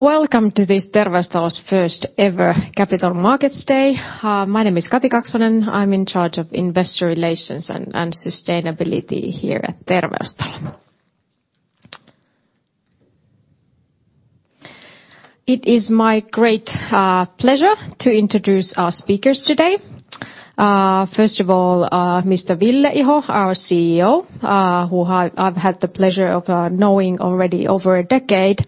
Welcome to this Terveystalo's first ever Capital Markets Day. My name is Kati Kaksonen. I'm in charge of investor relations and sustainability here at Terveystalo. It is my great pleasure to introduce our speakers today. First of all, Mr. Ville Iho, our CEO, who I've had the pleasure of knowing already over a decade.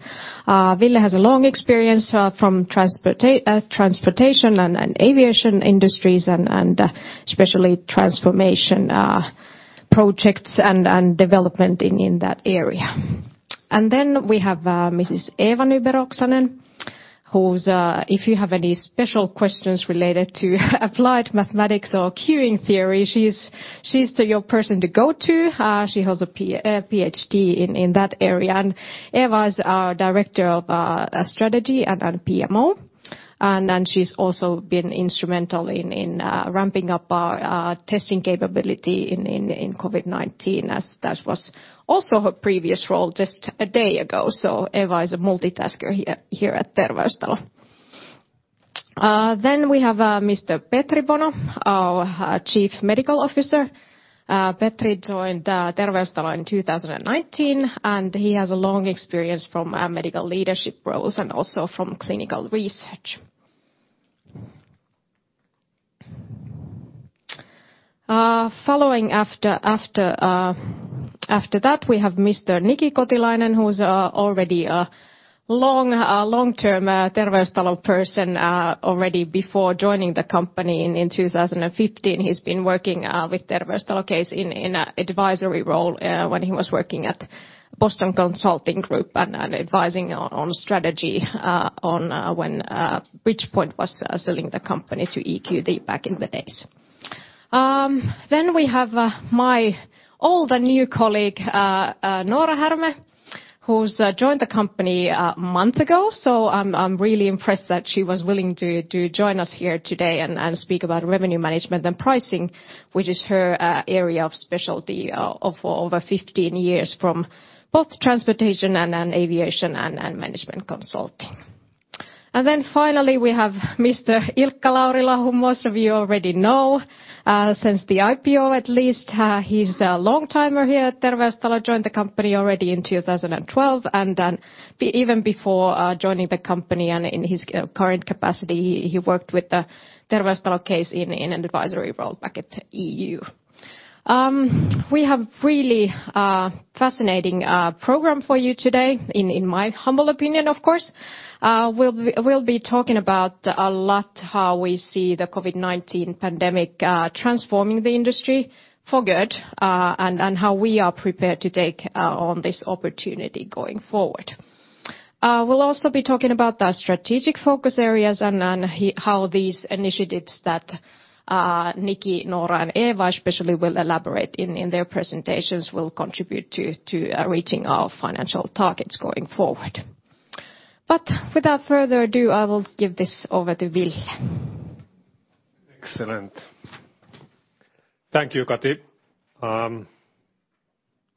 Ville has a long experience from transportation and aviation industries, and especially transformation projects and development in that area. We have Mrs. Eeva Nyberg-Oksanen, who if you have any special questions related to applied mathematics or queuing theory, she's your person to go to. She has a PhD in that area. Eeva's our director of strategy and PMO. She's also been instrumental in ramping up our testing capability in COVID-19, as that was also her previous role just a day ago. Eeva is a multitasker here at Terveystalo. We have Mr. Petri Bono, our chief medical officer. Petri joined Terveystalo in 2019, and he has a long experience from medical leadership roles and also from clinical research. Following after that, we have Mr. Niki Kotilainen, who's already a long-term Terveystalo person already before joining the company in 2015. He's been working with Terveystalo case in advisory role when he was working at Boston Consulting Group and advising on strategy when Bridgepoint was selling the company to EQT back in the days. We have my old and new colleague, Noora Härmä, who's joined the company a month ago. I'm really impressed that she was willing to join us here today and speak about revenue management and pricing, which is her area of specialty of over 15 years from both transportation and aviation and management consulting. Finally, we have Mr. Ilkka Laurila, who most of you already know since the IPO, at least. He's a long-timer here at Terveystalo, joined the company already in 2012, and even before joining the company and in his current capacity, he worked with the Terveystalo case in an advisory role back at the EY. We have really fascinating program for you today, in my humble opinion, of course. We'll be talking about a lot how we see the COVID-19 pandemic transforming the industry for good, and how we are prepared to take on this opportunity going forward. We'll also be talking about the strategic focus areas and how these initiatives that Niki, Noora, and Eeva especially will elaborate in their presentations will contribute to reaching our financial targets going forward. Without further ado, I will give this over to Ville. Excellent. Thank you, Kati.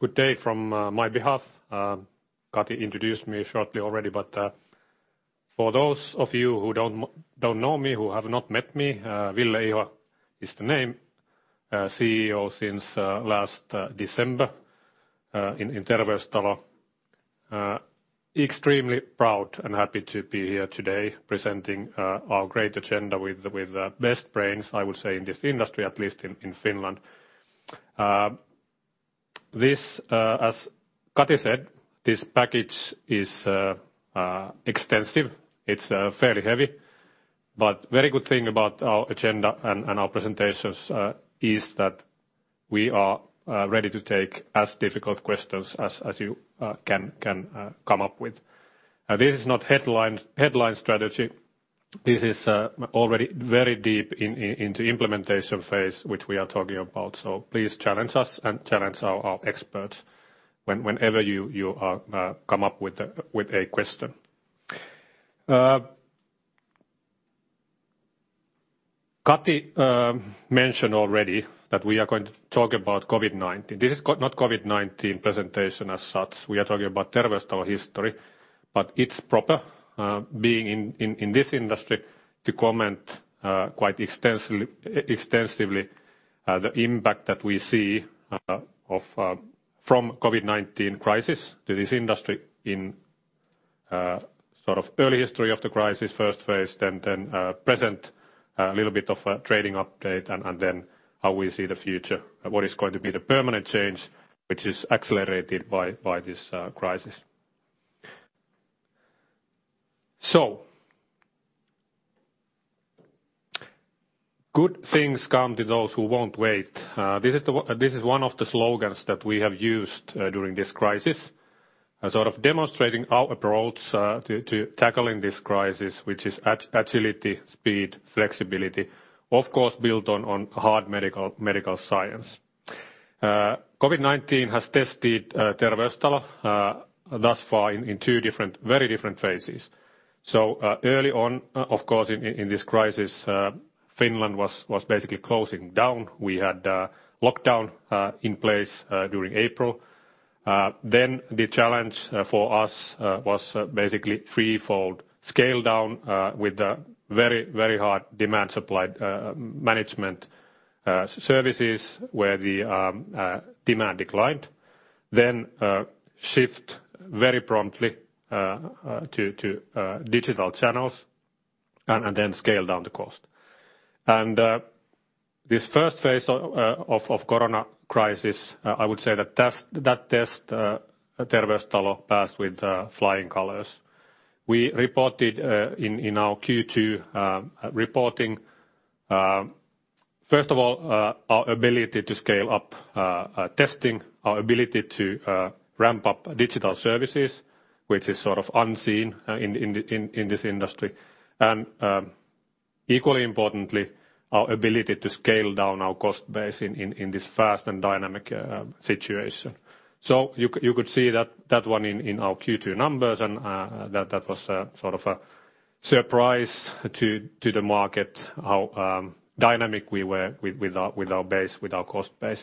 Good day from my behalf. Kati introduced me shortly already. For those of you who don't know me, who have not met me, Ville Iho is the name, CEO since last December in Terveystalo. Extremely proud and happy to be here today presenting our great agenda with the best brains, I would say, in this industry, at least in Finland. This, as Kati said, this package is extensive. It's fairly heavy. Very good thing about our agenda and our presentations is that we are ready to take as difficult questions as you can come up with. This is not headline strategy. This is already very deep into implementation phase, which we are talking about. Please challenge us and challenge our experts whenever you come up with a question. Kati mentioned already that we are going to talk about COVID-19. This is not COVID-19 presentation as such. We are talking about Terveystalo history, it's proper, being in this industry, to comment quite extensively the impact that we see from COVID-19 crisis to this industry in sort of early history of the crisis, first phase, present, a little bit of a trading update, how we see the future. What is going to be the permanent change, which is accelerated by this crisis. Good things come to those who won't wait. This is one of the slogans that we have used during this crisis, sort of demonstrating our approach to tackling this crisis, which is agility, speed, flexibility, of course, built on hard medical science. COVID-19 has tested Terveystalo thus far in two very different phases. Early on, of course, in this crisis, Finland was basically closing down. We had lockdown in place during April. The challenge for us was basically threefold. Scale down with the very hard demand supply management services where the demand declined, shift very promptly to digital channels, scale down the cost. This first phase of COVID crisis, I would say that test, Terveystalo passed with flying colors. We reported in our Q2 reporting first of all, our ability to scale up testing, our ability to ramp up digital services, which is unseen in this industry. Equally importantly, our ability to scale down our cost base in this fast and dynamic situation. You could see that one in our Q2 numbers, that was sort of a surprise to the market how dynamic we were with our cost base,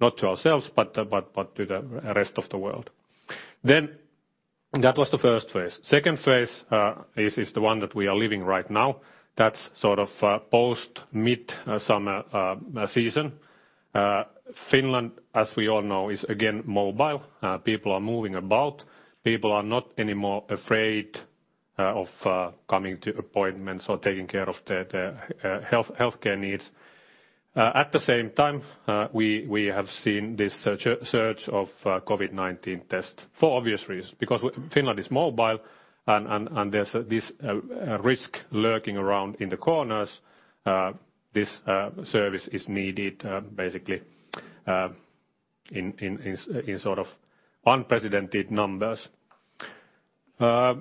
not to ourselves, but to the rest of the world. That was the first phase. Second phase is the one that we are living right now. That's sort of post mid-summer season. Finland, as we all know, is again mobile. People are moving about. People are not anymore afraid of coming to appointments or taking care of their healthcare needs. At the same time, we have seen this surge of COVID-19 tests for obvious reasons, because Finland is mobile and there's this risk lurking around in the corners. This service is needed basically in unprecedented numbers. For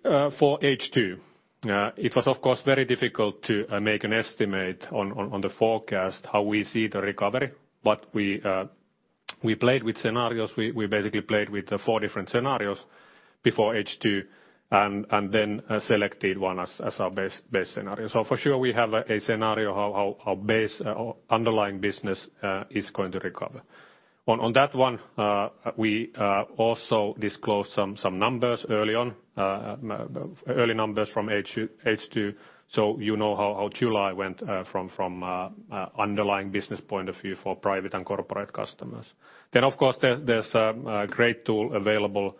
H2, it was of course very difficult to make an estimate on the forecast how we see the recovery. We played with scenarios. We basically played with the four different scenarios before H2. We selected one as our base scenario. For sure we have a scenario how base underlying business is going to recover. On that one, we also disclosed some early numbers from H2, so you know how July went from underlying business point of view for private and corporate customers. Of course, there's a great tool available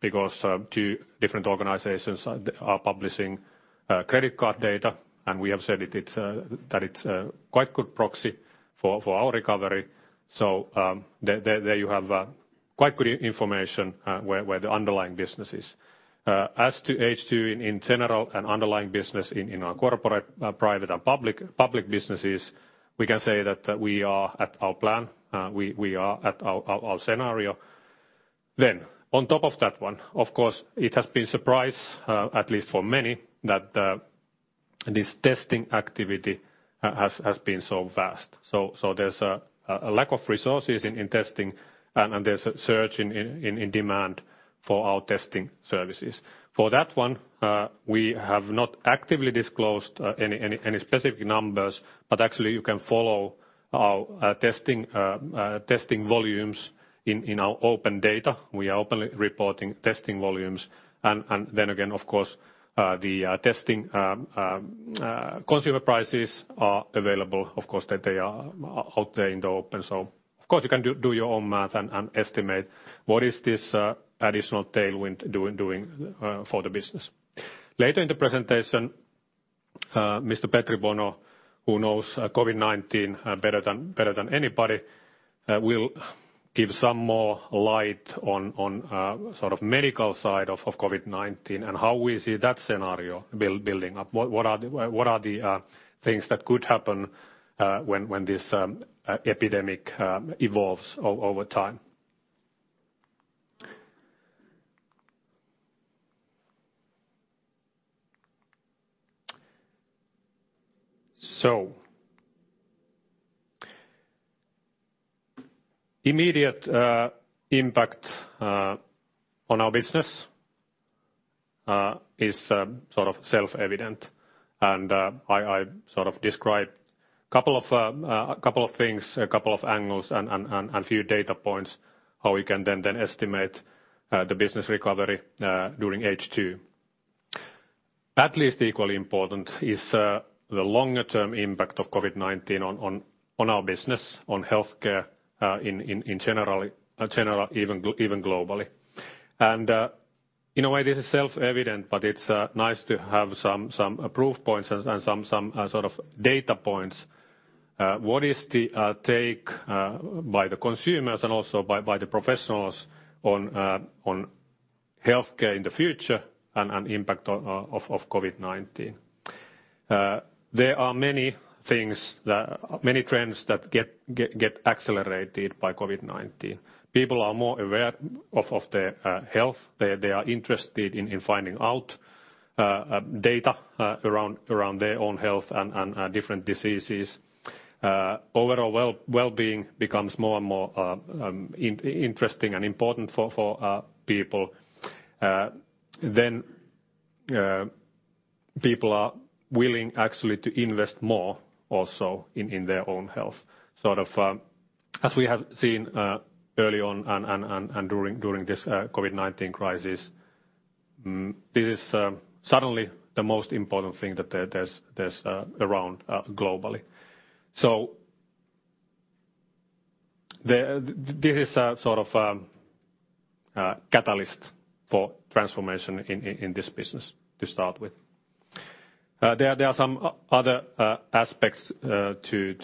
because two different organizations are publishing credit card data, and we have said that it's quite good proxy for our recovery. There you have quite good information where the underlying business is. As to H2 in general and underlying business in our corporate, private, and public businesses, we can say that we are at our plan. We are at our scenario. On top of that one, of course, it has been surprise at least for many that this testing activity has been so vast. There's a lack of resources in testing, and there's a surge in demand for our testing services. For that one, we have not actively disclosed any specific numbers, but actually you can follow our testing volumes in our open data. We are openly reporting testing volumes. Then again, of course, the testing consumer prices are available. Of course, they are out there in the open. Of course, you can do your own math and estimate what is this additional tailwind doing for the business. Later in the presentation, Mr. Petri Bono, who knows COVID-19 better than anybody, will give some more light on medical side of COVID-19 and how we see that scenario building up. What are the things that could happen when this epidemic evolves over time? Immediate impact on our business is sort of self-evident, and I describe a couple of things, a couple of angles, and few data points, how we can then estimate the business recovery during H2. At least equally important is the longer-term impact of COVID-19 on our business, on healthcare in general, even globally. In a way, this is self-evident, but it's nice to have some proof points and some sort of data points. What is the take by the consumers and also by the professionals on healthcare in the future and impact of COVID-19? There are many trends that get accelerated by COVID-19. People are more aware of their health. They are interested in finding out data around their own health and different diseases. Overall wellbeing becomes more and more interesting and important for people. People are willing, actually, to invest more also in their own health, as we have seen early on and during this COVID-19 crisis. This is suddenly the most important thing that there's around globally. This is a sort of catalyst for transformation in this business to start with. There are some other aspects to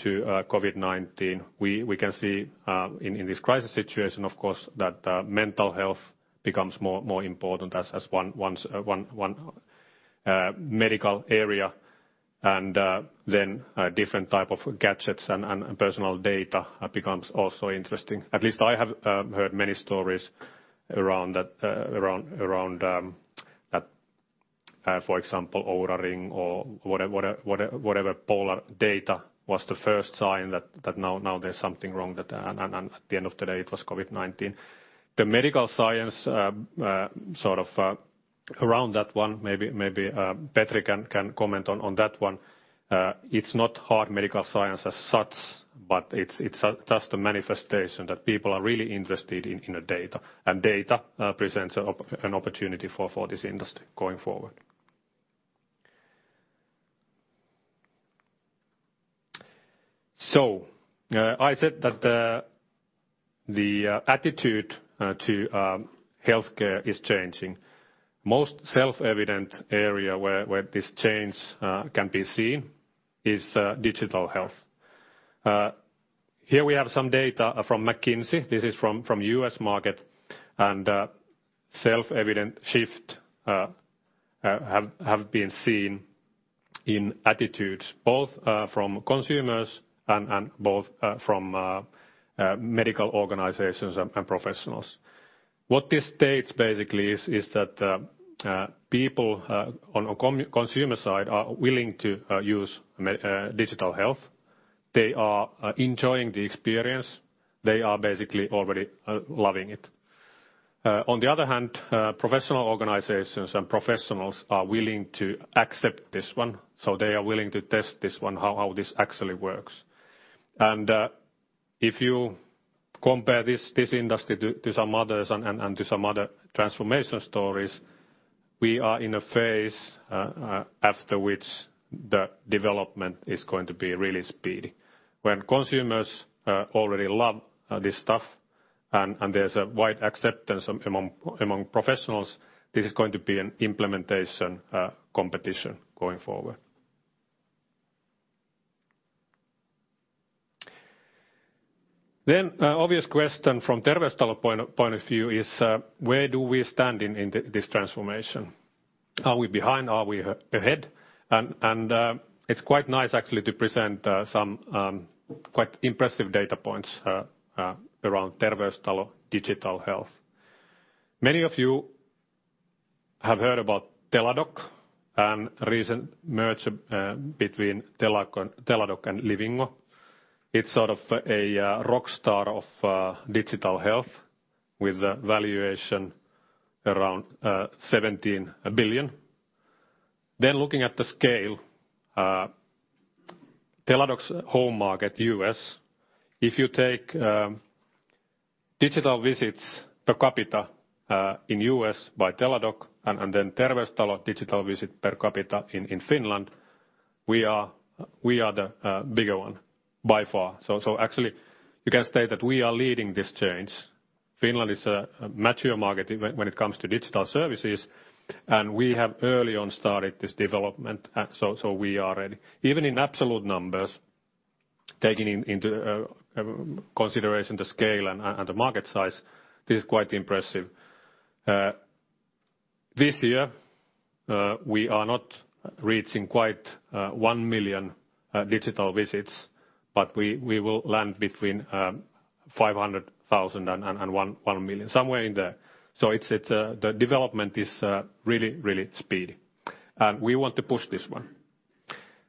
COVID-19. We can see in this crisis situation, of course, that mental health becomes more important as one medical area, and then different type of gadgets and personal data becomes also interesting. At least I have heard many stories around that, for example, Oura Ring or whatever Polar data was the first sign that now there's something wrong, and at the end of the day, it was COVID-19. The medical science around that one, maybe Petri can comment on that one. It's not hard medical science as such, but it's just a manifestation that people are really interested in data, and data presents an opportunity for this industry going forward. I said that the attitude to healthcare is changing. Most self-evident area where this change can be seen is digital health. Here we have some data from McKinsey. This is from U.S. market. Self-evident shift have been seen in attitudes, both from consumers and both from medical organizations and professionals. What this states basically is that people on consumer side are willing to use digital health. They are enjoying the experience. They are basically already loving it. On the other hand, professional organizations and professionals are willing to accept this one, so they are willing to test this one, how this actually works. If you compare this industry to some others and to some other transformation stories, we are in a phase after which the development is going to be really speedy. When consumers already love this stuff and there's a wide acceptance among professionals, this is going to be an implementation competition going forward. Obvious question from Terveystalo point of view is, where do we stand in this transformation? Are we behind? Are we ahead? It's quite nice, actually, to present some quite impressive data points around Terveystalo digital health. Many of you have heard about Teladoc and recent merger between Teladoc and Livongo. It's sort of a rock star of digital health, with a valuation around 17 billion. Looking at the scale, Teladoc's home market, U.S., if you take digital visits per capita in U.S. by Teladoc, and then Terveystalo digital visit per capita in Finland, we are the bigger one by far. Actually, you can state that we are leading this change. Finland is a mature market when it comes to digital services, and we have early on started this development, so we are ready. Even in absolute numbers, taking into consideration the scale and the market size, this is quite impressive. This year, we are not reaching quite 1 million digital visits, but we will land between 500,000 and 1 million, somewhere in there. The development is really speedy, and we want to push this one.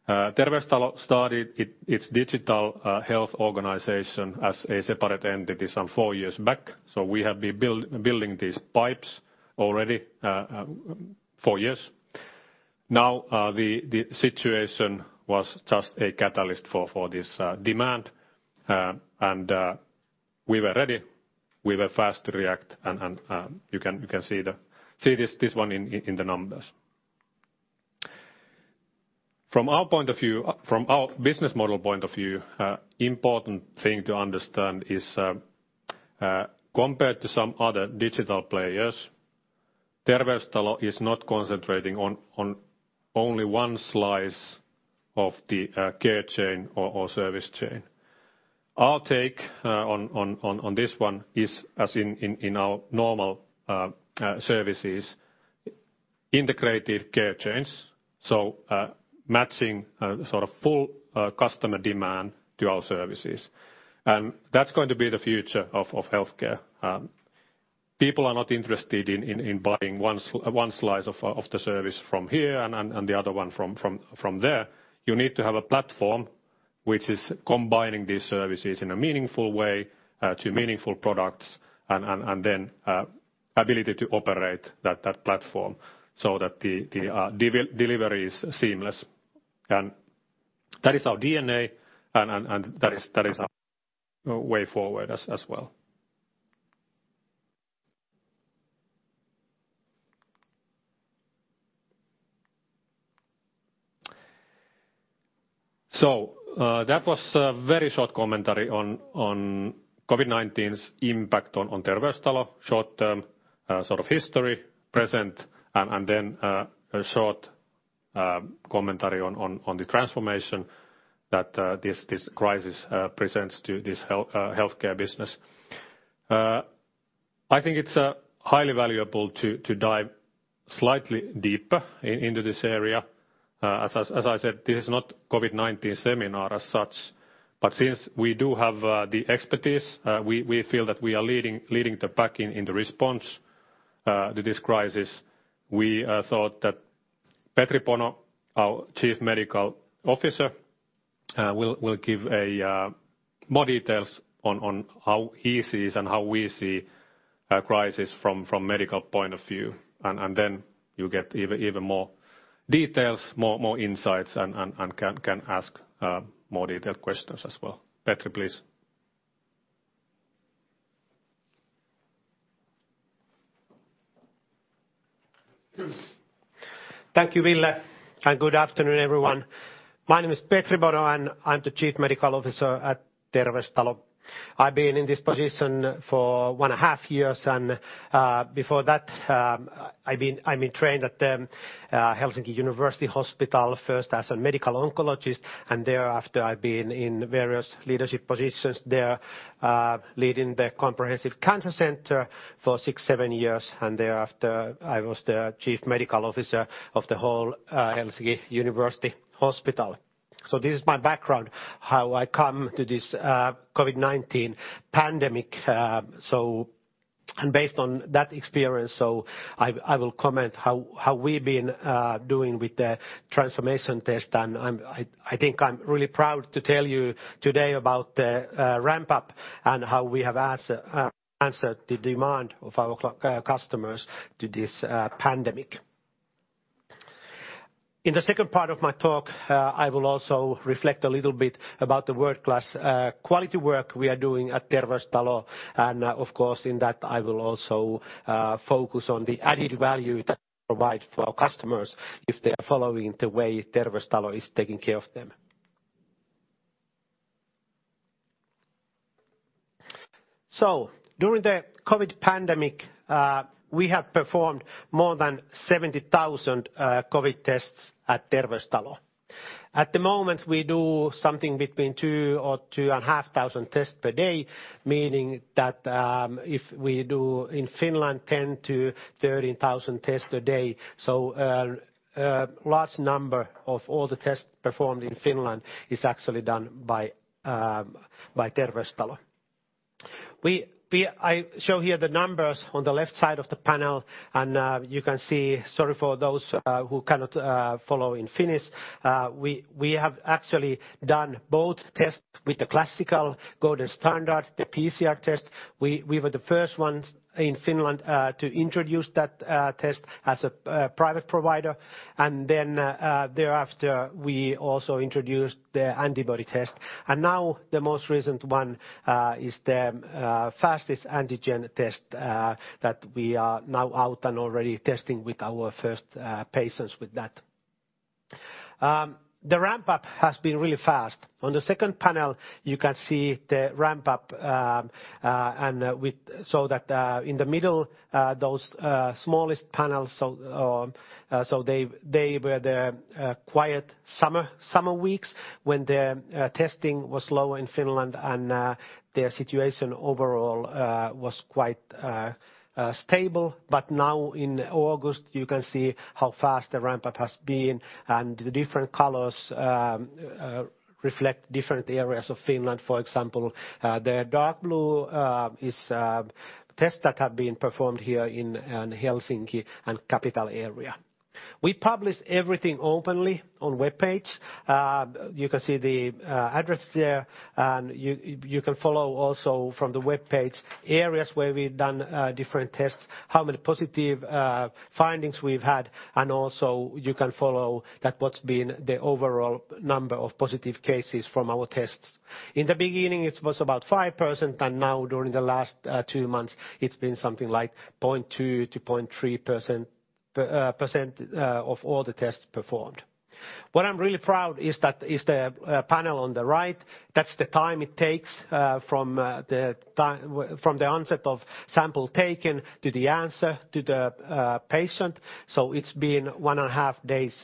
Terveystalo started its digital health organization as a separate entity some four years back. We have been building these pipes already four years. The situation was just a catalyst for this demand, and we were ready. We were fast to react, and you can see this one in the numbers. From our business model point of view, important thing to understand is, compared to some other digital players, Terveystalo is not concentrating on only one slice of the care chain or service chain. Our take on this one is, as in our normal services, integrated care chains, so matching sort of full customer demand to our services. That's going to be the future of healthcare. People are not interested in buying one slice of the service from here and the other one from there. You need to have a platform which is combining these services in a meaningful way to meaningful products, and then ability to operate that platform so that the delivery is seamless. That is our DNA, and that is our way forward as well. That was a very short commentary on COVID-19's impact on Terveystalo short term history, present, and then a short commentary on the transformation that this crisis presents to this healthcare business. I think it's highly valuable to dive slightly deeper into this area. As I said, this is not COVID-19 seminar as such, but since we do have the expertise, we feel that we are leading the pack in the response to this crisis. We thought that Petri Bono, our Chief Medical Officer, will give more details on how he sees and how we see a crisis from medical point of view. You get even more details, more insights, and can ask more detailed questions as well. Petri, please. Thank you, Ville. Good afternoon, everyone. My name is Petri Bono, and I'm the Chief Medical Officer at Terveystalo. I've been in this position for one and a half years, and before that, I've been trained at the Helsinki University Hospital, first as a medical oncologist, and thereafter I've been in various leadership positions there, leading the comprehensive cancer center for six, seven years, and thereafter, I was the Chief Medical Officer of the whole Helsinki University Hospital. This is my background, how I come to this COVID-19 pandemic. Based on that experience, so I will comment how we've been doing with the transformation test, and I think I'm really proud to tell you today about the ramp-up and how we have answered the demand of our customers to this pandemic. In the second part of my talk, I will also reflect a little bit about the world-class quality work we are doing at Terveystalo, and of course, in that I will also focus on the added value that provide for our customers if they are following the way Terveystalo is taking care of them. During the COVID pandemic, we have performed more than 70,000 COVID tests at Terveystalo. At the moment, we do something between two or 2,500 tests per day, meaning that if we do in Finland 10,000 to 13,000 tests a day, large number of all the tests performed in Finland is actually done by Terveystalo. I show here the numbers on the left side of the panel, and you can see, sorry for those who cannot follow in Finnish, we have actually done both tests with the classical golden standard, the PCR test. We were the first ones in Finland to introduce that test as a private provider. Thereafter, we also introduced the antibody test. The most recent one is the fastest antigen test that we are now out and already testing with our first patients with that. The ramp-up has been really fast. On the second panel, you can see the ramp-up. We saw that in the middle, those smallest panels, they were the quiet summer weeks when the testing was low in Finland, and the situation overall was quite stable. In August, you can see how fast the ramp-up has been, and the different colors reflect different areas of Finland. For example, the dark blue is tests that have been performed here in Helsinki and capital area. We publish everything openly on webpage. You can see the address there, you can follow also from the webpage areas where we've done different tests, how many positive findings we've had, you can follow that what's been the overall number of positive cases from our tests. In the beginning, it was about 5%, now during the last two months, it's been something like 0.2%-0.3% of all the tests performed. What I'm really proud is the panel on the right. That's the time it takes from the onset of sample taken to the answer to the patient. It's been one and a half days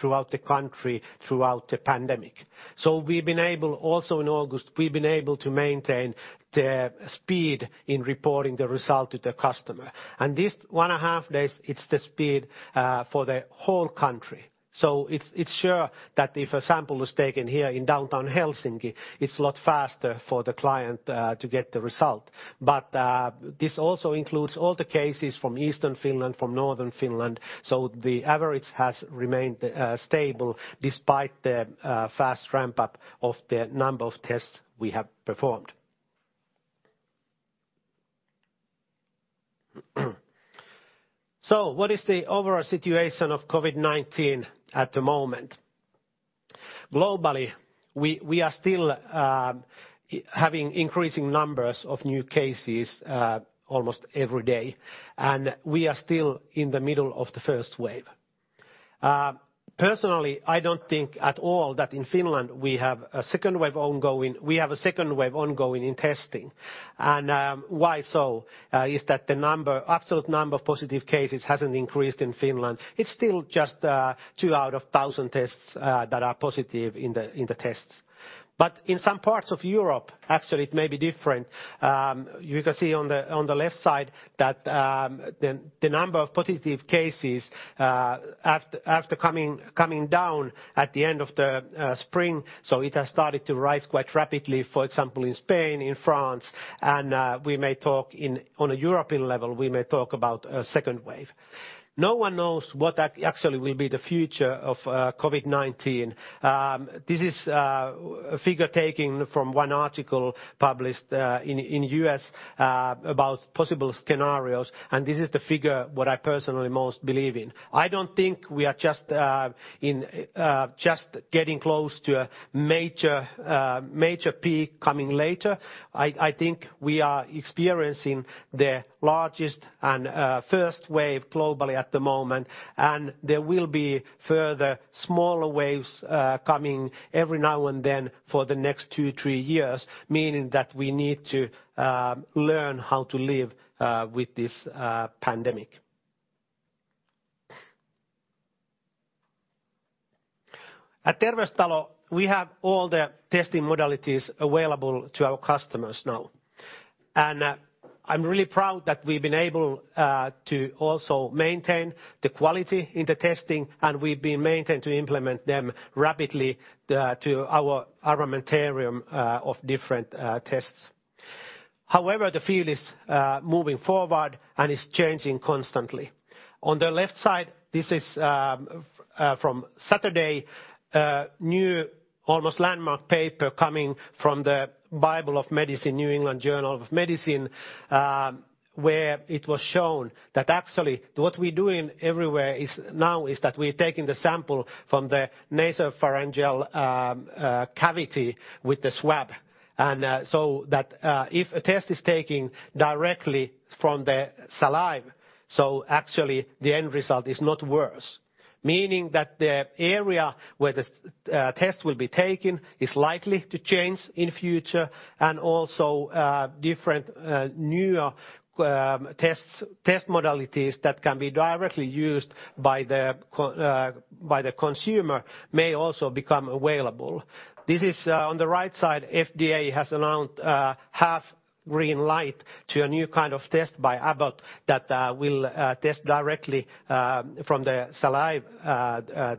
throughout the country, throughout the pandemic. We've been able also in August, we've been able to maintain the speed in reporting the result to the customer. This one and a half days, it's the speed for the whole country. It's sure that if a sample was taken here in downtown Helsinki, it's a lot faster for the client to get the result. This also includes all the cases from eastern Finland, from northern Finland, the average has remained stable despite the fast ramp-up of the number of tests we have performed. What is the overall situation of COVID-19 at the moment? Globally, we are still having increasing numbers of new cases almost every day, and we are still in the middle of the first wave. Personally, I don't think at all that in Finland we have a second wave ongoing in testing. Why so? Is that the absolute number of positive cases hasn't increased in Finland. It's still just two out of 1,000 tests that are positive in the tests. In some parts of Europe, actually, it may be different. You can see on the left side that the number of positive cases after coming down at the end of the spring, it has started to rise quite rapidly, for example, in Spain, in France. On a European level, we may talk about a second wave. No one knows what actually will be the future of COVID-19. This is a figure taken from one article published in U.S. about possible scenarios. This is the figure what I personally most believe in. I don't think we are just getting close to a major peak coming later. I think we are experiencing the largest and first wave globally at the moment. There will be further smaller waves coming every now and then for the next two, three years, meaning that we need to learn how to live with this pandemic. At Terveystalo, we have all the testing modalities available to our customers now. I'm really proud that we've been able to also maintain the quality in the testing, and we've been maintained to implement them rapidly to our armamentarium of different tests. However, the field is moving forward and is changing constantly. On the left side, this is from Saturday, a new almost landmark paper coming from the Bible of medicine, New England Journal of Medicine, where it was shown that actually what we're doing everywhere is now is that we're taking the sample from the nasopharyngeal cavity with the swab. If a test is taking directly from the saliva, actually the end result is not worse. Meaning that the area where the test will be taken is likely to change in future, and also different newer test modalities that can be directly used by the consumer may also become available. This is on the right side, FDA has announced half-green light to a new kind of test by Abbott that will test directly from the saliva,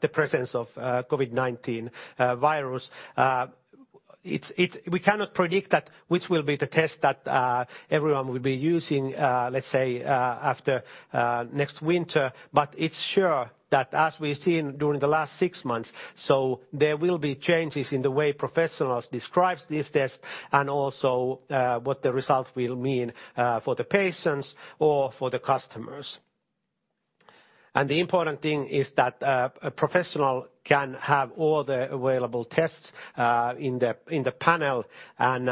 the presence of COVID-19 virus. We cannot predict that which will be the test that everyone will be using, let's say, after next winter, but it's sure that as we've seen during the last six months, so there will be changes in the way professionals describes these tests and also what the results will mean for the patients or for the customers. The important thing is that a professional can have all the available tests in the panel, and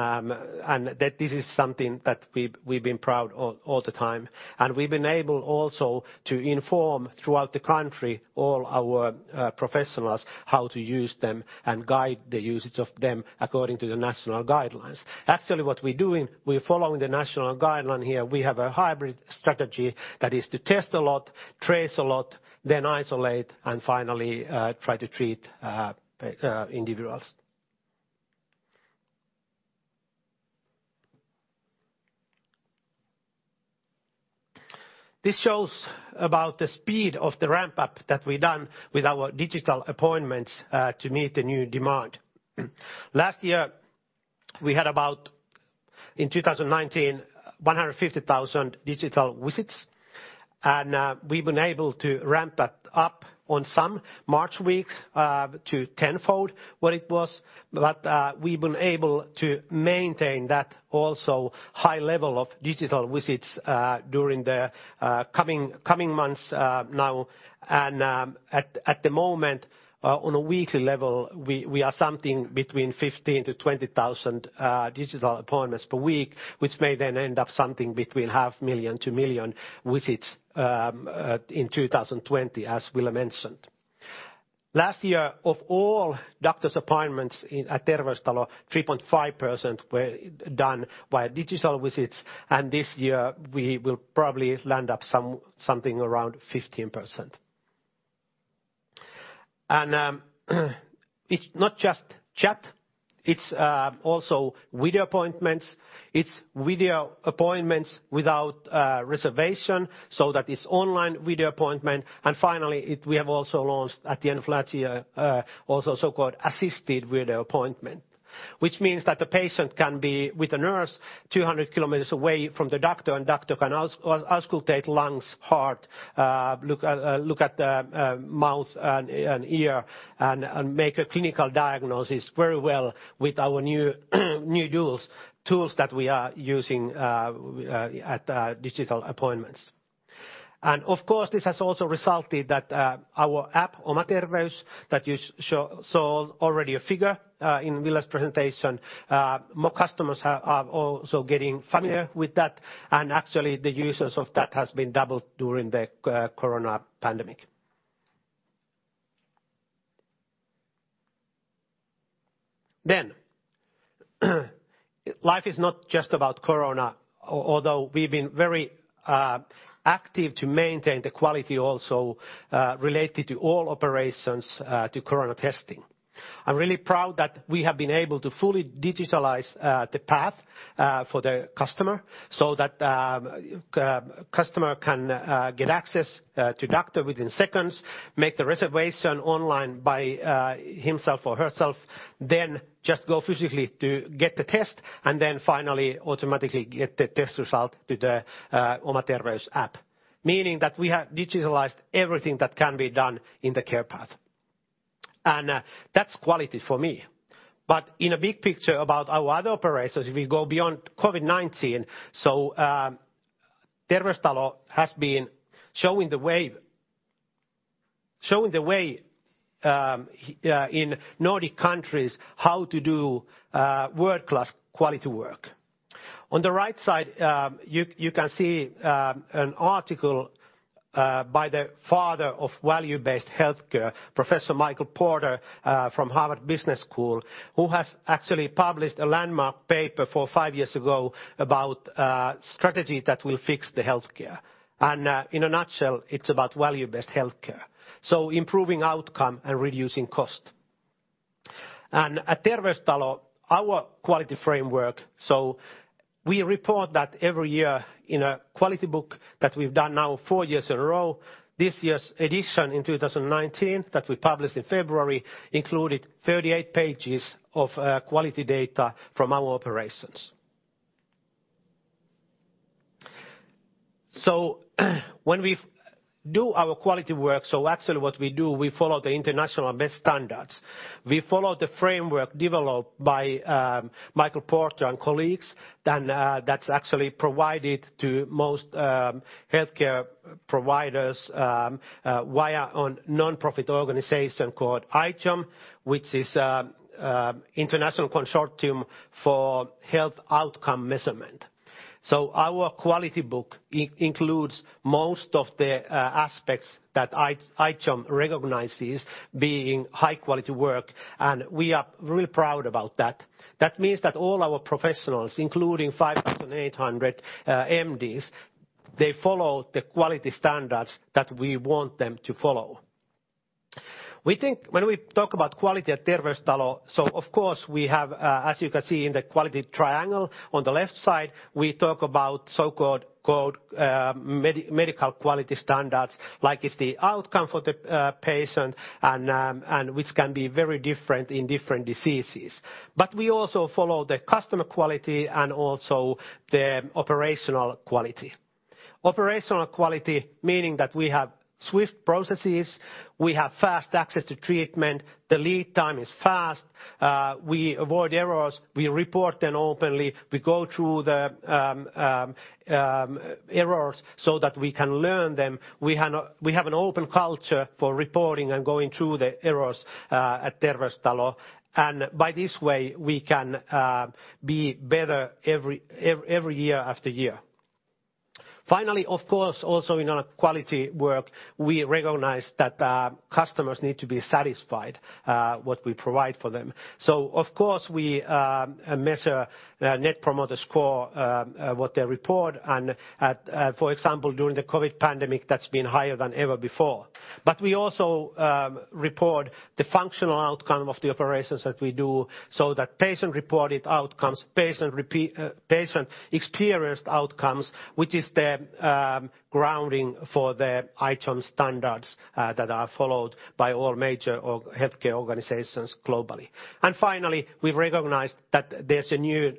that this is something that we've been proud all the time. We've been able also to inform throughout the country all our professionals how to use them and guide the usage of them according to the national guidelines. Actually, what we're doing, we're following the national guideline here. We have a hybrid strategy that is to test a lot, trace a lot, then isolate, and finally, try to treat individuals. This shows about the speed of the ramp-up that we've done with our digital appointments to meet the new demand. Last year, we had about, in 2019, 150,000 digital visits, and we've been able to ramp that up on some March weeks to tenfold what it was. We've been able to maintain that also high level of digital visits during the coming months now. At the moment, on a weekly level, we are something between 15,000-20,000 digital appointments per week, which may then end up something between half million to 1 million visits in 2020, as Ville mentioned. Last year, of all doctor's appointments at Terveystalo, 3.5% were done via digital visits, and this year we will probably land up something around 15%. It's not just chat, it's also video appointments. It's video appointments without reservation so that it's online video appointment. Finally, we have also launched at the end of last year, also so-called assisted video appointment, which means that the patient can be with a nurse 200 kilometers away from the doctor, and doctor can auscultate lungs, heart, look at the mouth and ear, and make a clinical diagnosis very well with our new tools that we are using at digital appointments. Of course, this has also resulted that our app, Oma Terveys, that you saw already a figure in Ville's presentation, more customers are also getting familiar with that. Actually, the users of that has been doubled during the coronavirus pandemic. Life is not just about corona, although we've been very active to maintain the quality also related to all operations to coronavirus testing. I'm really proud that we have been able to fully digitalize the path for the customer so that customer can get access to doctor within seconds, make the reservation online by himself or herself, then just go physically to get the test, and then finally, automatically get the test result to the Oma Terveys app. Meaning that we have digitalized everything that can be done in the care path. That's quality for me. In a big picture about our other operations, we go beyond COVID-19. Terveystalo has been showing the way in Nordic countries how to do world-class quality work. On the right side, you can see an article by the father of value-based healthcare, Professor Michael Porter from Harvard Business School, who has actually published a landmark paper five years ago about a strategy that will fix the healthcare. In a nutshell, it's about value-based healthcare. Improving outcome and reducing cost. At Terveystalo, our quality framework, we report that every year in a quality book that we've done now four years in a row. This year's edition in 2019, that we published in February, included 38 pages of quality data from our operations. When we do our quality work, so actually what we do, we follow the international best standards. We follow the framework developed by Michael Porter and colleagues, then that's actually provided to most healthcare providers via a non-profit organization called ICHOM, which is International Consortium for Health Outcome Measurement. Our quality book includes most of the aspects that ICHOM recognizes being high-quality work, and we are really proud about that. That means that all our professionals, including 5,800 MDs, they follow the quality standards that we want them to follow. When we talk about quality at Terveystalo, of course we have, as you can see in the quality triangle on the left side, we talk about so-called medical quality standards, like it's the outcome for the patient and which can be very different in different diseases. We also follow the customer quality and also the operational quality. Operational quality, meaning that we have swift processes, we have fast access to treatment, the lead time is fast, we avoid errors, we report them openly. We go through the errors so that we can learn them. We have an open culture for reporting and going through the errors at Terveystalo. By this way, we can be better every year after year. Finally, of course, also in our quality work, we recognize that customers need to be satisfied what we provide for them. Of course, we measure net promoter score, what they report, and for example, during the COVID-19 pandemic, that's been higher than ever before. We also report the functional outcome of the operations that we do so that patient-reported outcomes, patient experienced outcomes, which is the grounding for the ICHOM standards that are followed by all major healthcare organizations globally. Finally, we've recognized that there's a new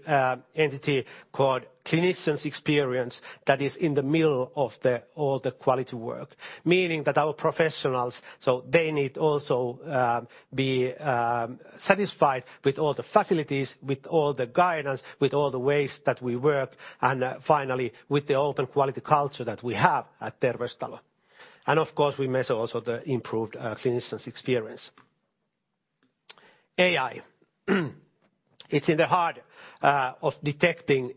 entity called clinicians' experience that is in the middle of all the quality work. Meaning that our professionals, so they need also be satisfied with all the facilities, with all the guidance, with all the ways that we work, and finally, with the open quality culture that we have at Terveystalo. Of course, we measure also the improved clinicians' experience. AI. It's in the heart of detecting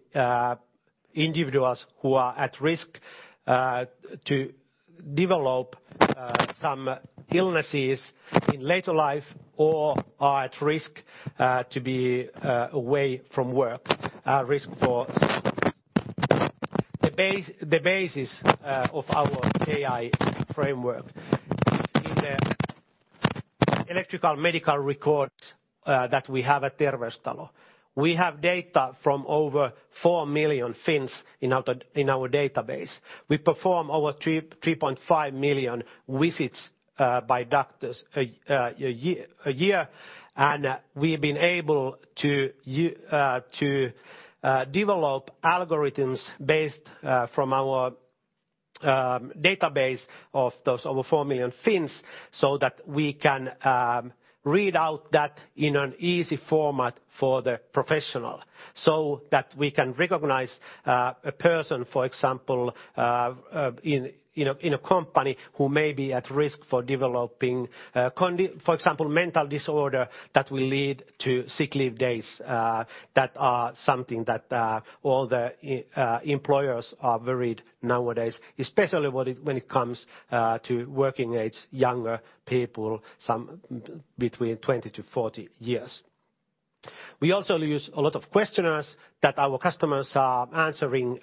individuals who are at risk to develop some illnesses in later life or are at risk to be away from work, are at risk for sickness. The basis of our AI framework is in the electronic medical records that we have at Terveystalo. We have data from over 4 million Finns in our database. We perform over 3.5 million visits by doctors a year, and we've been able to develop algorithms based from our database of those over 4 million Finns, so that we can read out that in an easy format for the professional. That we can recognize a person, for example, in a company who may be at risk for developing, for example, mental disorder that will lead to sick leave days, that are something that all the employers are worried nowadays, especially when it comes to working age younger people, some between 20 to 40 years. We also use a lot of questionnaires that our customers are answering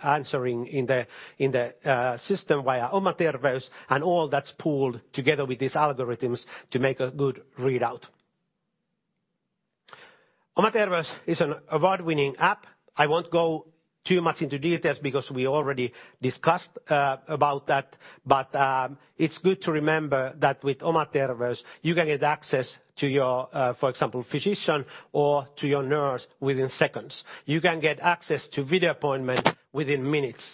in the system via Oma Terveys, all that's pooled together with these algorithms to make a good readout. Oma Terveys is an award-winning app. I won't go too much into details because we already discussed about that, it's good to remember that with Oma Terveys you can get access to your, for example, physician or to your nurse within seconds. You can get access to video appointment within minutes.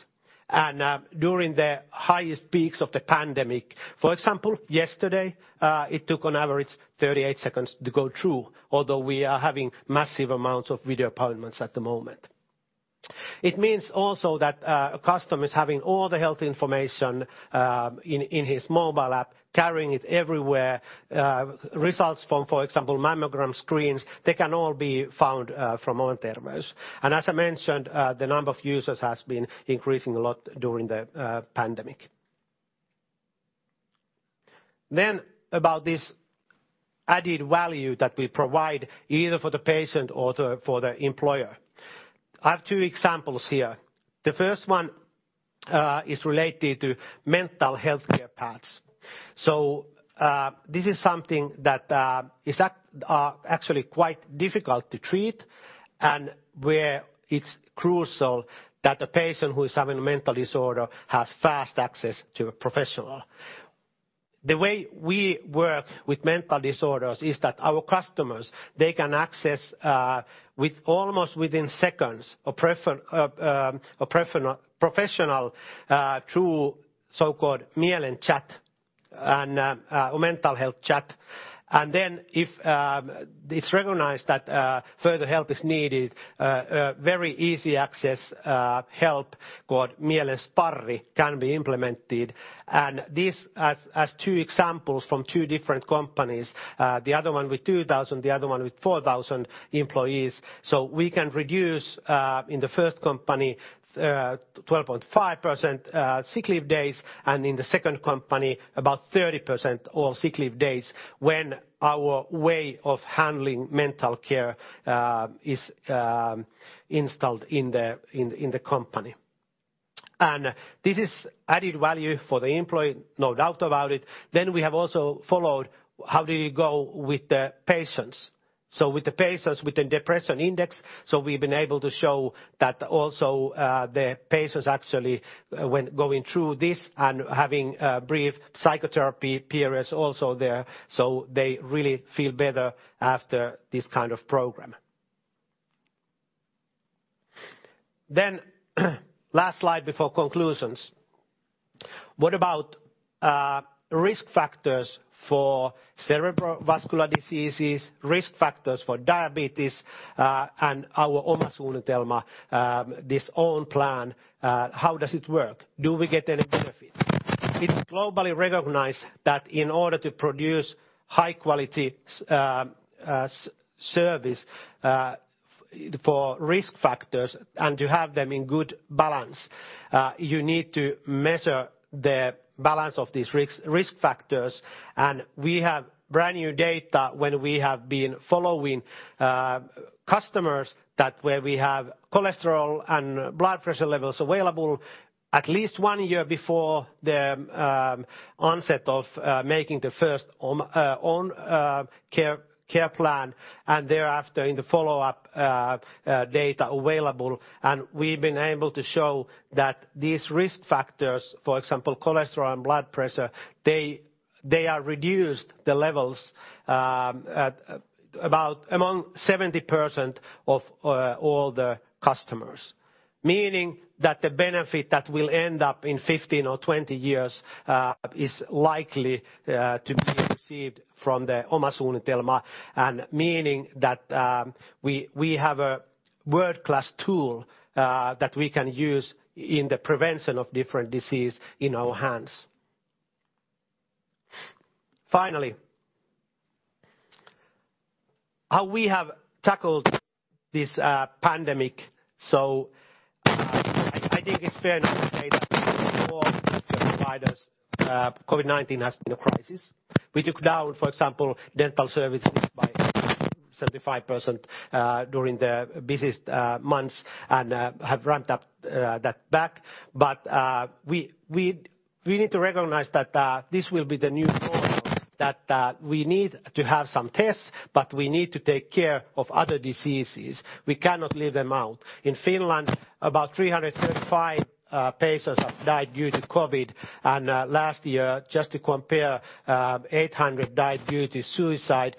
During the highest peaks of the pandemic, for example, yesterday, it took on average 38 seconds to go through, although we are having massive amounts of video appointments at the moment. It means also that a customer is having all the health information in his mobile app, carrying it everywhere. Results from, for example, mammogram screens, they can all be found from Oma Terveys. As I mentioned, the number of users has been increasing a lot during the pandemic. About this added value that we provide either for the patient or for the employer. I have two examples here. The first one is related to mental healthcare paths. This is something that is actually quite difficult to treat, and where it's crucial that the patient who is having a mental disorder has fast access to a professional. The way we work with mental disorders is that our customers, they can access almost within seconds a professional through so-called Mielen Chat, a mental health chat. Then if it's recognized that further help is needed, very easy access help called Mielen Sparri can be implemented. These as two examples from two different companies, the other one with 2,000, the other one with 4,000 employees. We can reduce, in the first company, 12.5% sick leave days, and in the second company about 30% all sick leave days when our way of handling mental care is installed in the company. This is added value for the employee, no doubt about it. We have also followed how did it go with the patients. With the patients with the depression index, we've been able to show that also the patients actually when going through this and having a brief psychotherapy period also there, they really feel better after this kind of program. Last slide before conclusions. What about risk factors for cerebral vascular diseases, risk factors for diabetes, and our Oma Suunnitelma, this own plan, how does it work? Do we get any benefits? It is globally recognized that in order to produce high-quality service for risk factors and to have them in good balance, you need to measure the balance of these risk factors. We have brand-new data when we have been following customers that where we have cholesterol and blood pressure levels available at least one year before the onset of making the first own care plan, and thereafter in the follow-up data available. We've been able to show that these risk factors, for example, cholesterol and blood pressure, they are reduced the levels among 70% of all the customers. Meaning that the benefit that will end up in 15 or 20 years is likely to be received from the Oma Suunnitelma, and meaning that we have a world-class tool that we can use in the prevention of different disease in our hands. Finally, how we have tackled this pandemic. I think it's fair enough to say that for providers, COVID-19 has been a crisis. We took down, for example, dental services by 75% during the busiest months, and have ramped that back. We need to recognize that this will be the new normal, that we need to have some tests, but we need to take care of other diseases. We cannot leave them out. In Finland, about 335 patients have died due to COVID-19, and last year, just to compare, 800 died due to suicide,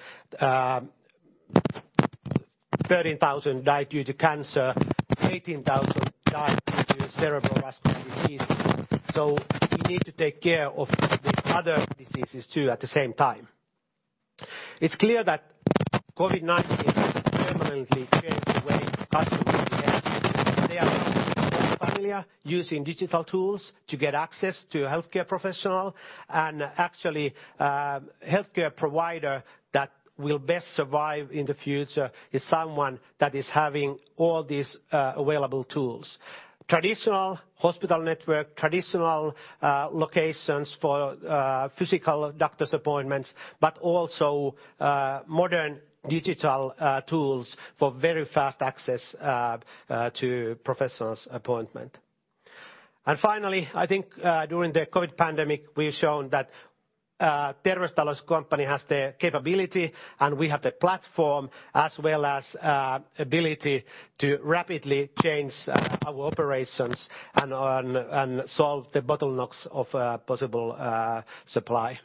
13,000 die due to cancer, 18,000 die due to cerebrovascular disease. We need to take care of these other diseases, too, at the same time. It's clear that COVID-19 has permanently changed the way customers get using digital tools to get access to healthcare professional. Actually, healthcare provider that will best survive in the future is someone that is having all these available tools, traditional hospital network, traditional locations for physical doctor's appointments, but also modern digital tools for very fast access to professional's appointment. Finally, I think, during the COVID-19 pandemic, we've shown that Terveystalo's company has the capability and we have the platform as well as ability to rapidly change our operations and solve the bottlenecks of possible supply.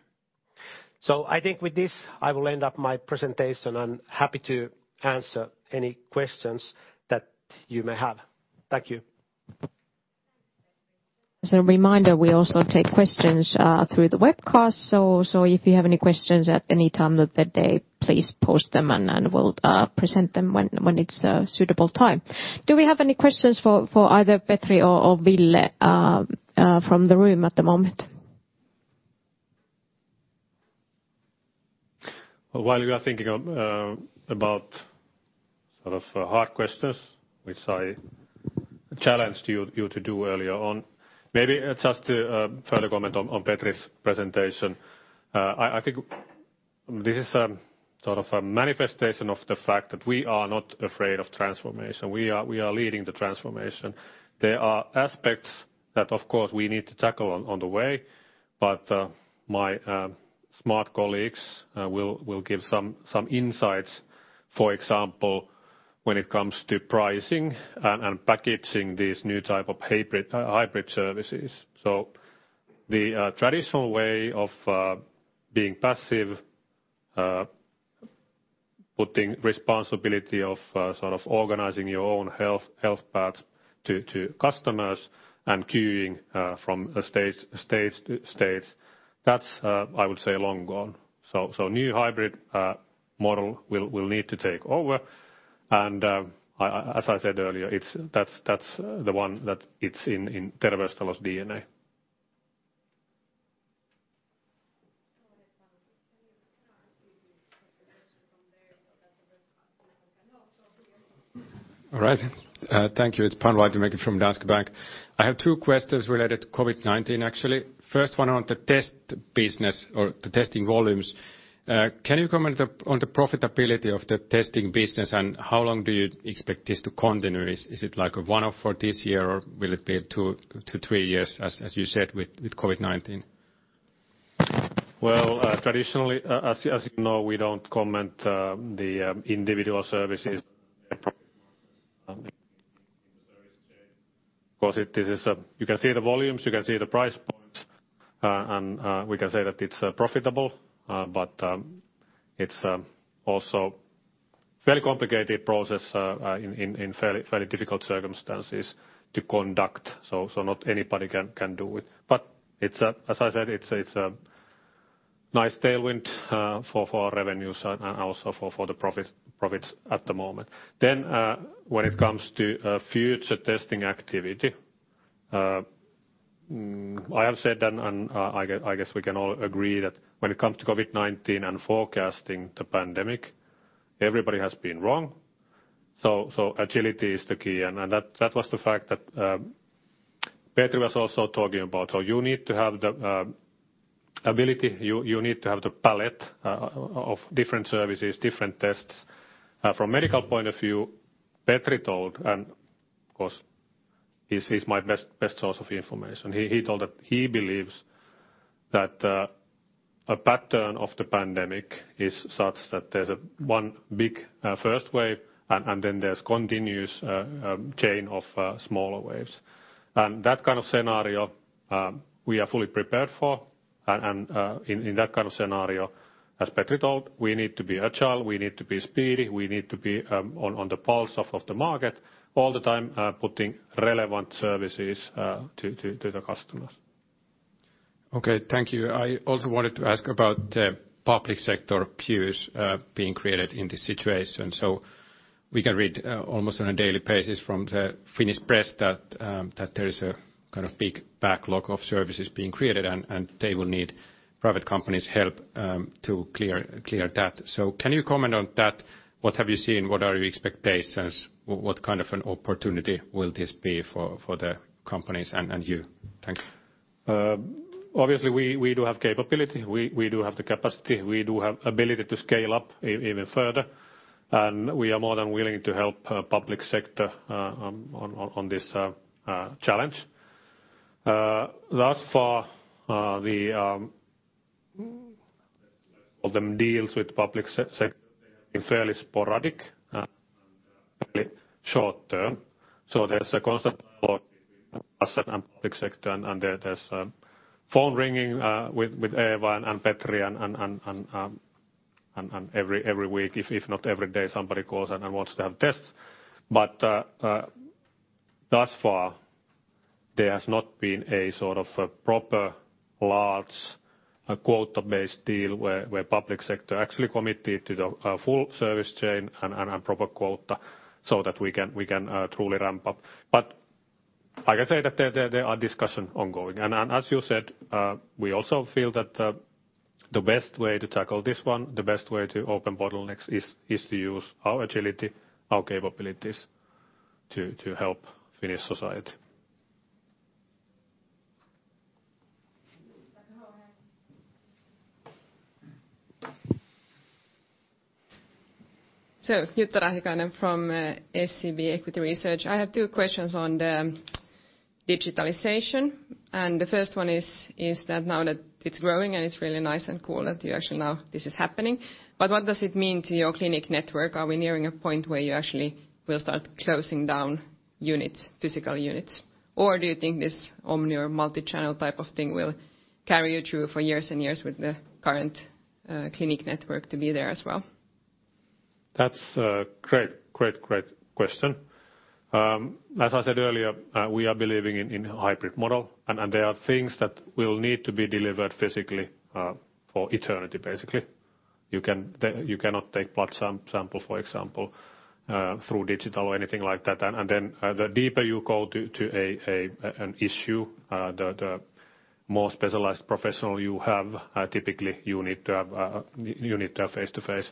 I think with this, I will end up my presentation and happy to answer any questions that you may have. Thank you. As a reminder, we also take questions through the webcast. If you have any questions at any time of the day, please post them and we'll present them when it's a suitable time. Do we have any questions for either Petri or Ville from the room at the moment? While you are thinking about hard questions, which I challenged you to do earlier on, maybe just to further comment on Petri's presentation. I think this is a manifestation of the fact that we are not afraid of transformation. We are leading the transformation. There are aspects that, of course, we need to tackle on the way, but my smart colleagues will give some insights, for example, when it comes to pricing and packaging these new type of hybrid services. The traditional way of being passive, putting responsibility of organizing your own health path to customers and queuing from states, that's, I would say, long gone. New hybrid model will need to take over. As I said earlier, that's the one that it's in Terveystalo's DNA. Can I ask you to take the question from there so that the webcast people can also hear? All right. Thank you. It's Panu Laitinmäki from Danske Bank. I have two questions related to COVID-19, actually. First one on the test business or the testing volumes. Can you comment on the profitability of the testing business? How long do you expect this to continue? Is it like a one-off for this year, or will it be two to three years, as you said with COVID-19? Well, traditionally, as you know, we don't comment the individual services because you can see the volumes, you can see the price points, and we can say that it's profitable. It's also very complicated process in fairly difficult circumstances to conduct. Not anybody can do it. As I said, it's a nice tailwind for our revenue side and also for the profits at the moment. When it comes to future testing activity, I have said that, and I guess we can all agree that when it comes to COVID-19 and forecasting the pandemic, everybody has been wrong. Agility is the key, and that was the fact that Petri was also talking about how you need to have the ability, you need to have the palette of different services, different tests. From medical point of view, Petri told, of course, he's my best source of information. He told that he believes that a pattern of the pandemic is such that there's one big first wave, then there's continuous chain of smaller waves. That kind of scenario we are fully prepared for. In that kind of scenario, as Petri told, we need to be agile, we need to be speedy, we need to be on the pulse of the market all the time putting relevant services to the customers. Okay, thank you. I also wanted to ask about the public sector queues being created in this situation. We can read almost on a daily basis from the Finnish press that there is a big backlog of services being created, and they will need private companies' help to clear that. Can you comment on that? What have you seen? What are your expectations? What kind of an opportunity will this be for the companies and you? Thanks. Obviously, we do have capability. We do have the capacity. We do have ability to scale up even further, and we are more than willing to help public sector on this challenge. Thus far, the of them deals with public sector fairly sporadic. Short term. There's a constant dialogue between us and public sector, and there's phone ringing with Eeva and Petri every week. If not every day, somebody calls and wants to have tests. Thus far there has not been a proper large quota-based deal where public sector actually committed to the full service chain and a proper quota so that we can truly ramp up. I can say that there are discussions ongoing. As you said, we also feel that the best way to tackle this one, the best way to open bottlenecks, is to use our agility, our capabilities to help Finnish society. Jutta Rahikainen from SEB Equity Research. I have two questions on the digitalization. The first one is that now that it's growing and it's really nice and cool that you actually now this is happening. What does it mean to your clinic network? Are we nearing a point where you actually will start closing down physical units? Do you think this omni or multi-channel type of thing will carry you through for years and years with the current clinic network to be there as well? That's a great question. As I said earlier, we are believing in hybrid model. There are things that will need to be delivered physically for eternity basically. You cannot take blood sample, for example, through digital or anything like that. The deeper you go to an issue, the more specialized professional you have, typically you need to have face-to-face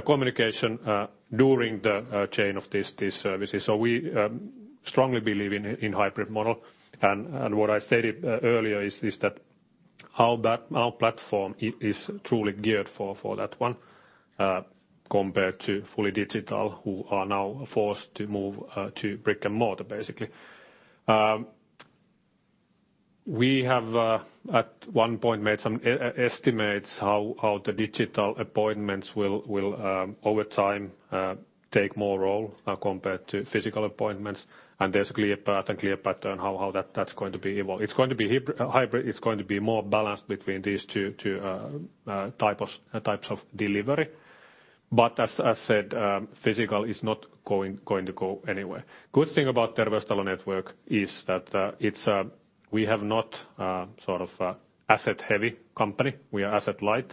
communication during the chain of these services. We strongly believe in hybrid model. What I stated earlier is this, that our platform is truly geared for that one compared to fully digital, who are now forced to move to brick-and-mortar, basically. We have at one point made some estimates how the digital appointments will over time take more role compared to physical appointments. There's a clear path and clear pattern how that's going to be evolve. It's going to be hybrid. It's going to be more balanced between these two types of delivery. As I said, physical is not going to go anywhere. Good thing about Terveystalo network is that we have not asset-heavy company. We are asset-light.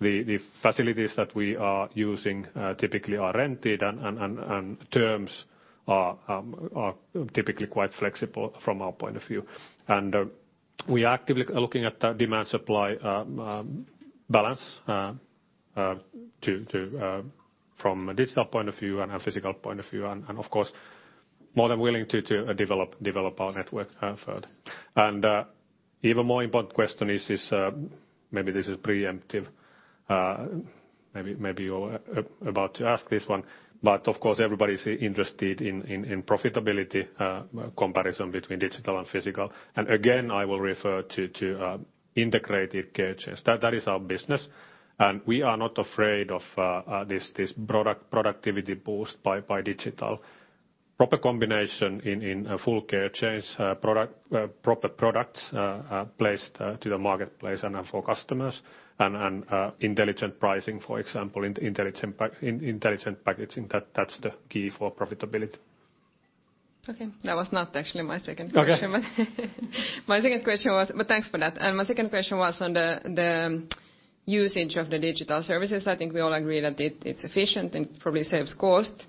The facilities that we are using typically are rented and terms are typically quite flexible from our point of view. We actively are looking at demand-supply balance from a digital point of view and a physical point of view, and of course, more than willing to develop our network further. Even more important question is, maybe this is preemptive, maybe you're about to ask this one, but of course everybody's interested in profitability comparison between digital and physical. Again, I will refer to integrated care chains. That is our business. We are not afraid of this productivity boost by digital. Proper combination in full care chains, proper products placed to the marketplace and for customers, and intelligent pricing, for example, intelligent packaging. That's the key for profitability. Okay. That was not actually my second question. Okay. Thanks for that. My second question was on the usage of the digital services. I think we all agree that it's efficient and probably saves cost.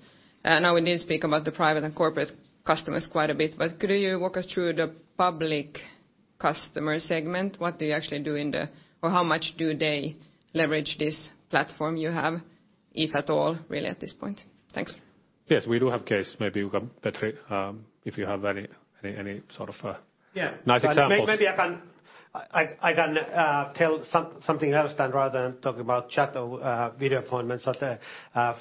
We did speak about the private and corporate customers quite a bit. Could you walk us through the public customer segment? How much do they leverage this platform you have, if at all, really at this point? Thanks. Yes, we do have case. Maybe you can, Petri, if you have any sort of. Yeah. Nice examples. Maybe I can tell something else than rather than talk about chat or video appointments.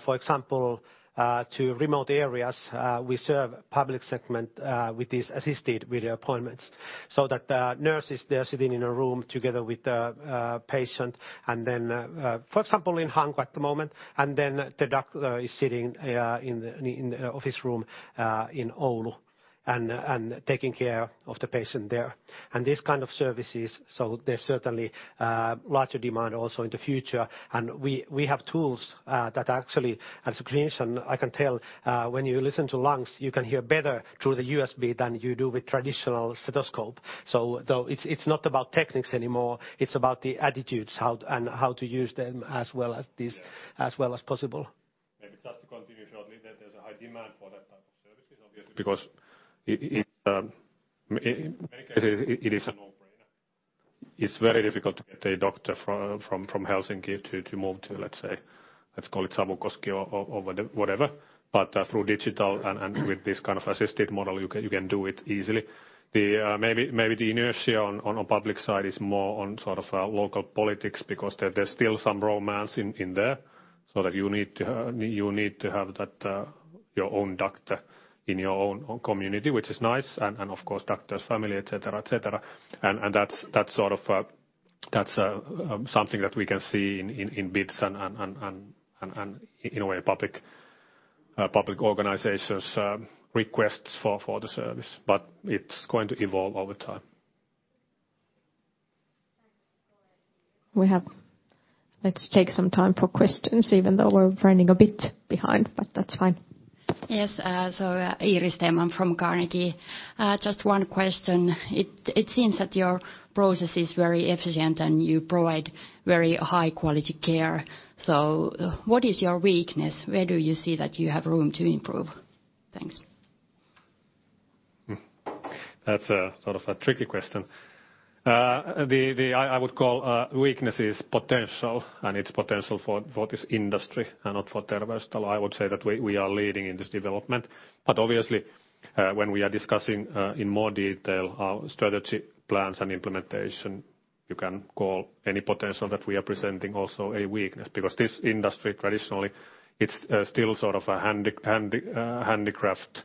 For example, to remote areas, we serve public segment with these assisted video appointments, so that nurses, they're sitting in a room together with the patient. For example, in Hanko at the moment, the doctor is sitting in office room in Oulu and taking care of the patient there. These kind of services, so there's certainly larger demand also in the future. We have tools that actually, as a clinician, I can tell when you listen to lungs, you can hear better through the USB than you do with traditional stethoscope. It's not about techniques anymore. It's about the attitudes and how to use them as well as possible. Just to continue shortly, there's a high demand for that type of services, obviously, because in many cases it is a no-brainer. It's very difficult to get a doctor from Helsinki to move to, let's say, let's call it Savukoski or whatever. Through digital and with this kind of assisted model, you can do it easily. The inertia on public side is more on sort of local politics because there's still some romance in there, so that you need to have your own doctor in your own community, which is nice, and of course, doctor's family, et cetera. That's something that we can see in bids and in a way, public organizations' requests for the service. It's going to evolve over time. Thanks. Let's take some time for questions, even though we're running a bit behind. That's fine. Yes. Iiris Theman from Carnegie. Just one question. It seems that your process is very efficient, and you provide very high-quality care. What is your weakness? Where do you see that you have room to improve? Thanks. That's sort of a tricky question. I would call weaknesses potential, and it's potential for this industry and not for Terveystalo. I would say that we are leading in this development, but obviously, when we are discussing in more detail our strategy plans and implementation, you can call any potential that we are presenting also a weakness, because this industry traditionally, it's still sort of a handicraft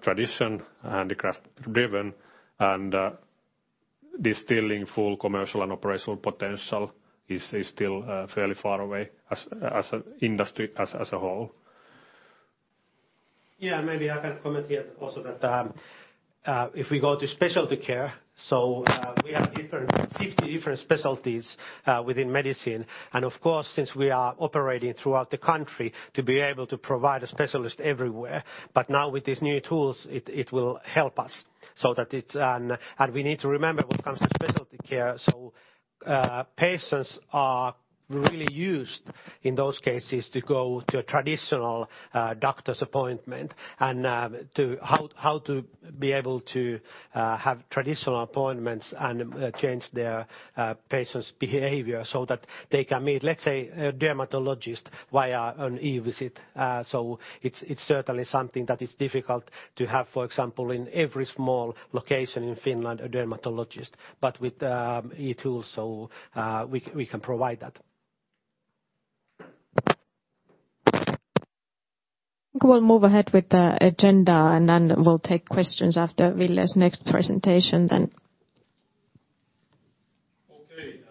tradition, handicraft driven, and distilling full commercial and operational potential is still fairly far away as an industry as a whole. Maybe I can comment here also that if we go to specialty care, so we have 50 different specialties within medicine, and of course, since we are operating throughout the country to be able to provide a specialist everywhere. Now with these new tools, it will help us. We need to remember when it comes to specialty care, so patients are really used in those cases to go to a traditional doctor's appointment and how to be able to have traditional appointments and change their patient's behavior so that they can meet, let's say, a dermatologist via an e-visit. It's certainly something that is difficult to have, for example, in every small location in Finland, a dermatologist. With e-tools, so we can provide that. I think we'll move ahead with the agenda, and then we'll take questions after Ville's next presentation then.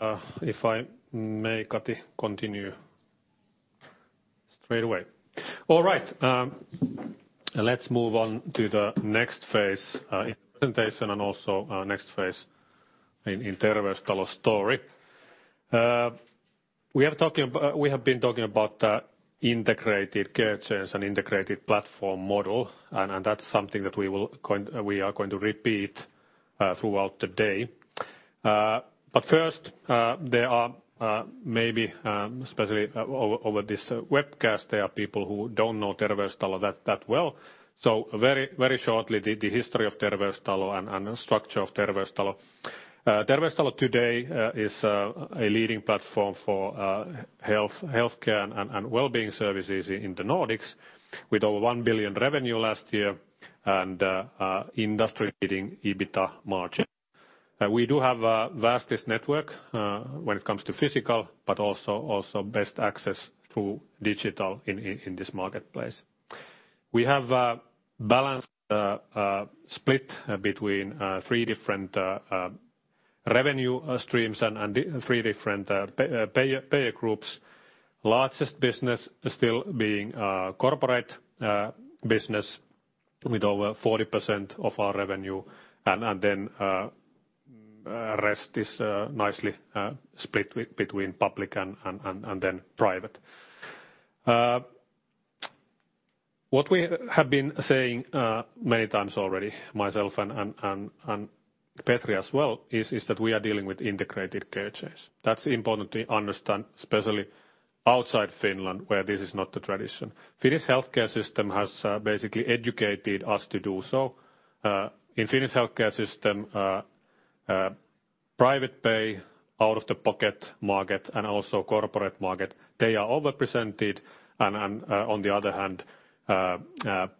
Okay. If I may, Kati, continue straight away. All right. Let's move on to the next phase in presentation and also next phase in Terveystalo story. We have been talking about the integrated care chains and integrated platform model. That's something that we are going to repeat throughout the day. First, there are maybe, especially over this webcast, there are people who don't know Terveystalo that well. Very shortly, the history of Terveystalo and structure of Terveystalo. Terveystalo today is a leading platform for healthcare and wellbeing services in the Nordics with over 1 billion revenue last year and industry-leading EBITDA margin. We do have vastest network when it comes to physical, but also best access to digital in this marketplace. We have a balanced split between three different revenue streams and three different payer groups. Largest business still being corporate business with over 40% of our revenue, then rest is nicely split between public and then private. What we have been saying many times already, myself and Petri as well, is that we are dealing with integrated care chains. That's important to understand, especially outside Finland, where this is not the tradition. Finnish healthcare system has basically educated us to do so. In Finnish healthcare system private pay out of the pocket market and also corporate market, they are over-represented, and on the other hand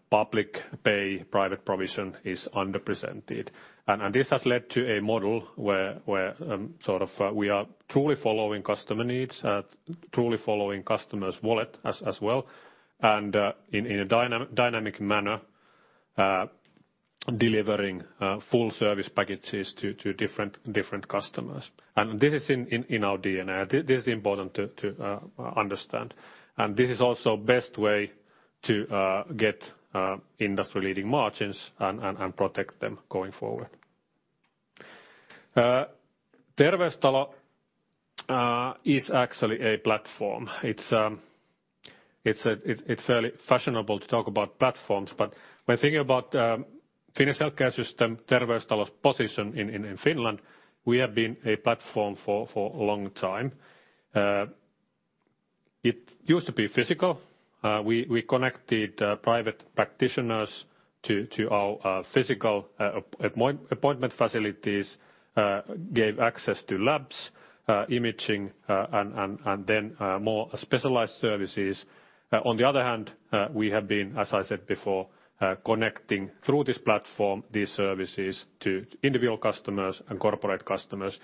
public pay private provision is under-represented. This has led to a model where sort of we are truly following customer needs, truly following customer's wallet as well, and in a dynamic manner delivering full service packages to different customers. This is in our DNA. This is important to understand. This is also best way to get industry-leading margins and protect them going forward. Terveystalo is actually a platform. It's fairly fashionable to talk about platforms, but when thinking about Finnish healthcare system, Terveystalo's position in Finland, we have been a platform for a long time. It used to be physical. We connected private practitioners to our physical appointment facilities, gave access to labs, imaging, and then more specialized services. On the other hand, we have been, as I said before connecting through this platform, these services to individual customers and corporate customers,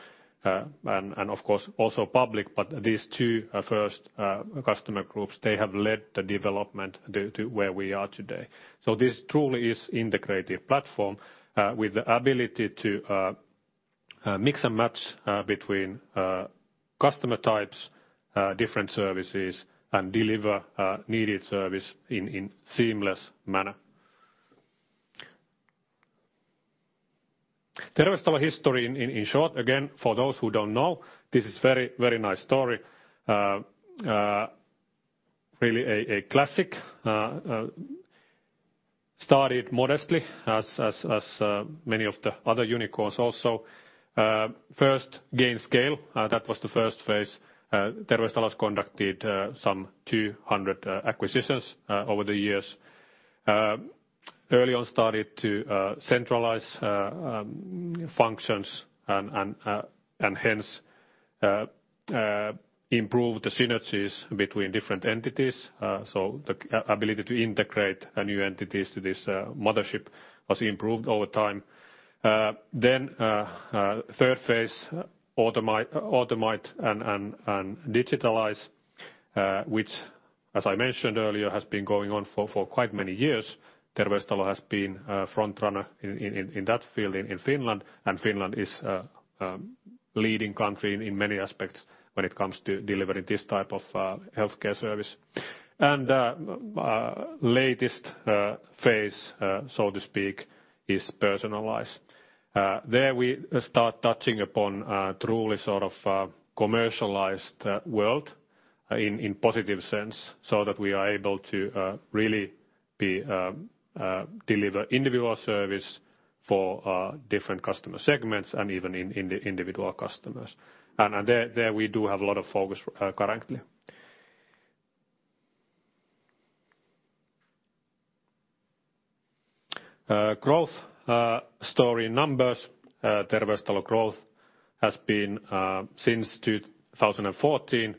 and of course, also public, but these two first customer groups, they have led the development to where we are today. This truly is integrated platform with the ability to mix and match between customer types, different services, and deliver needed service in seamless manner. Terveystalo history in short, again, for those who don't know, this is very nice story. Really a classic. Started modestly as many of the other unicorns also. First gain scale, that was the first phase. Terveystalo conducted some 200 acquisitions over the years. Early on started to centralize functions and hence, improve the synergies between different entities. The ability to integrate new entities to this mothership was improved over time. Third phase, automate and digitalize, which as I mentioned earlier, has been going on for quite many years. Terveystalo has been a front runner in that field in Finland, and Finland is a leading country in many aspects when it comes to delivering this type of healthcare service. Latest phase, so to speak, is personalize. There we start touching upon truly commercialized world, in positive sense, so that we are able to really deliver individual service for different customer segments and even individual customers. There we do have a lot of focus currently. Growth story numbers. Terveystalo growth has been, since 2014,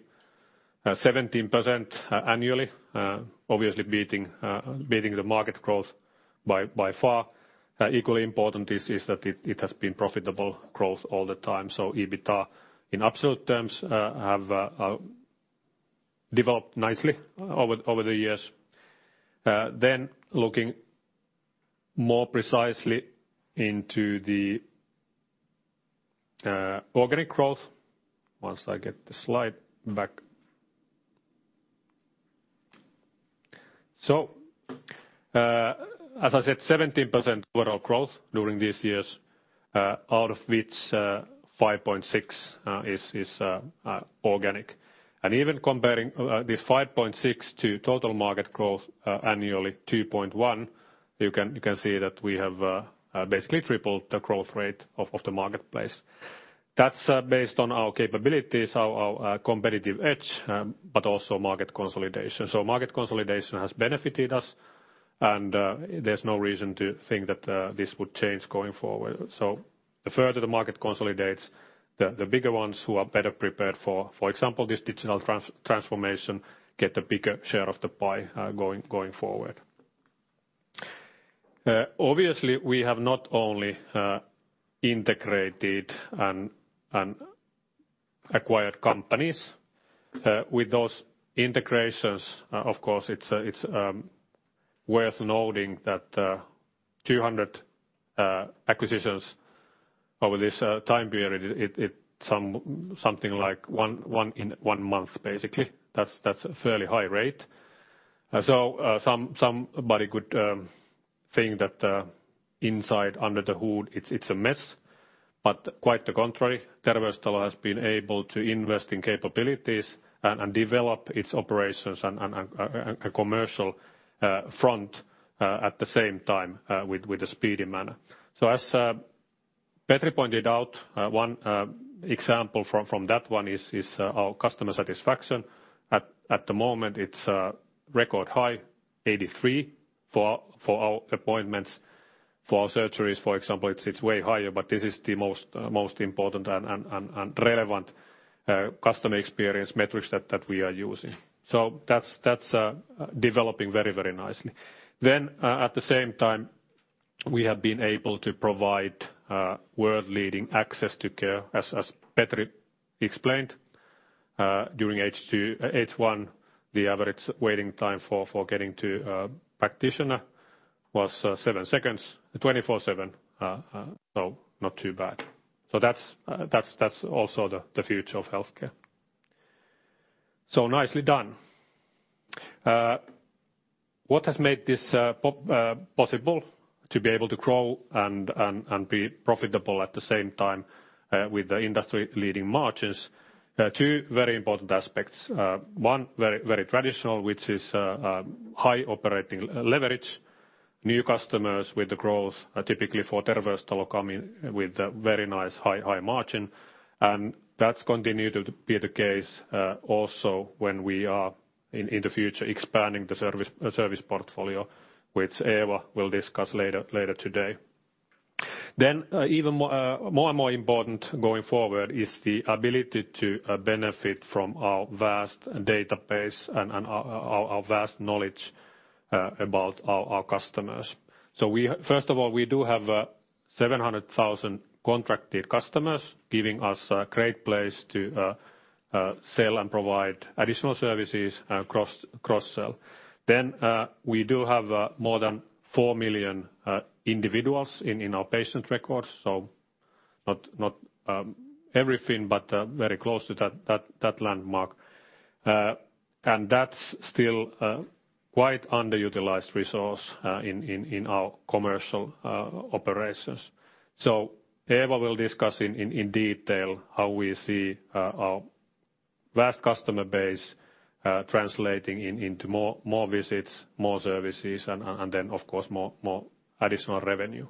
17% annually. Obviously beating the market growth by far. Equally important is that it has been profitable growth all the time. EBITDA, in absolute terms, have developed nicely over the years. Looking more precisely into the organic growth once I get the slide back. As I said, 17% overall growth during these years, out of which 5.6% is organic. Even comparing this 5.6% to total market growth annually, 2.1%, you can see that we have basically tripled the growth rate of the marketplace. That's based on our capabilities, our competitive edge, but also market consolidation. Market consolidation has benefited us, and there's no reason to think that this would change going forward. The further the market consolidates, the bigger ones who are better prepared, for example, this digital transformation, get a bigger share of the pie going forward. Obviously, we have not only integrated and acquired companies. With those integrations, of course, it's worth noting that 200 acquisitions over this time period, it something like one in one month, basically. That's a fairly high rate. Somebody could think that inside, under the hood, it's a mess, but quite the contrary. Terveystalo has been able to invest in capabilities and develop its operations and commercial front at the same time with a speedy manner. As Petri pointed out, one example from that one is our customer satisfaction. At the moment, it's record high, 83 for our appointments. For our surgeries, for example, it's way higher, this is the most important and relevant customer experience metrics that we are using. That's developing very nicely. At the same time, we have been able to provide world-leading access to care, as Petri explained. During H1, the average waiting time for getting to a practitioner was seven seconds, 24/7. Not too bad. That's also the future of healthcare. Nicely done. What has made this possible to be able to grow and be profitable at the same time with the industry-leading margins? Two very important aspects. One, very traditional, which is high operating leverage. New customers with the growth typically for Terveystalo come in with a very nice high margin. That's continued to be the case also when we are in the future expanding the service portfolio, which Eeva will discuss later today. Even more and more important going forward is the ability to benefit from our vast database and our vast knowledge about our customers. First of all, we do have 700,000 contracted customers giving us a great place to sell and provide additional services cross-sell. We do have more than 4 million individuals in our patient records. Not everything, but very close to that landmark. That's still a quite underutilized resource in our commercial operations. Eeva will discuss in detail how we see our vast customer base translating into more visits, more services, and then, of course, more additional revenue.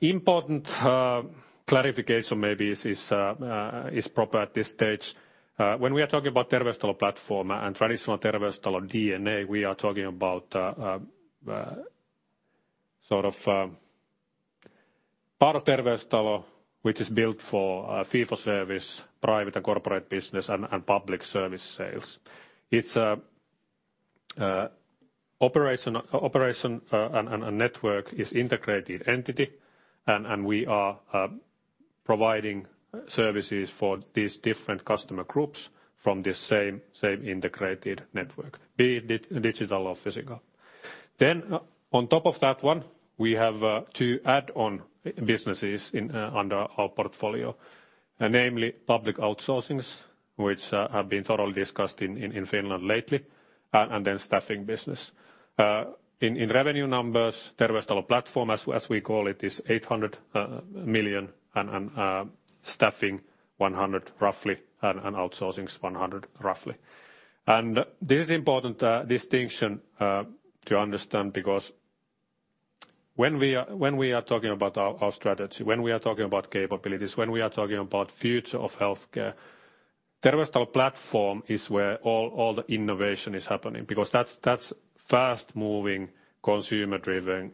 Important clarification maybe is proper at this stage. When we are talking about Terveystalo platform and traditional Terveystalo DNA, we are talking about part of Terveystalo, which is built for fee-for-service, private and corporate business, and public service sales. Its operation and network is integrated entity. We are providing services for these different customer groups from the same integrated network, be it digital or physical. On top of that one, we have two add-on businesses under our portfolio. Namely, public outsourcings, which have been thoroughly discussed in Finland lately, and then staffing business. In revenue numbers, Terveystalo platform, as we call it, is 800 million, and staffing 100 roughly, and outsourcing is 100 roughly. This is important distinction to understand because when we are talking about our strategy, when we are talking about capabilities, when we are talking about future of healthcare, Terveystalo platform is where all the innovation is happening because that's fast-moving, consumer-driven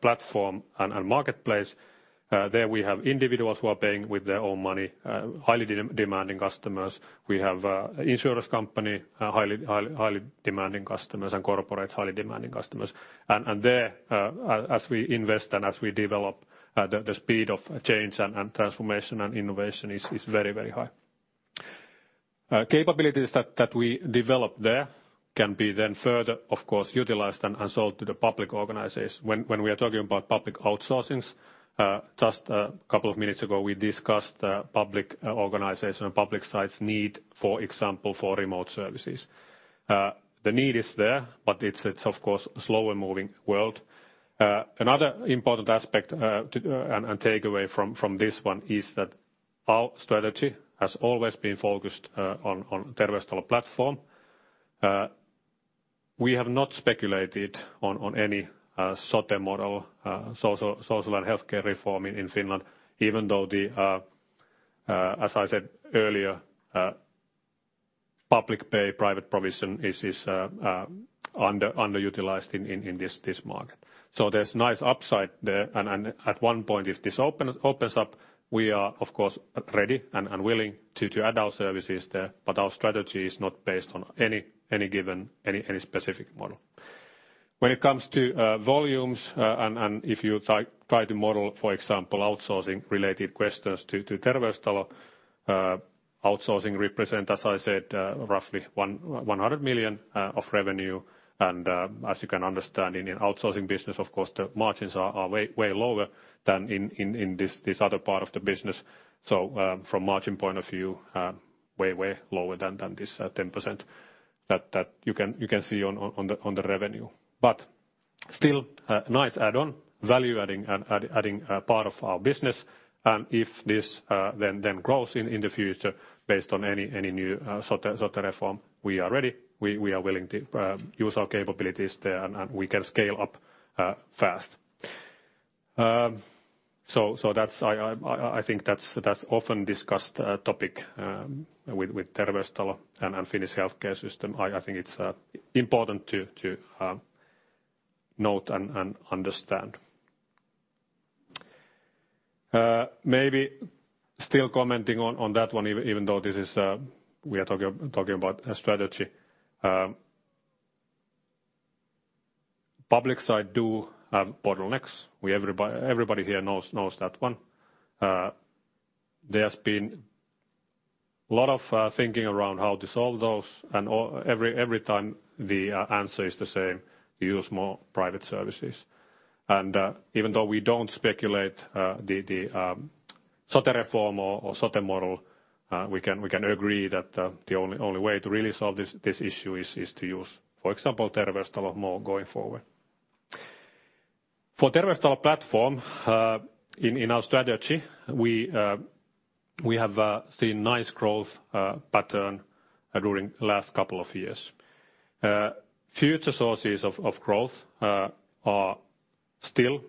platform and marketplace. There we have individuals who are paying with their own money, highly demanding customers. We have insurance company, highly demanding customers, and corporates, highly demanding customers. There, as we invest and as we develop, the speed of change and transformation and innovation is very high. Capabilities that we develop there can be then further, of course, utilized and sold to the public organizers. When we are talking about public outsourcings, just a couple of minutes ago, we discussed public organization and public sites' need, for example, for remote services. The need is there, but it's of course a slower-moving world. Another important aspect and takeaway from this one is that our strategy has always been focused on Terveystalo platform. We have not speculated on any Sote model, social and healthcare reform in Finland, even though the, as I said earlier, public pay, private provision is underutilized in this market. There's nice upside there, and at one point, if this opens up, we are, of course, ready and willing to add our services there, but our strategy is not based on any specific model. When it comes to volumes, and if you try to model, for example, outsourcing related questions to Terveystalo, outsourcing represent, as I said, roughly 100 million of revenue. As you can understand, in outsourcing business, of course, the margins are way lower than in this other part of the business. From margin point of view, way lower than this 10% that you can see on the revenue. Still, a nice add-on, value-adding part of our business. If this then grows in the future based on any new Sote reform, we are ready. We are willing to use our capabilities there, and we can scale up fast. I think that's often discussed topic with Terveystalo and Finnish healthcare system. I think it's important to note and understand. Maybe still commenting on that one even though we are talking about strategy. Public side do have bottlenecks. Everybody here knows that one. There's been a lot of thinking around how to solve those, and every time the answer is the same: use more private services. Even though we don't speculate the Sote reform or Sote model, we can agree that the only way to really solve this issue is to use, for example, Terveystalo more going forward. For Terveystalo platform, in our strategy, we have seen nice growth pattern during last couple of years. Future sources of growth are still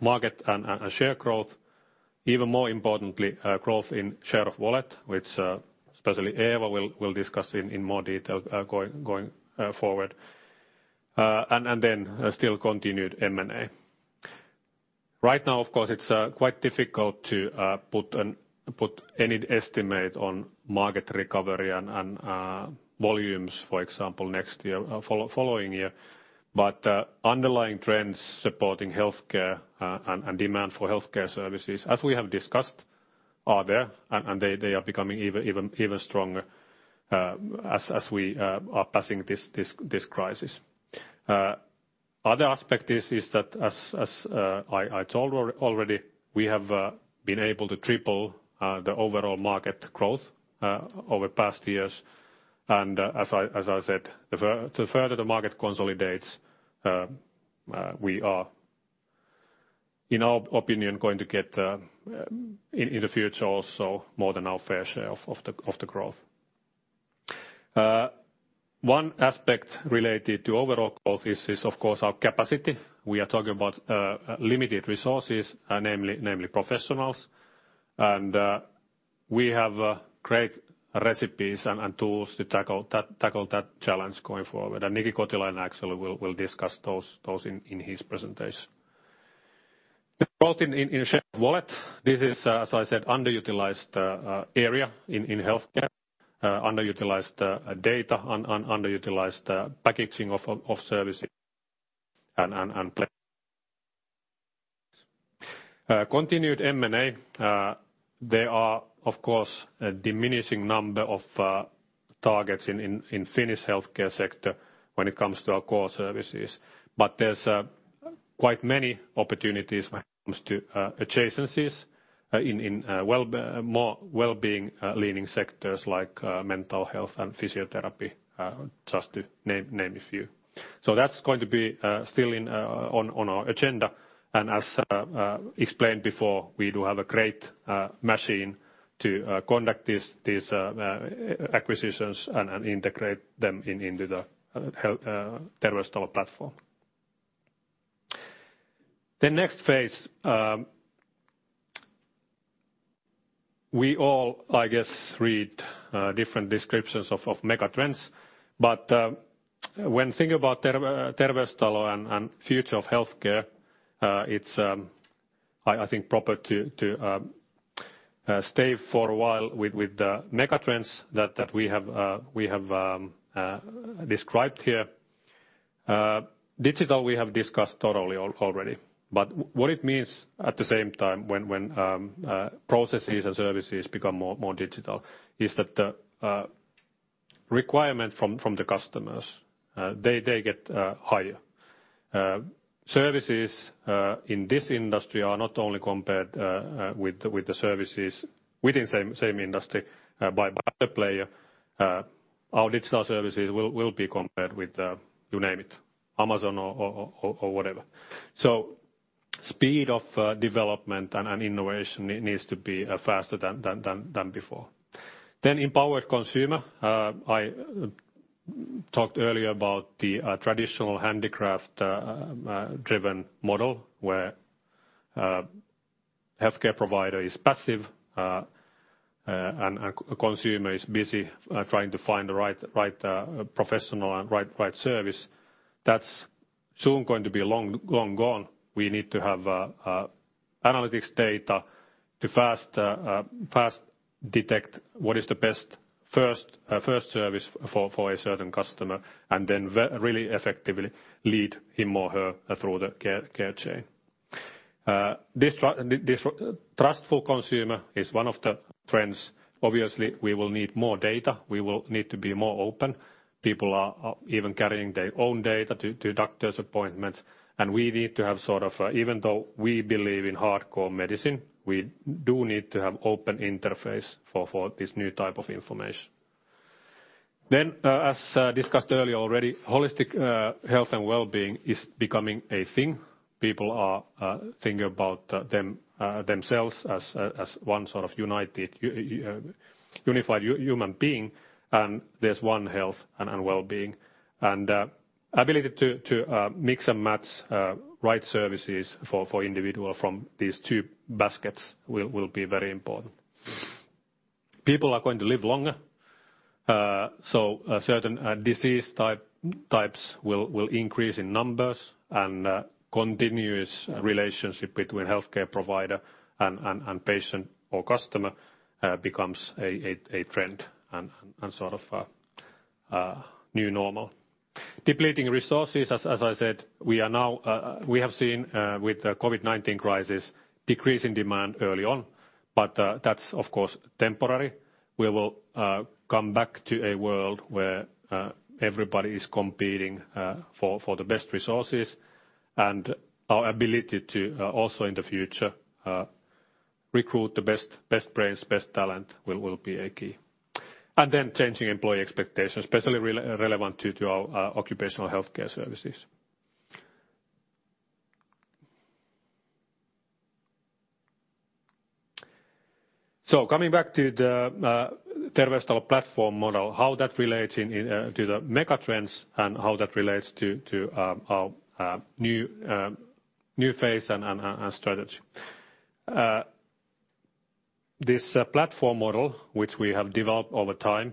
market and share growth, even more importantly, growth in share of wallet, which especially Eeva will discuss in more detail going forward, and then still continued M&A. Right now, of course, it's quite difficult to put any estimate on market recovery and volumes, for example, next year or following year. Underlying trends supporting healthcare and demand for healthcare services, as we have discussed, are there, and they are becoming even stronger as we are passing this crisis. Another aspect is that as I told already, we have been able to triple the overall market growth over past years, and as I said, the further the market consolidates, we are, in our opinion, going to get, in the future also, more than our fair share of the growth. One aspect related to overall growth is, of course, our capacity. We are talking about limited resources, namely professionals. We have great recipes and tools to tackle that challenge going forward. Niki Kotilainen actually will discuss those in his presentation. The growth in shared wallet, this is, as I said, underutilized area in healthcare, underutilized data, and underutilized packaging of services. Continued M&A. There are, of course, a diminishing number of targets in Finnish healthcare sector when it comes to our core services. There's quite many opportunities when it comes to adjacencies in more wellbeing-leaning sectors like mental health and physiotherapy, just to name a few. That's going to be still on our agenda, and as explained before, we do have a great machine to conduct these acquisitions and integrate them into the Terveystalo platform. The next phase. We all, I guess, read different descriptions of megatrends, when thinking about Terveystalo and future of healthcare, it's, I think, proper to stay for a while with the megatrends that we have described here. Digital, we have discussed thoroughly already. What it means, at the same time, when processes and services become more digital, is that the requirement from the customers, they get higher. Services in this industry are not only compared with the services within same industry by other player. Our digital services will be compared with, you name it, Amazon or whatever. Speed of development and innovation needs to be faster than before. Empowered consumer. I talked earlier about the traditional handicraft-driven model where healthcare provider is passive and consumer is busy trying to find the right professional and right service. That's soon going to be long gone. We need to have analytics data to fast detect what is the best first service for a certain customer, and then really effectively lead him or her through the care chain. Distrustful consumer is one of the trends. Obviously, we will need more data. We will need to be more open. People are even carrying their own data to doctors' appointments. We need to have sort of, even though we believe in hardcore medicine, we do need to have open interface for this new type of information. As discussed earlier already, holistic health and wellbeing is becoming a thing. People are thinking about themselves as one sort of unified human being, and there's one health and wellbeing. Ability to mix and match right services for individual from these two baskets will be very important. People are going to live longer, so certain disease types will increase in numbers, and continuous relationship between healthcare provider and patient or customer becomes a trend and sort of a new normal. Depleting resources, as I said, we have seen with the COVID-19 crisis, decrease in demand early on, but that's of course temporary. We will come back to a world where everybody is competing for the best resources, and our ability to also in the future recruit the best brains, best talent will be a key. Changing employee expectations, especially relevant to our occupational healthcare services. Coming back to the Terveystalo platform model, how that relates to the megatrends and how that relates to our new phase and strategy. This platform model, which we have developed over time,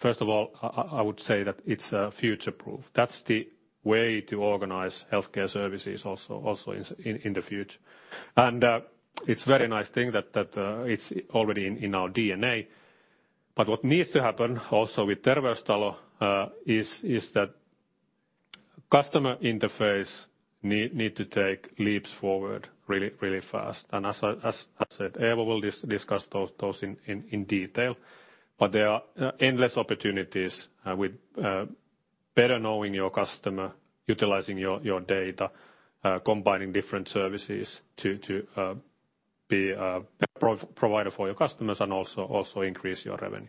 first of all, I would say that it's future proof. That's the way to organize healthcare services also in the future. It's very nice thing that it's already in our DNA. What needs to happen also with Terveystalo, Customer interface need to take leaps forward really fast. As I said, Eeva will discuss those in detail. There are endless opportunities with better knowing your customer, utilizing your data, combining different services to be a better provider for your customers and also increase your revenue.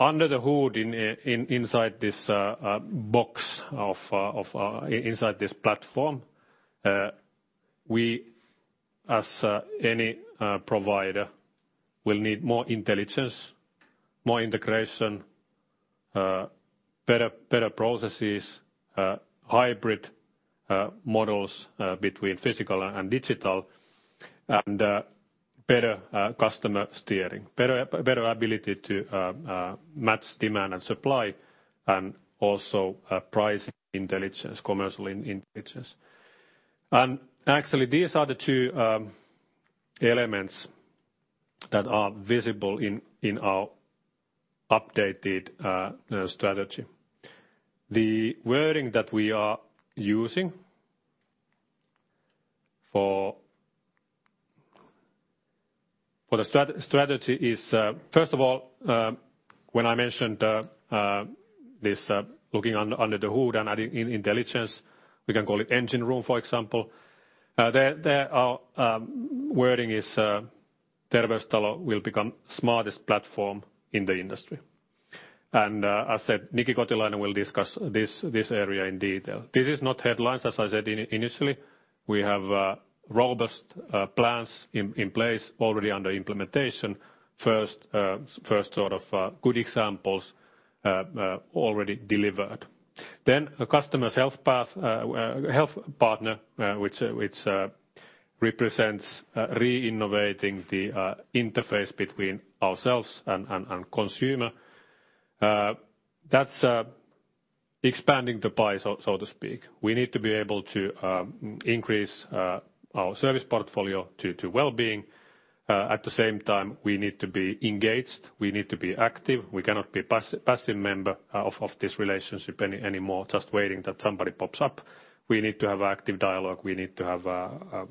Under the hood inside this box inside this platform, we, as any provider, will need more intelligence, more integration, better processes, hybrid models between physical and digital, and better customer steering. Better ability to match demand and supply, and also pricing intelligence, commercial intelligence. Actually, these are the two elements that are visible in our updated strategy. The wording that we are using for the strategy is, first of all, when I mentioned this looking under the hood and adding in intelligence, we can call it engine room, for example. The wording is Terveystalo will become smartest platform in the industry. As said, Niki Kotilainen will discuss this area in detail. This is not headlines, as I said initially. We have robust plans in place already under implementation. First good examples already delivered. A customer health partner, which represents re-innovating the interface between ourselves and consumer. That's expanding the pie, so to speak. We need to be able to increase our service portfolio to well-being. At the same time, we need to be engaged, we need to be active. We cannot be passive member of this relationship anymore, just waiting that somebody pops up. We need to have active dialogue. We need to have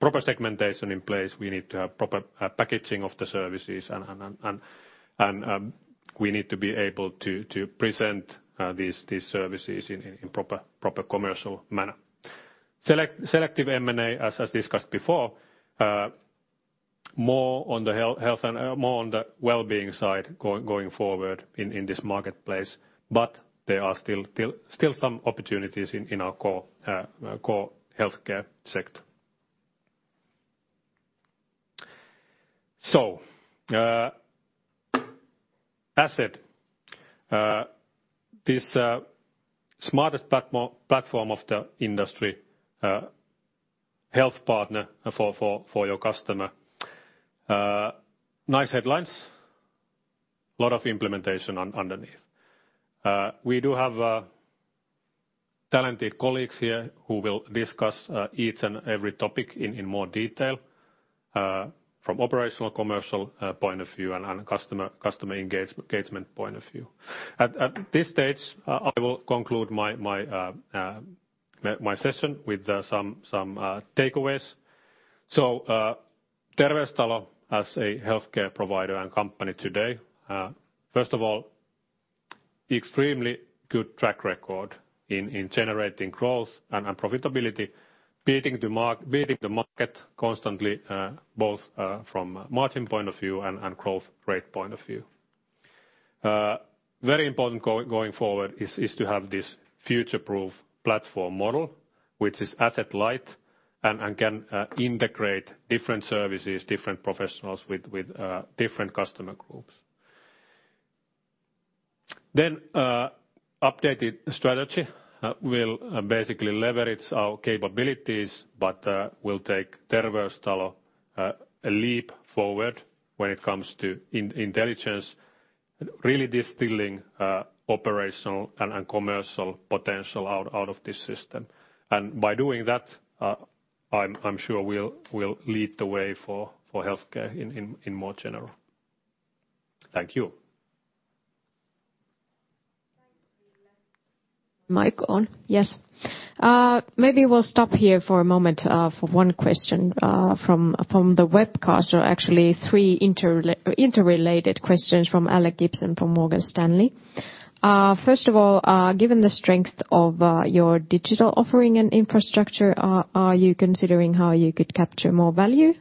proper segmentation in place. We need to have proper packaging of the services, and we need to be able to present these services in proper commercial manner. Selective M&A, as discussed before, more on the well-being side going forward in this marketplace. There are still some opportunities in our core healthcare sector. This smartest platform of the industry, health partner for your customer. Nice headlines, lot of implementation underneath. We do have talented colleagues here who will discuss each and every topic in more detail from operational, commercial point of view and customer engagement point of view. At this stage, I will conclude my session with some takeaways. Terveystalo as a healthcare provider and company today. First of all, extremely good track record in generating growth and profitability, beating the market constantly both from margin point of view and growth rate point of view. Very important going forward is to have this future-proof platform model, which is asset light and can integrate different services, different professionals with different customer groups. Updated strategy will basically leverage our capabilities but will take Terveystalo a leap forward when it comes to intelligence, really distilling operational and commercial potential out of this system. By doing that, I'm sure we'll lead the way for healthcare in more general. Thank you. Thanks, Ville. Mic on? Yes. Maybe we'll stop here for a moment for one question from the webcast or actually three interrelated questions from Alex Gibson from Morgan Stanley. First of all, given the strength of your digital offering and infrastructure, are you considering how you could capture more value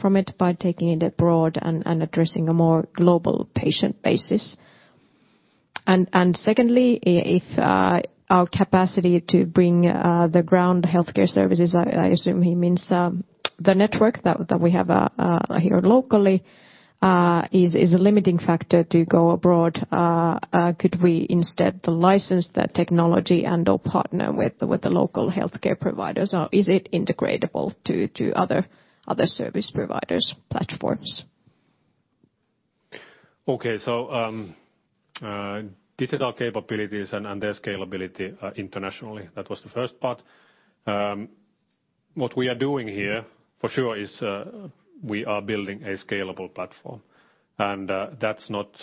from it by taking it abroad and addressing a more global patient basis? Secondly, if our capacity to bring the ground healthcare services, I assume he means the network that we have here locally, is a limiting factor to go abroad. Could we instead license that technology and/or partner with the local healthcare providers, or is it integratable to other service providers' platforms? Okay. Digital capabilities and their scalability internationally, that was the first part. What we are doing here, for sure, is we are building a scalable platform. That's not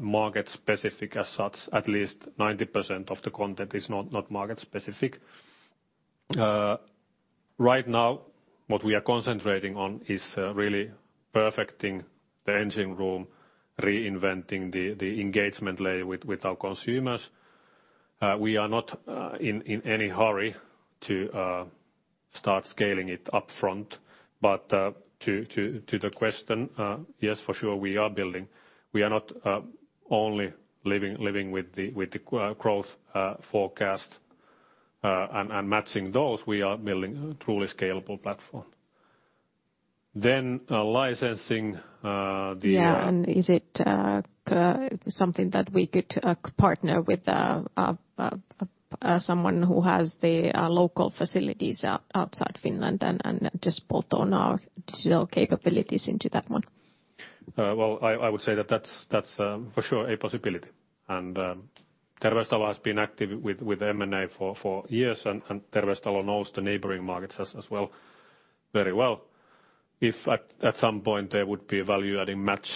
market-specific as such. At least 90% of the content is not market-specific. Right now, what we are concentrating on is really perfecting the engine room, reinventing the engagement layer with our consumers. We are not in any hurry to start scaling it up front. To the question, yes, for sure, we are building. We are not only living with the growth forecast and matching those. We are building a truly scalable platform. Licensing the. Yeah, is it something that we could partner with someone who has the local facilities outside Finland and just bolt on our digital capabilities into that one? Well, I would say that's for sure a possibility. Terveystalo has been active with M&A for years, and Terveystalo knows the neighboring markets as well very well. If at some point there would be a value-adding match,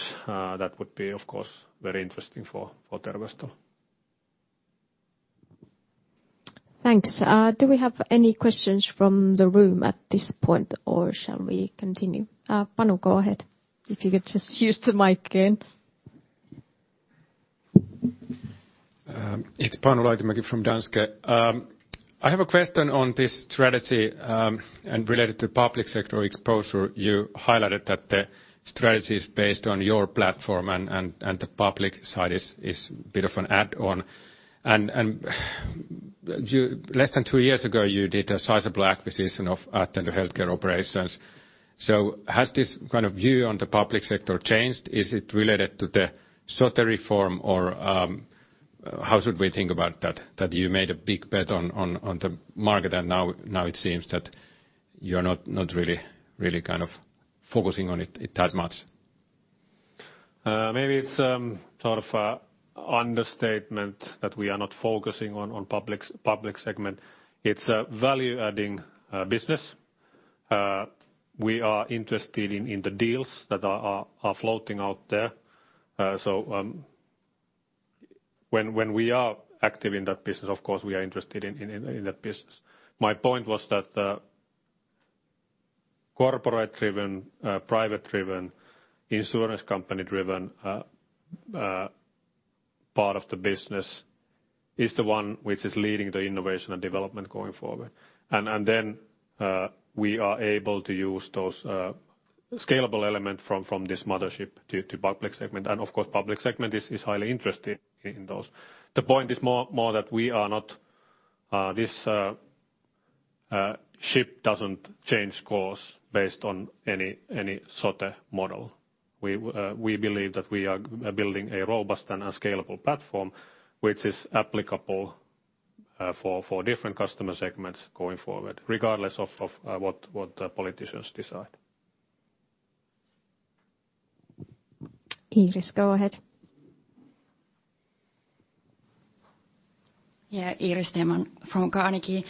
that would be, of course, very interesting for Terveystalo. Thanks. Do we have any questions from the room at this point, or shall we continue? Panu, go ahead. If you could just use the mic again. It's Panu Laitinmäki from Danske. I have a question on this strategy, and related to public sector exposure. You highlighted that the strategy is based on your platform and the public side is bit of an add-on. Less than two years ago, you did a sizable acquisition of Attendo healthcare operations. Has this kind of view on the public sector changed? Is it related to the Sote reform, or how should we think about that you made a big bet on the market, and now it seems that you're not really focusing on it that much? Maybe it's sort of an understatement that we are not focusing on public segment. It's a value-adding business. We are interested in the deals that are floating out there. When we are active in that business, of course, we are interested in that business. My point was that the corporate-driven, private-driven, insurance company-driven part of the business is the one which is leading the innovation and development going forward. Then we are able to use those scalable element from this mothership to public segment. Of course, public segment is highly interested in those. The point is more that this ship doesn't change course based on any Sote model. We believe that we are building a robust and a scalable platform, which is applicable for different customer segments going forward, regardless of what politicians decide. Iiris, go ahead. Yeah, Iiris Theman from Carnegie.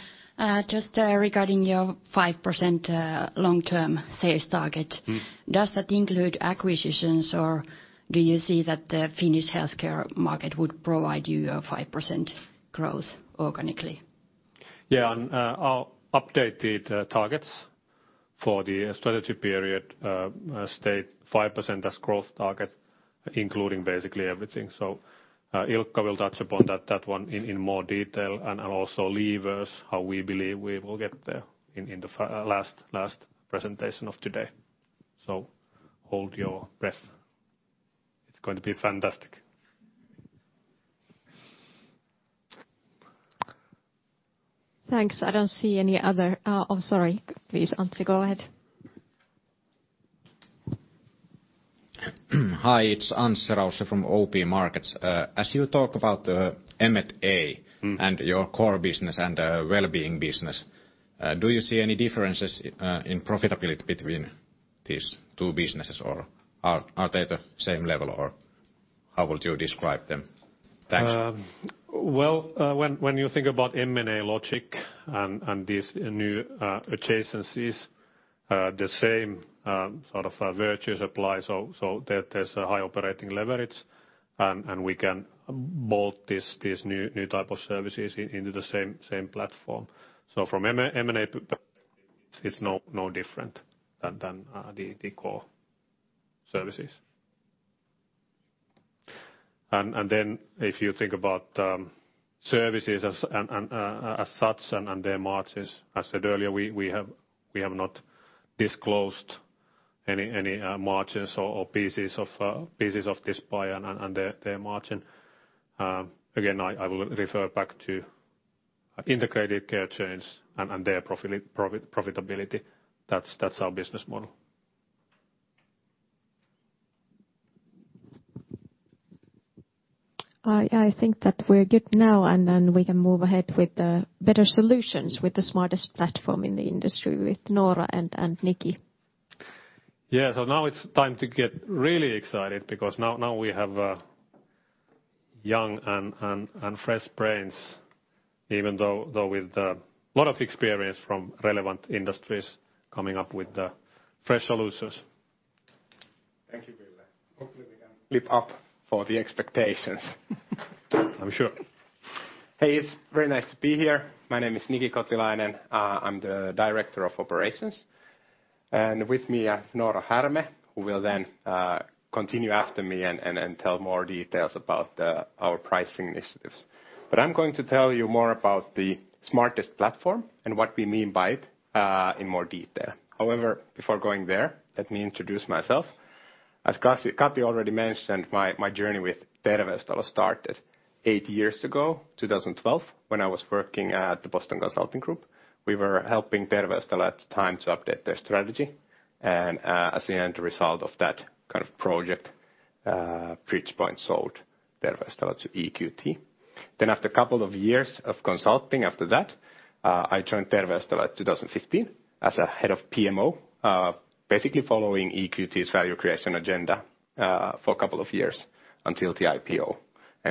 Just regarding your 5% long-term sales target- Does that include acquisitions, or do you see that the Finnish healthcare market would provide you a 5% growth organically? Our updated targets for the strategy period state 5% as growth target, including basically everything. Ilkka will touch upon that one in more detail, and also levers how we believe we will get there in the last presentation of today. Hold your breath. It's going to be fantastic. Thanks. I don't see any other Oh, sorry. Please, Antti, go ahead. Hi, it's Antti Rautava from OP Markets. As you talk about the M&A. Your core business and the wellbeing business, do you see any differences in profitability between these two businesses, or are they the same level, or how would you describe them? Thanks. Well, when you think about M&A logic and these new adjacencies, the same sort of virtues apply. There's a high operating leverage, and we can bolt these new type of services into the same platform. From M&A perspective, it's no different than the core services. If you think about services as such and their margins, as I said earlier, we have not disclosed any margins or pieces of this pie and their margin. Again, I will refer back to integrated care chains and their profitability. That's our business model. I think that we're good now, and then we can move ahead with the better solutions with the smartest platform in the industry with Noora and Niki. Now it's time to get really excited because now we have young and fresh brains, even though with a lot of experience from relevant industries coming up with fresh solutions. Thank you, Ville. Hopefully, we can live up for the expectations. I'm sure. Hey, it's very nice to be here. My name is Niki Kotilainen. I'm the Director of Operations. With me, I have Noora Härmä, who will then continue after me and tell more details about our price initiatives. I'm going to tell you more about the smartest platform and what we mean by it, in more detail. However, before going there, let me introduce myself. As Kati already mentioned, my journey with Terveystalo started eight years ago, 2012, when I was working at the Boston Consulting Group. We were helping Terveystalo at the time to update their strategy, as the end result of that kind of project, Bridgepoint sold Terveystalo to EQT. After a couple of years of consulting after that, I joined Terveystalo in 2015 as a head of PMO, basically following EQT's value creation agenda for a couple of years until the IPO.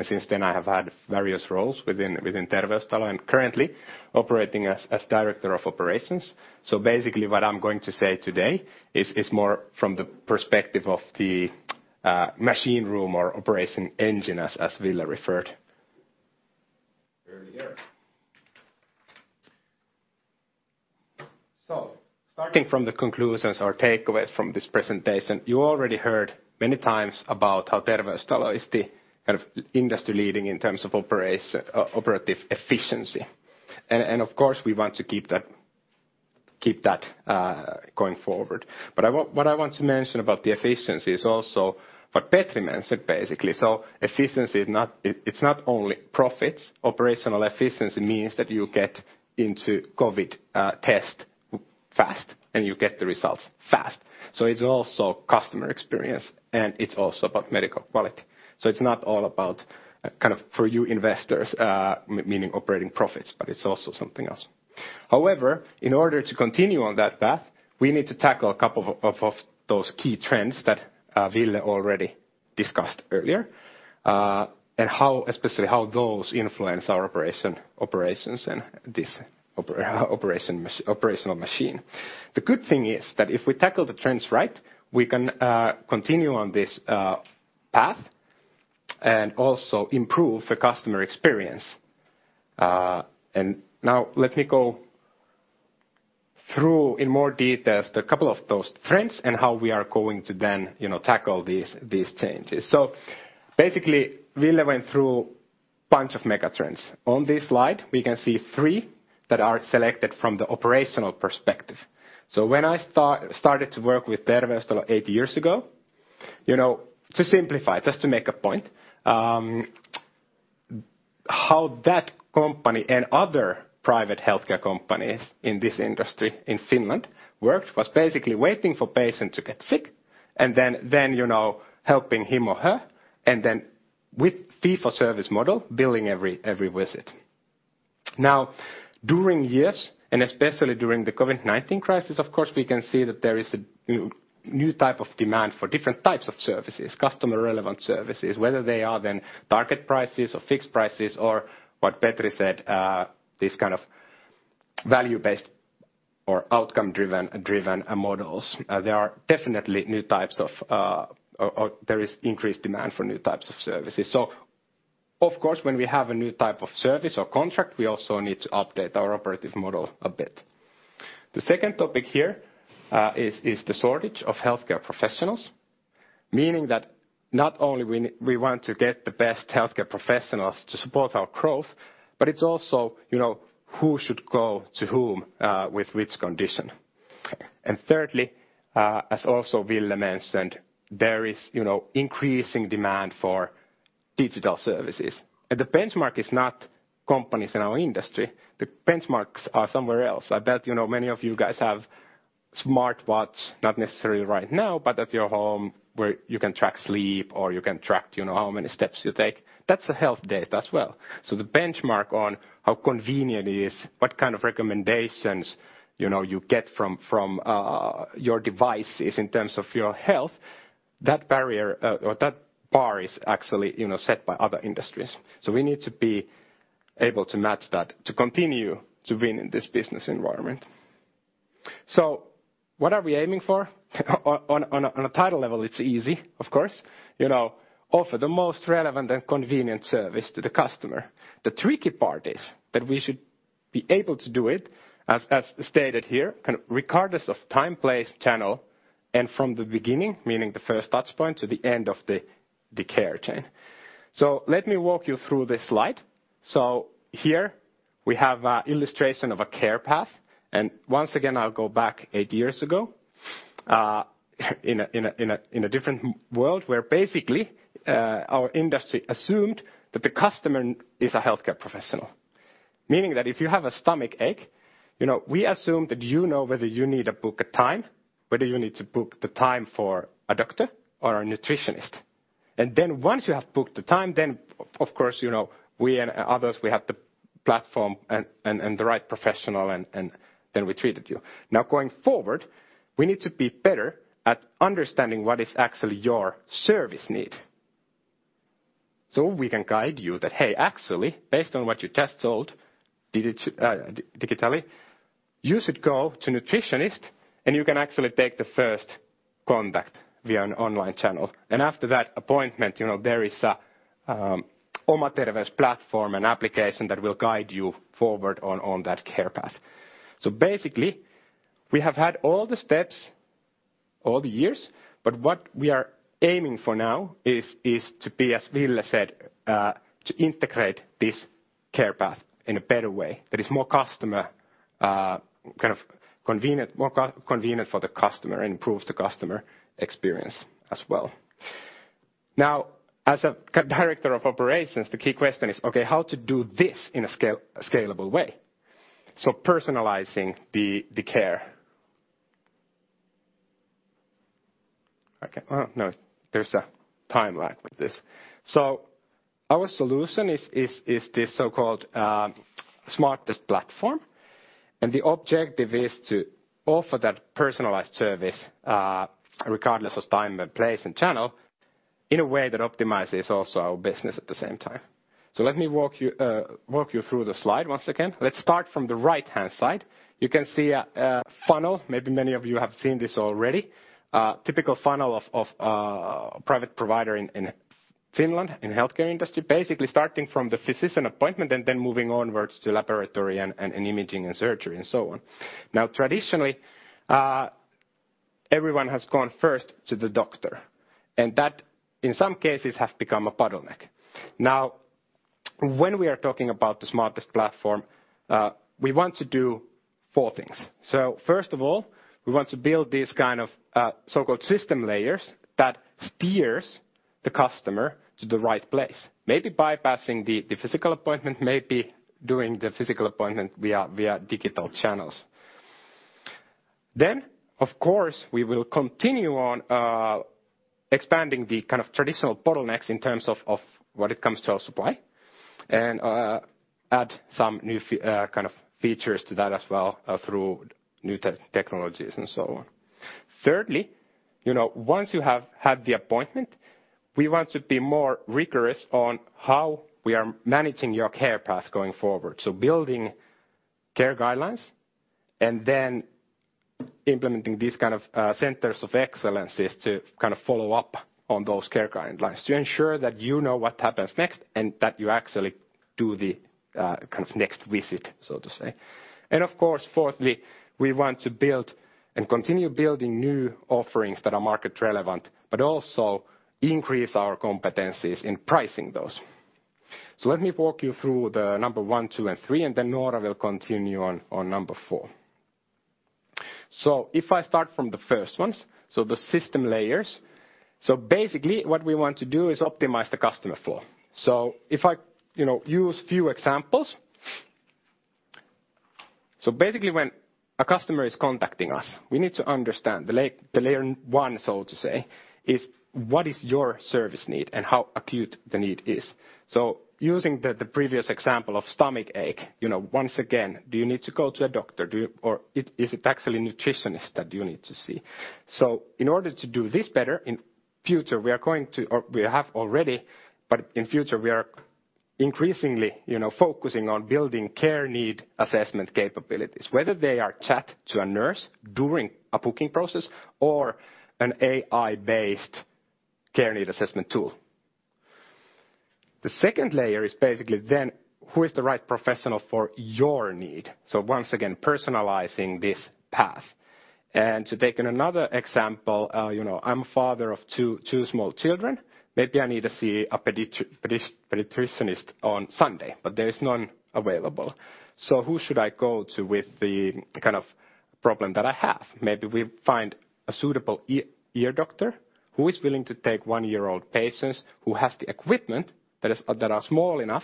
Since then, I have had various roles within Terveystalo. I'm currently operating as director of operations. Basically, what I'm going to say today is more from the perspective of the machine room or operation engine as Ville referred earlier. Starting from the conclusions or takeaways from this presentation, you already heard many times about how Terveystalo is the kind of industry leading in terms of operative efficiency. Of course, we want to keep that going forward. What I want to mention about the efficiency is also what Petri mentioned, basically. Efficiency, it's not only profits. Operational efficiency means that you get into COVID test fast, and you get the results fast. It's also customer experience, and it's also about medical quality. It's not all about, kind of for you investors, meaning operating profits, but it's also something else. However, in order to continue on that path, we need to tackle a couple of those key trends that Ville already discussed earlier, and especially how those influence our operations and this operational machine. The good thing is that if we tackle the trends right, we can continue on this path and also improve the customer experience. Now let me go through in more detail a couple of those trends and how we are going to then tackle these changes. Basically, Ville went through a bunch of mega trends. On this slide, we can see three that are selected from the operational perspective. When I started to work with Terveystalo eight years ago, to simplify, just to make a point, how that company and other private healthcare companies in this industry in Finland worked was basically waiting for patient to get sick, and then helping him or her, and then with fee-for-service model, billing every visit. During years, and especially during the COVID-19 crisis, of course, we can see that there is a new type of demand for different types of services, customer relevant services, whether they are then target prices or fixed prices or what Petri said, this kind of value-based or outcome-driven models. There is increased demand for new types of services. Of course, when we have a new type of service or contract, we also need to update our operative model a bit. The second topic here is the shortage of healthcare professionals, meaning that not only we want to get the best healthcare professionals to support our growth, but it's also who should go to whom with which condition. Thirdly, as also Ville mentioned, there is increasing demand for digital services. The benchmark is not companies in our industry. The benchmarks are somewhere else. I bet many of you guys have smartwatch, not necessarily right now, but at your home where you can track sleep or you can track how many steps you take. That's a health data as well. The benchmark on how convenient it is, what kind of recommendations you get from your device is in terms of your health, that bar is actually set by other industries. We need to be able to match that to continue to win in this business environment. What are we aiming for? On a title level, it's easy, of course. Offer the most relevant and convenient service to the customer. The tricky part is that we should be able to do it as stated here, kind of regardless of time, place, channel, and from the beginning, meaning the first touch point to the end of the care chain. Let me walk you through this slide. Here we have a illustration of a care path. Once again, I'll go back eight years ago, in a different world where basically, our industry assumed that the customer is a healthcare professional. Meaning that if you have a stomach ache, we assume that you know whether you need to book a time, whether you need to book the time for a doctor or a nutritionist. Once you have booked the time, then of course, we and others, we have the Platform and the right professional, and then we treated you. Going forward, we need to be better at understanding what is actually your service need. We can guide you that, "Hey, actually, based on what you just told digitally, you should go to nutritionist, and you can actually take the first contact via an online channel." After that appointment, there is a Oma Terveys platform and application that will guide you forward on that care path. Basically, we have had all the steps, all the years, but what we are aiming for now is to be, as Ville said, to integrate this care path in a better way, that is more kind of convenient for the customer and improves the customer experience as well. As a director of operations, the key question is how to do this in a scalable way? Personalizing the care. There's a timeline with this. Our solution is this so-called smartest platform. The objective is to offer that personalized service, regardless of time and place and channel, in a way that optimizes also our business at the same time. Let me walk you through the slide once again. Let's start from the right-hand side. You can see a funnel. Maybe many of you have seen this already. A typical funnel of a private provider in Finland, in healthcare industry, basically starting from the physician appointment and then moving onwards to laboratory and imaging and surgery, and so on. Traditionally, everyone has gone first to the doctor, and that, in some cases, have become a bottleneck. When we are talking about the smartest platform, we want to do four things. First of all, we want to build these kind of so-called system layers that steers the customer to the right place. Maybe bypassing the physical appointment, maybe doing the physical appointment via digital channels. Of course, we will continue on expanding the kind of traditional bottlenecks in terms of when it comes to our supply and add some new kind of features to that as well through new technologies and so on. Thirdly, once you have had the appointment, we want to be more rigorous on how we are managing your care path going forward. Building care guidelines and then implementing these kind of centers of excellences to kind of follow up on those care guidelines to ensure that you know what happens next and that you actually do the next visit, so to say. Of course, fourthly, we want to build and continue building new offerings that are market relevant, but also increase our competencies in pricing those. Let me walk you through the number one, two, and three, and then Noora will continue on number four. If I start from the first ones, the system layers. Basically what we want to do is optimize the customer flow. If I use few examples. Basically when a customer is contacting us, we need to understand the layer one, so to say, is what is your service need and how acute the need is. Using the previous example of stomach ache, once again, do you need to go to a doctor? Is it actually nutritionist that you need to see? In order to do this better in future, we are going to or we have already, but in future we are increasingly focusing on building care need assessment capabilities, whether they are chat to a nurse during a booking process or an AI-based care need assessment tool. The second layer is basically then who is the right professional for your need. Once again, personalizing this path. To take another example, I'm a father of two small children. Maybe I need to see a pediatrician on Sunday, but there is none available. Who should I go to with the kind of problem that I have? Maybe we find a suitable ear doctor who is willing to take one-year-old patients, who has the equipment that are small enough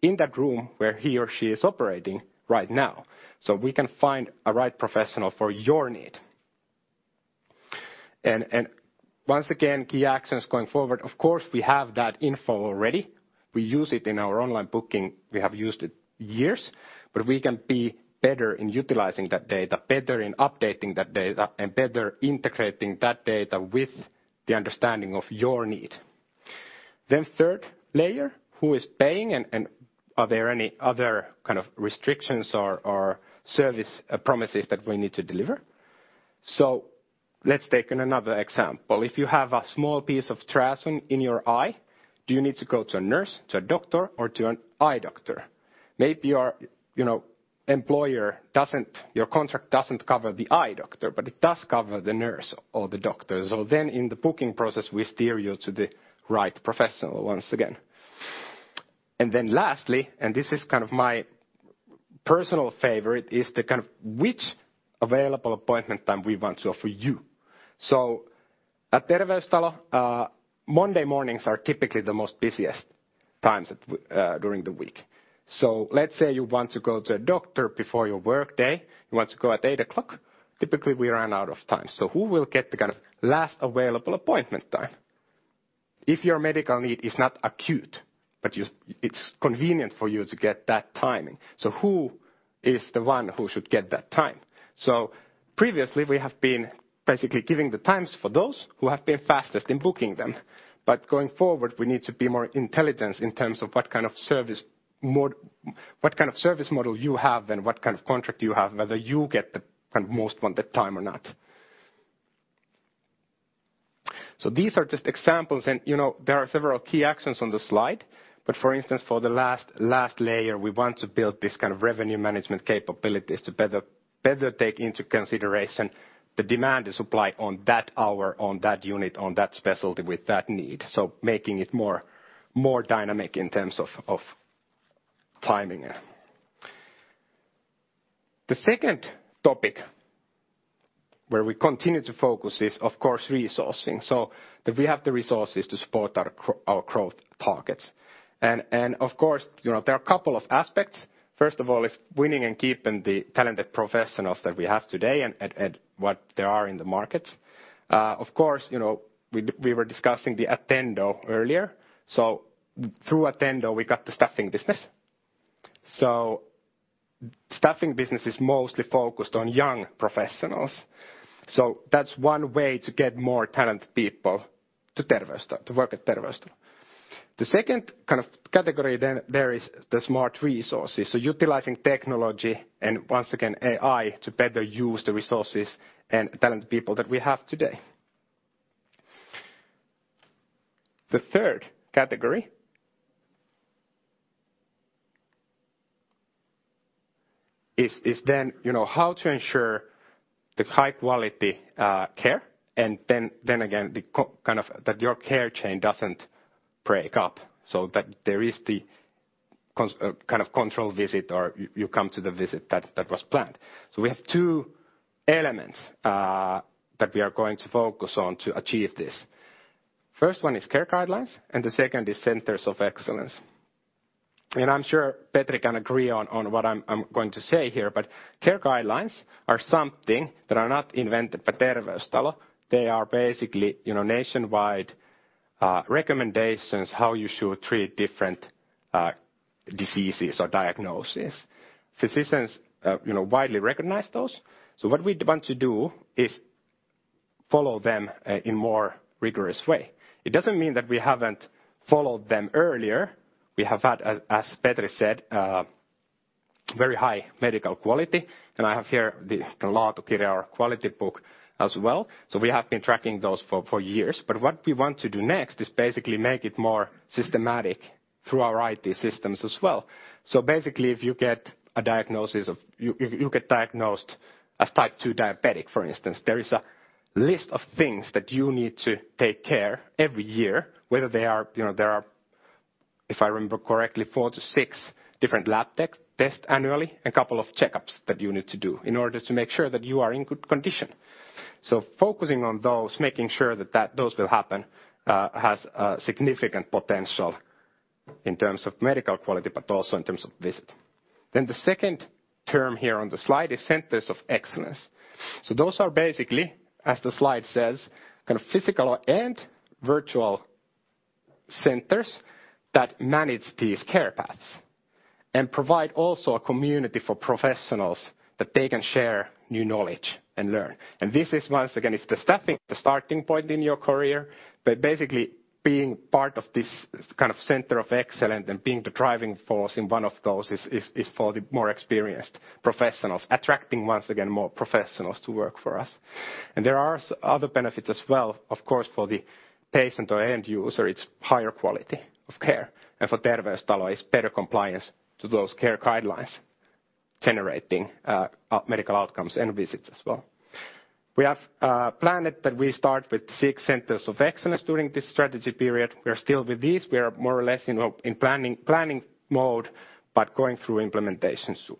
in that room where he or she is operating right now. We can find a right professional for your need. Once again, key actions going forward. Of course, we have that info already. We use it in our online booking. We have used it years. We can be better in utilizing that data, better in updating that data, and better integrating that data with the understanding of your need. Third layer, who is paying and are there any other kind of restrictions or service promises that we need to deliver? Let's take another example. If you have a small piece of trash in your eye, do you need to go to a nurse, to a doctor, or to an eye doctor? Maybe your employer doesn't, your contract doesn't cover the eye doctor, but it does cover the nurse or the doctor. In the booking process, we steer you to the right professional once again. Lastly, and this is kind of my personal favorite, is the kind of which available appointment time we want to offer you. At Terveystalo, Monday mornings are typically the most busiest times during the week. Let's say you want to go to a doctor before your workday. You want to go at eight o'clock. Typically, we run out of time. Who will get the kind of last available appointment time. If your medical need is not acute, but it's convenient for you to get that timing. Who is the one who should get that time? Previously we have been basically giving the times for those who have been fastest in booking them. Going forward, we need to be more intelligent in terms of what kind of service model you have and what kind of contract you have, whether you get the most wanted time or not. These are just examples and there are several key actions on the slide. For instance, for the last layer, we want to build this kind of revenue management capabilities to better take into consideration the demand and supply on that hour, on that unit, on that specialty with that need. Making it more dynamic in terms of timing. The second topic where we continue to focus is of course resourcing, so that we have the resources to support our growth targets. Of course, there are a couple of aspects. First of all is winning and keeping the talented professionals that we have today and what there are in the market. Of course, we were discussing the Attendo earlier. Through Attendo we got the staffing business. Staffing business is mostly focused on young professionals. That's one way to get more talented people to work at Terveystalo. The second kind of category then there is the smart resources. Utilizing technology and once again AI to better use the resources and talented people that we have today. The third category is then how to ensure the high-quality care and then again that your care chain doesn't break up, so that there is the kind of control visit or you come to the visit that was planned. We have two elements that we are going to focus on to achieve this. First one is care guidelines and the second is centers of excellence. I'm sure Petri can agree on what I'm going to say here, but care guidelines are something that are not invented by Terveystalo. They are basically nationwide recommendations how you should treat different diseases or diagnoses. Physicians widely recognize those. What we want to do is follow them in more rigorous way. It doesn't mean that we haven't followed them earlier. We have had, as Petri said, very high medical quality and I have here the "Laatukirja," our quality book as well. We have been tracking those for years. What we want to do next is basically make it more systematic through our IT systems as well. Basically if you get diagnosed as type 2 diabetic for instance, there is a list of things that you need to take care every year, whether they are, if I remember correctly, four to six different lab tests annually and couple of checkups that you need to do in order to make sure that you are in good condition. Focusing on those, making sure that those will happen has a significant potential in terms of medical quality but also in terms of visit. The second term here on the slide is centers of excellence. Those are basically, as the slide says, kind of physical and virtual centers that manage these care paths and provide also a community for professionals that they can share new knowledge and learn. This is, once again, if the staffing, the starting point in your career, but basically being part of this kind of center of excellence and being the driving force in one of those is for the more experienced professionals, attracting once again more professionals to work for us. There are other benefits as well. Of course for the patient or end user, it's higher quality of care. For Terveystalo, it's better compliance to those care guidelines, generating medical outcomes and visits as well. We have planned that we start with six centers of excellence during this strategy period. We are still with these. We are more or less in planning mode, but going through implementation soon.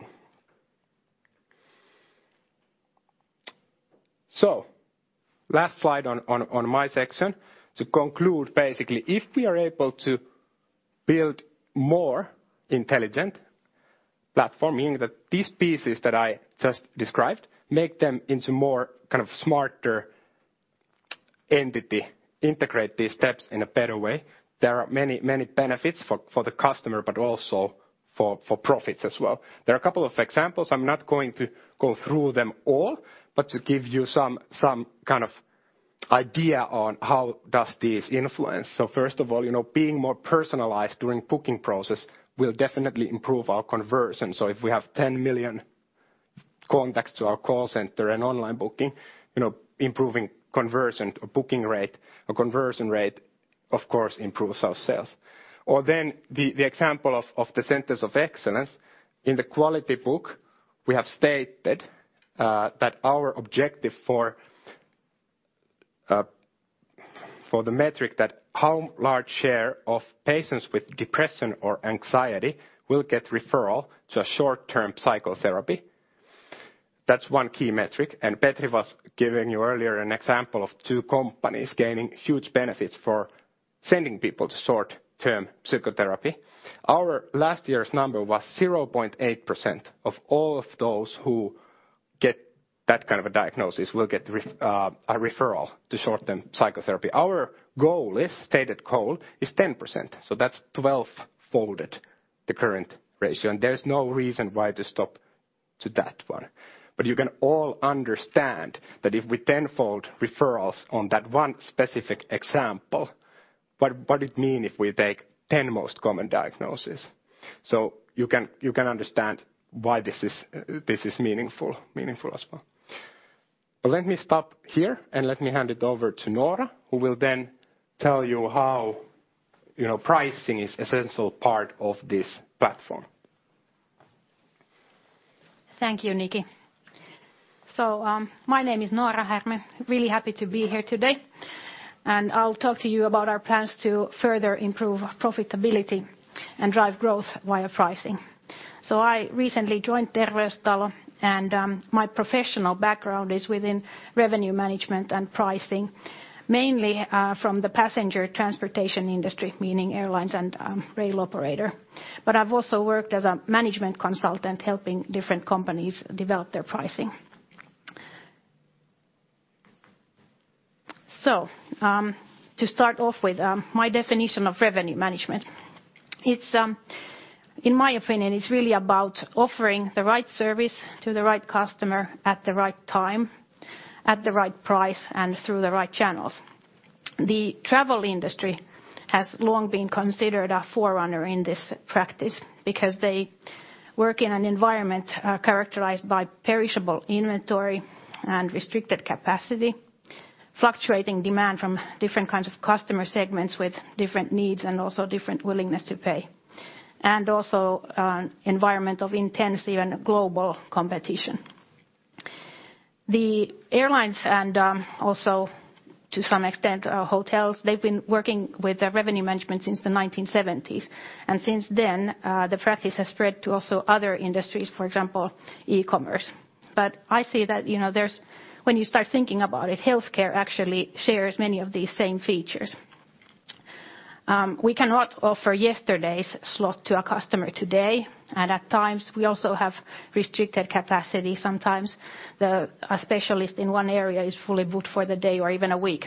Last slide on my section. To conclude, basically, if we are able to build more intelligent platform, meaning that these pieces that I just described, make them into more kind of smarter entity, integrate these steps in a better way, there are many benefits for the customer but also for profits as well. There are a couple of examples. I'm not going to go through them all, but to give you some kind of idea on how does this influence. First of all, being more personalized during booking process will definitely improve our conversion. If we have 10 million contacts to our call center and online booking, improving conversion or booking rate or conversion rate, of course, improves our sales. The example of the centers of excellence. In the quality book, we have stated that our objective for the metric that how large share of patients with depression or anxiety will get referral to a short-term psychotherapy. That's one key metric. Petri was giving you earlier an example of two companies gaining huge benefits for sending people to short-term psychotherapy. Our last year's number was 0.8% of all of those who get that kind of a diagnosis, will get a referral to short-term psychotherapy. Our stated goal is 10%, so that's twelvefold the current ratio, and there's no reason why to stop to that one. You can all understand that if we tenfold referrals on that one specific example, what it mean if we take 10 most common diagnoses? You can understand why this is meaningful as well. Let me stop here, and let me hand it over to Noora, who will then tell you how pricing is essential part of this platform. Thank you, Niki. My name is Noora Härmä. Really happy to be here today, and I'll talk to you about our plans to further improve profitability and drive growth via pricing. I recently joined Terveystalo, and my professional background is within revenue management and pricing, mainly from the passenger transportation industry, meaning airlines and rail operator. I've also worked as a management consultant, helping different companies develop their pricing. To start off with my definition of revenue management. In my opinion, it's really about offering the right service to the right customer at the right time, at the right price, and through the right channels. The travel industry has long been considered a forerunner in this practice because they work in an environment characterized by perishable inventory and restricted capacity, fluctuating demand from different kinds of customer segments with different needs and also different willingness to pay, and also an environment of intense even global competition. The airlines and also to some extent, hotels, they've been working with revenue management since the 1970s, and since then, the practice has spread to also other industries, for example, e-commerce. I see that when you start thinking about it, healthcare actually shares many of these same features. We cannot offer yesterday's slot to a customer today, and at times we also have restricted capacity. Sometimes a specialist in one area is fully booked for the day or even a week.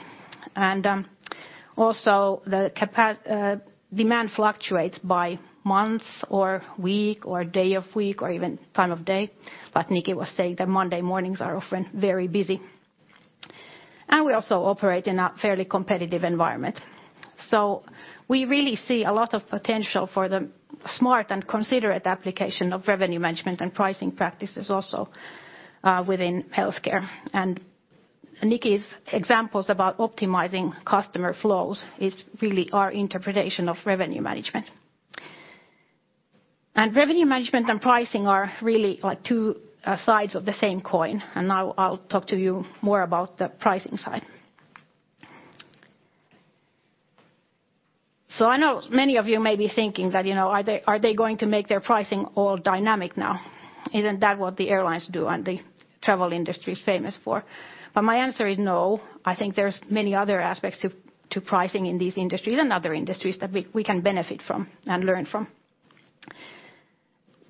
Also the demand fluctuates by month or week or day of week or even time of day, but Niki was saying that Monday mornings are often very busy. We also operate in a fairly competitive environment. We really see a lot of potential for the smart and considerate application of revenue management and pricing practices also within healthcare. Niki's examples about optimizing customer flows is really our interpretation of revenue management. Revenue management and pricing are really two sides of the same coin, and now I'll talk to you more about the pricing side. I know many of you may be thinking that, "Are they going to make their pricing all dynamic now? Isn't that what the airlines do and the travel industry is famous for?" My answer is no. I think there's many other aspects to pricing in these industries and other industries that we can benefit from and learn from.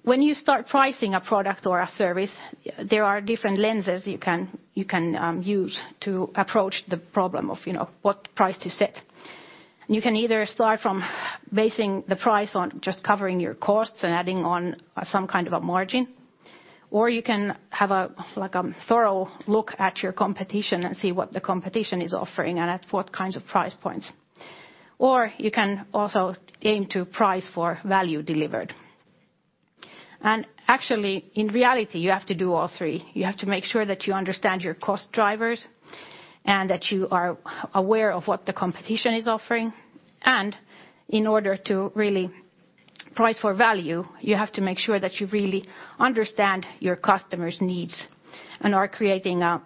When you start pricing a product or a service, there are different lenses you can use to approach the problem of what price to set. You can either start from basing the price on just covering your costs and adding on some kind of a margin, you can have a thorough look at your competition and see what the competition is offering and at what kinds of price points. You can also aim to price for value delivered. Actually, in reality, you have to do all three. You have to make sure that you understand your cost drivers and that you are aware of what the competition is offering. In order to really price for value, you have to make sure that you really understand your customers' needs and are creating a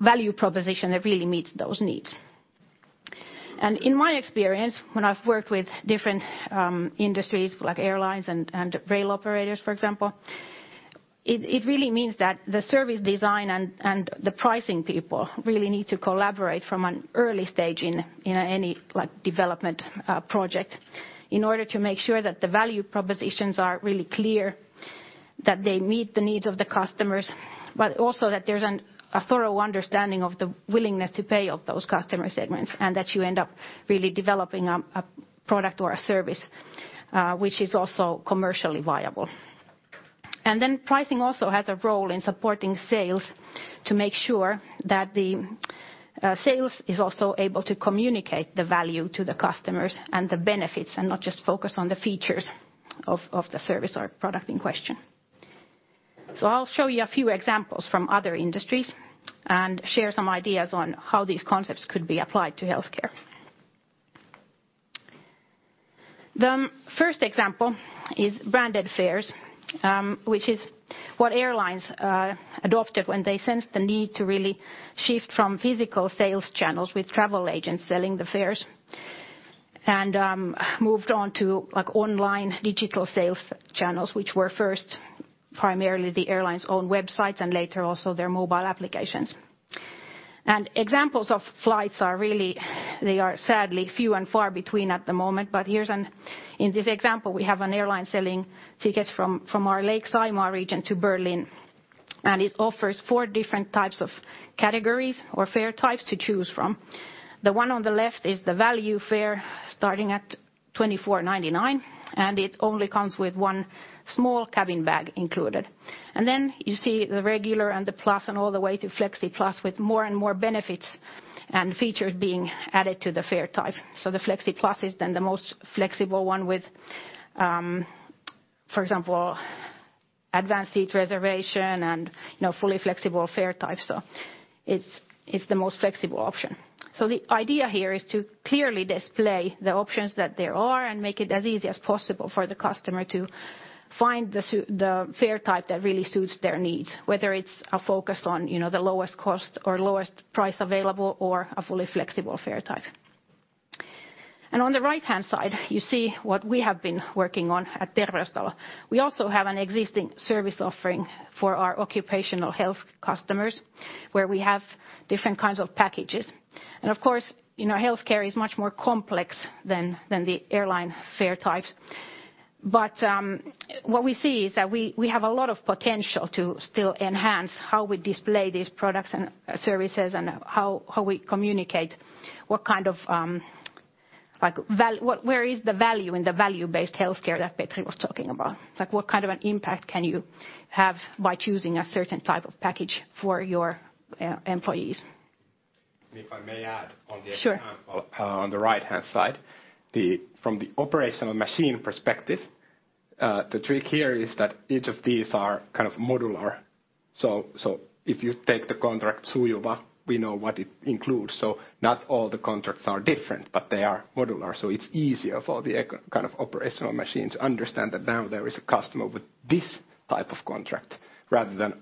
value proposition that really meets those needs. In my experience, when I've worked with different industries like airlines and rail operators, for example, it really means that the service design and the pricing people really need to collaborate from an early stage in any development project in order to make sure that the value propositions are really clear, that they meet the needs of the customers, but also that there's a thorough understanding of the willingness to pay of those customer segments, and that you end up really developing a product or a service which is also commercially viable. Pricing also has a role in supporting sales to make sure that the sales is also able to communicate the value to the customers and the benefits and not just focus on the features of the service or product in question. I'll show you a few examples from other industries and share some ideas on how these concepts could be applied to healthcare. The first example is branded fares, which is what airlines adopted when they sensed the need to really shift from physical sales channels with travel agents selling the fares and moved on to online digital sales channels, which were first primarily the airline's own website and later also their mobile applications. Examples of flights are really, they are sadly few and far between at the moment, but in this example, we have an airline selling tickets from our Lake Saimaa region to Berlin, and it offers four different types of categories or fare types to choose from. The one on the left is the value fare starting at 24.99. It only comes with one small cabin bag included. Then you see the regular and the plus and all the way to Flexi Plus with more and more benefits and features being added to the fare type. The Flexi Plus is then the most flexible one with, for example, advanced seat reservation and fully flexible fare type. It's the most flexible option. The idea here is to clearly display the options that there are and make it as easy as possible for the customer to find the fare type that really suits their needs, whether it's a focus on the lowest cost or lowest price available or a fully flexible fare type. On the right-hand side, you see what we have been working on at Terveystalo. We also have an existing service offering for our occupational health customers, where we have different kinds of packages. Of course, healthcare is much more complex than the airline fare types. What we see is that we have a lot of potential to still enhance how we display these products and services and how we communicate where is the value in the value-based healthcare that Petri was talking about. What kind of an impact can you have by choosing a certain type of package for your employees? And if I may add on the? Sure. On the right-hand side, from the operational machine perspective, the trick here is that each of these are kind of modular. If you take the contract, Sujuva, we know what it includes. Not all the contracts are different, but they are modular, so it's easier for the kind of operational machines understand that now there is a customer with this type of contract, rather than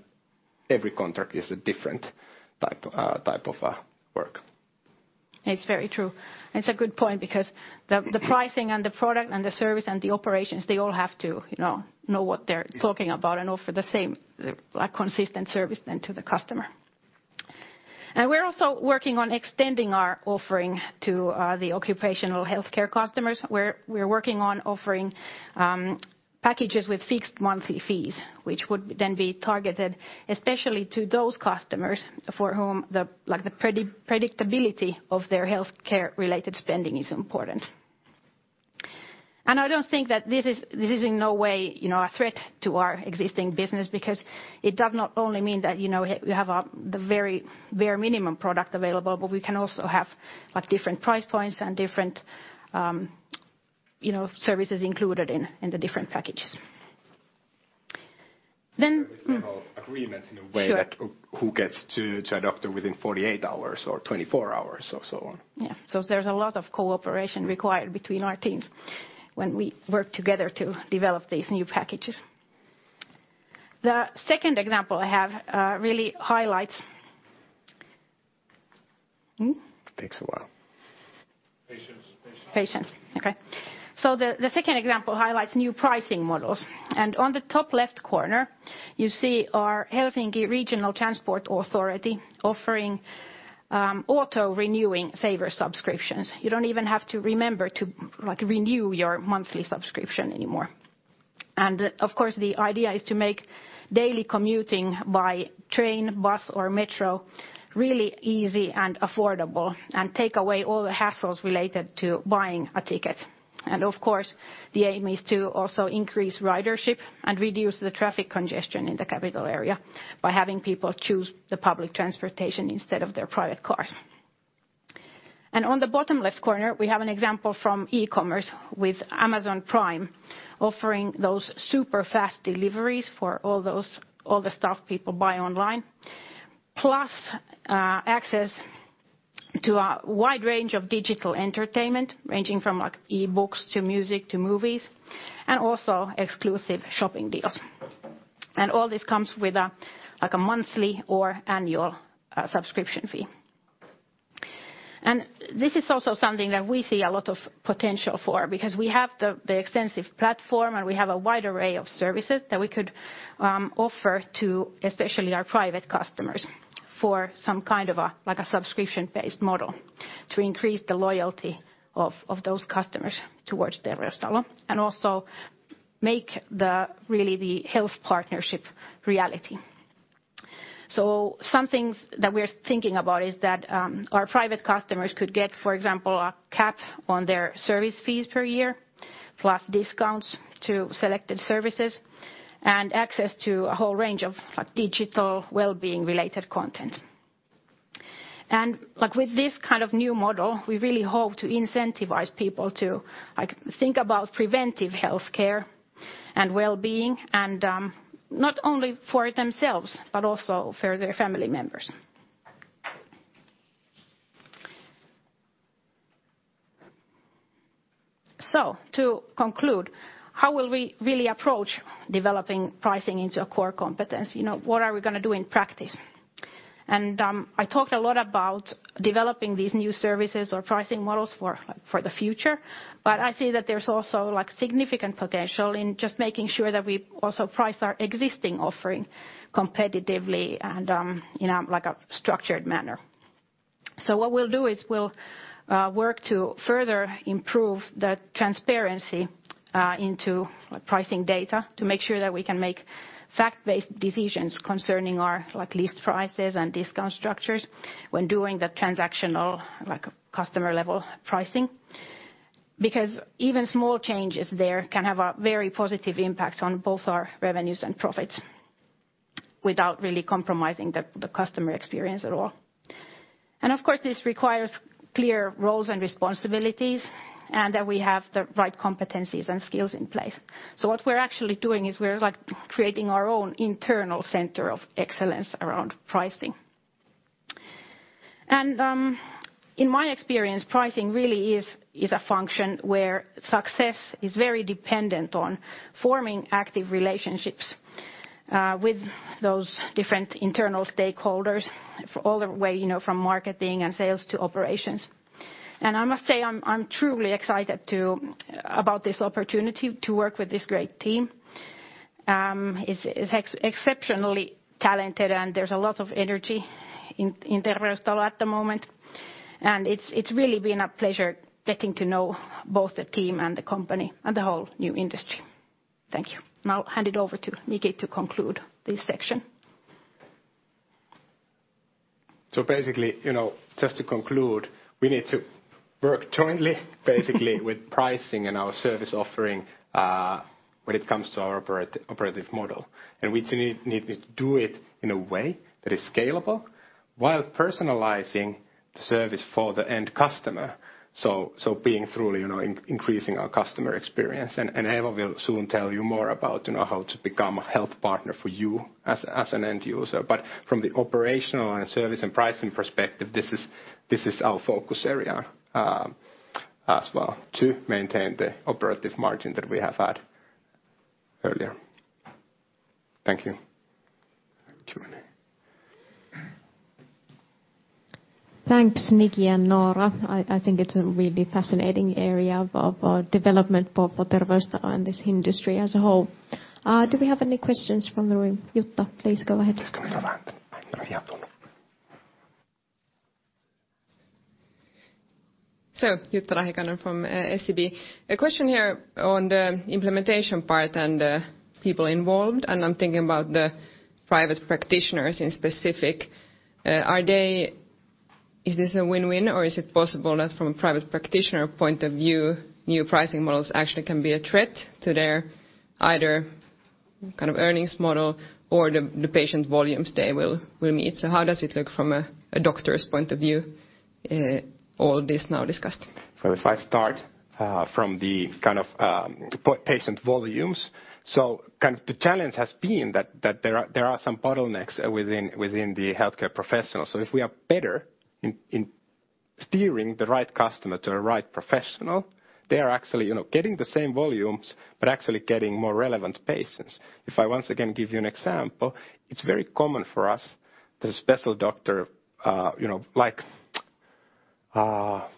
every contract is a different type of work. It's very true. It's a good point because the pricing and the product and the service and the operations, they all have to know what they're talking about and offer the same consistent service then to the customer. We're also working on extending our offering to the occupational healthcare customers, where we're working on offering packages with fixed monthly fees, which would then be targeted especially to those customers for whom the predictability of their healthcare related spending is important. I don't think that this is in no way a threat to our existing business because it does not only mean that we have the very bare minimum product available, but we can also have different price points and different services included in the different packages. Service level agreements in a way that. Sure. Who gets to a doctor within 48 hours or 24 hours or so on. There's a lot of cooperation required between our teams when we work together to develop these new packages. The second example I have really highlights. Takes a while. Patience. Patience. Okay. The second example highlights new pricing models. On the top left corner, you see our Helsinki Regional Transport Authority offering auto-renewing saver subscriptions. You don't even have to remember to renew your monthly subscription anymore. Of course, the idea is to make daily commuting by train, bus, or metro really easy and affordable and take away all the hassles related to buying a ticket. Of course, the aim is to also increase ridership and reduce the traffic congestion in the capital area by having people choose the public transportation instead of their private cars. On the bottom left corner, we have an example from e-commerce with Amazon Prime offering those super-fast deliveries for all the stuff people buy online. Plus, access to a wide range of digital entertainment, ranging from eBooks to music to movies, and also exclusive shopping deals. All this comes with a monthly or annual subscription fee. This is also something that we see a lot of potential for because we have the extensive platform and we have a wide array of services that we could offer to especially our private customers for some kind of a subscription-based model to increase the loyalty of those customers towards Terveystalo, and also make really the health partnership reality. Some things that we're thinking about is that our private customers could get, for example, a cap on their service fees per year, plus discounts to selected services and access to a whole range of digital wellbeing related content. With this kind of new model, we really hope to incentivize people to think about preventive healthcare and wellbeing, and not only for themselves, but also for their family members. To conclude, how will we really approach developing pricing into a core competence? What are we going to do in practice? I talked a lot about developing these new services or pricing models for the future, but I see that there's also significant potential in just making sure that we also price our existing offering competitively and in a structured manner. What we'll do is we'll work to further improve the transparency into pricing data to make sure that we can make fact-based decisions concerning our list prices and discount structures when doing the transactional customer level pricing, because even small changes there can have a very positive impact on both our revenues and profits without really compromising the customer experience at all. Of course, this requires clear roles and responsibilities, and that we have the right competencies and skills in place. What we're actually doing is we're creating our own internal center of excellence around pricing. In my experience, pricing really is a function where success is very dependent on forming active relationships with those different internal stakeholders, all the way from marketing and sales to operations. I must say, I'm truly excited about this opportunity to work with this great team. It's exceptionally talented, and there's a lot of energy in Terveystalo at the moment, and it's really been a pleasure getting to know both the team and the company and the whole new industry. Thank you. I'll hand it over to Niki to conclude this section. Basically, just to conclude, we need to work jointly basically with pricing and our service offering when it comes to our operative model. We need to do it in a way that is scalable while personalizing the service for the end customer. Being truly increasing our customer experience. Eeva will soon tell you more about how to become a health partner for you as an end user. From the operational and service and pricing perspective, this is our focus area as well, to maintain the operative margin that we have had earlier. Thank you. Thank you. Thanks, Nikki and Noora. I think it's a really fascinating area of development for Terveystalo and this industry as a whole. Do we have any questions from the room? Jutta, please go ahead. Jutta Rahikainen from SEB. A question here on the implementation part and the people involved, and I am thinking about the private practitioners in specific. Is this a win-win, or is it possible that from a private practitioner point of view, new pricing models actually can be a threat to their either kind of earnings model or the patient volumes they will meet? How does it look from a doctor's point of view all this now discussed? If I start from the kind of patient volumes. The challenge has been that there are some bottlenecks within the healthcare professionals. If we are better in steering the right customer to the right professional, they are actually getting the same volumes but actually getting more relevant patients. If I once again give you an example, it's very common for us that a special doctor like What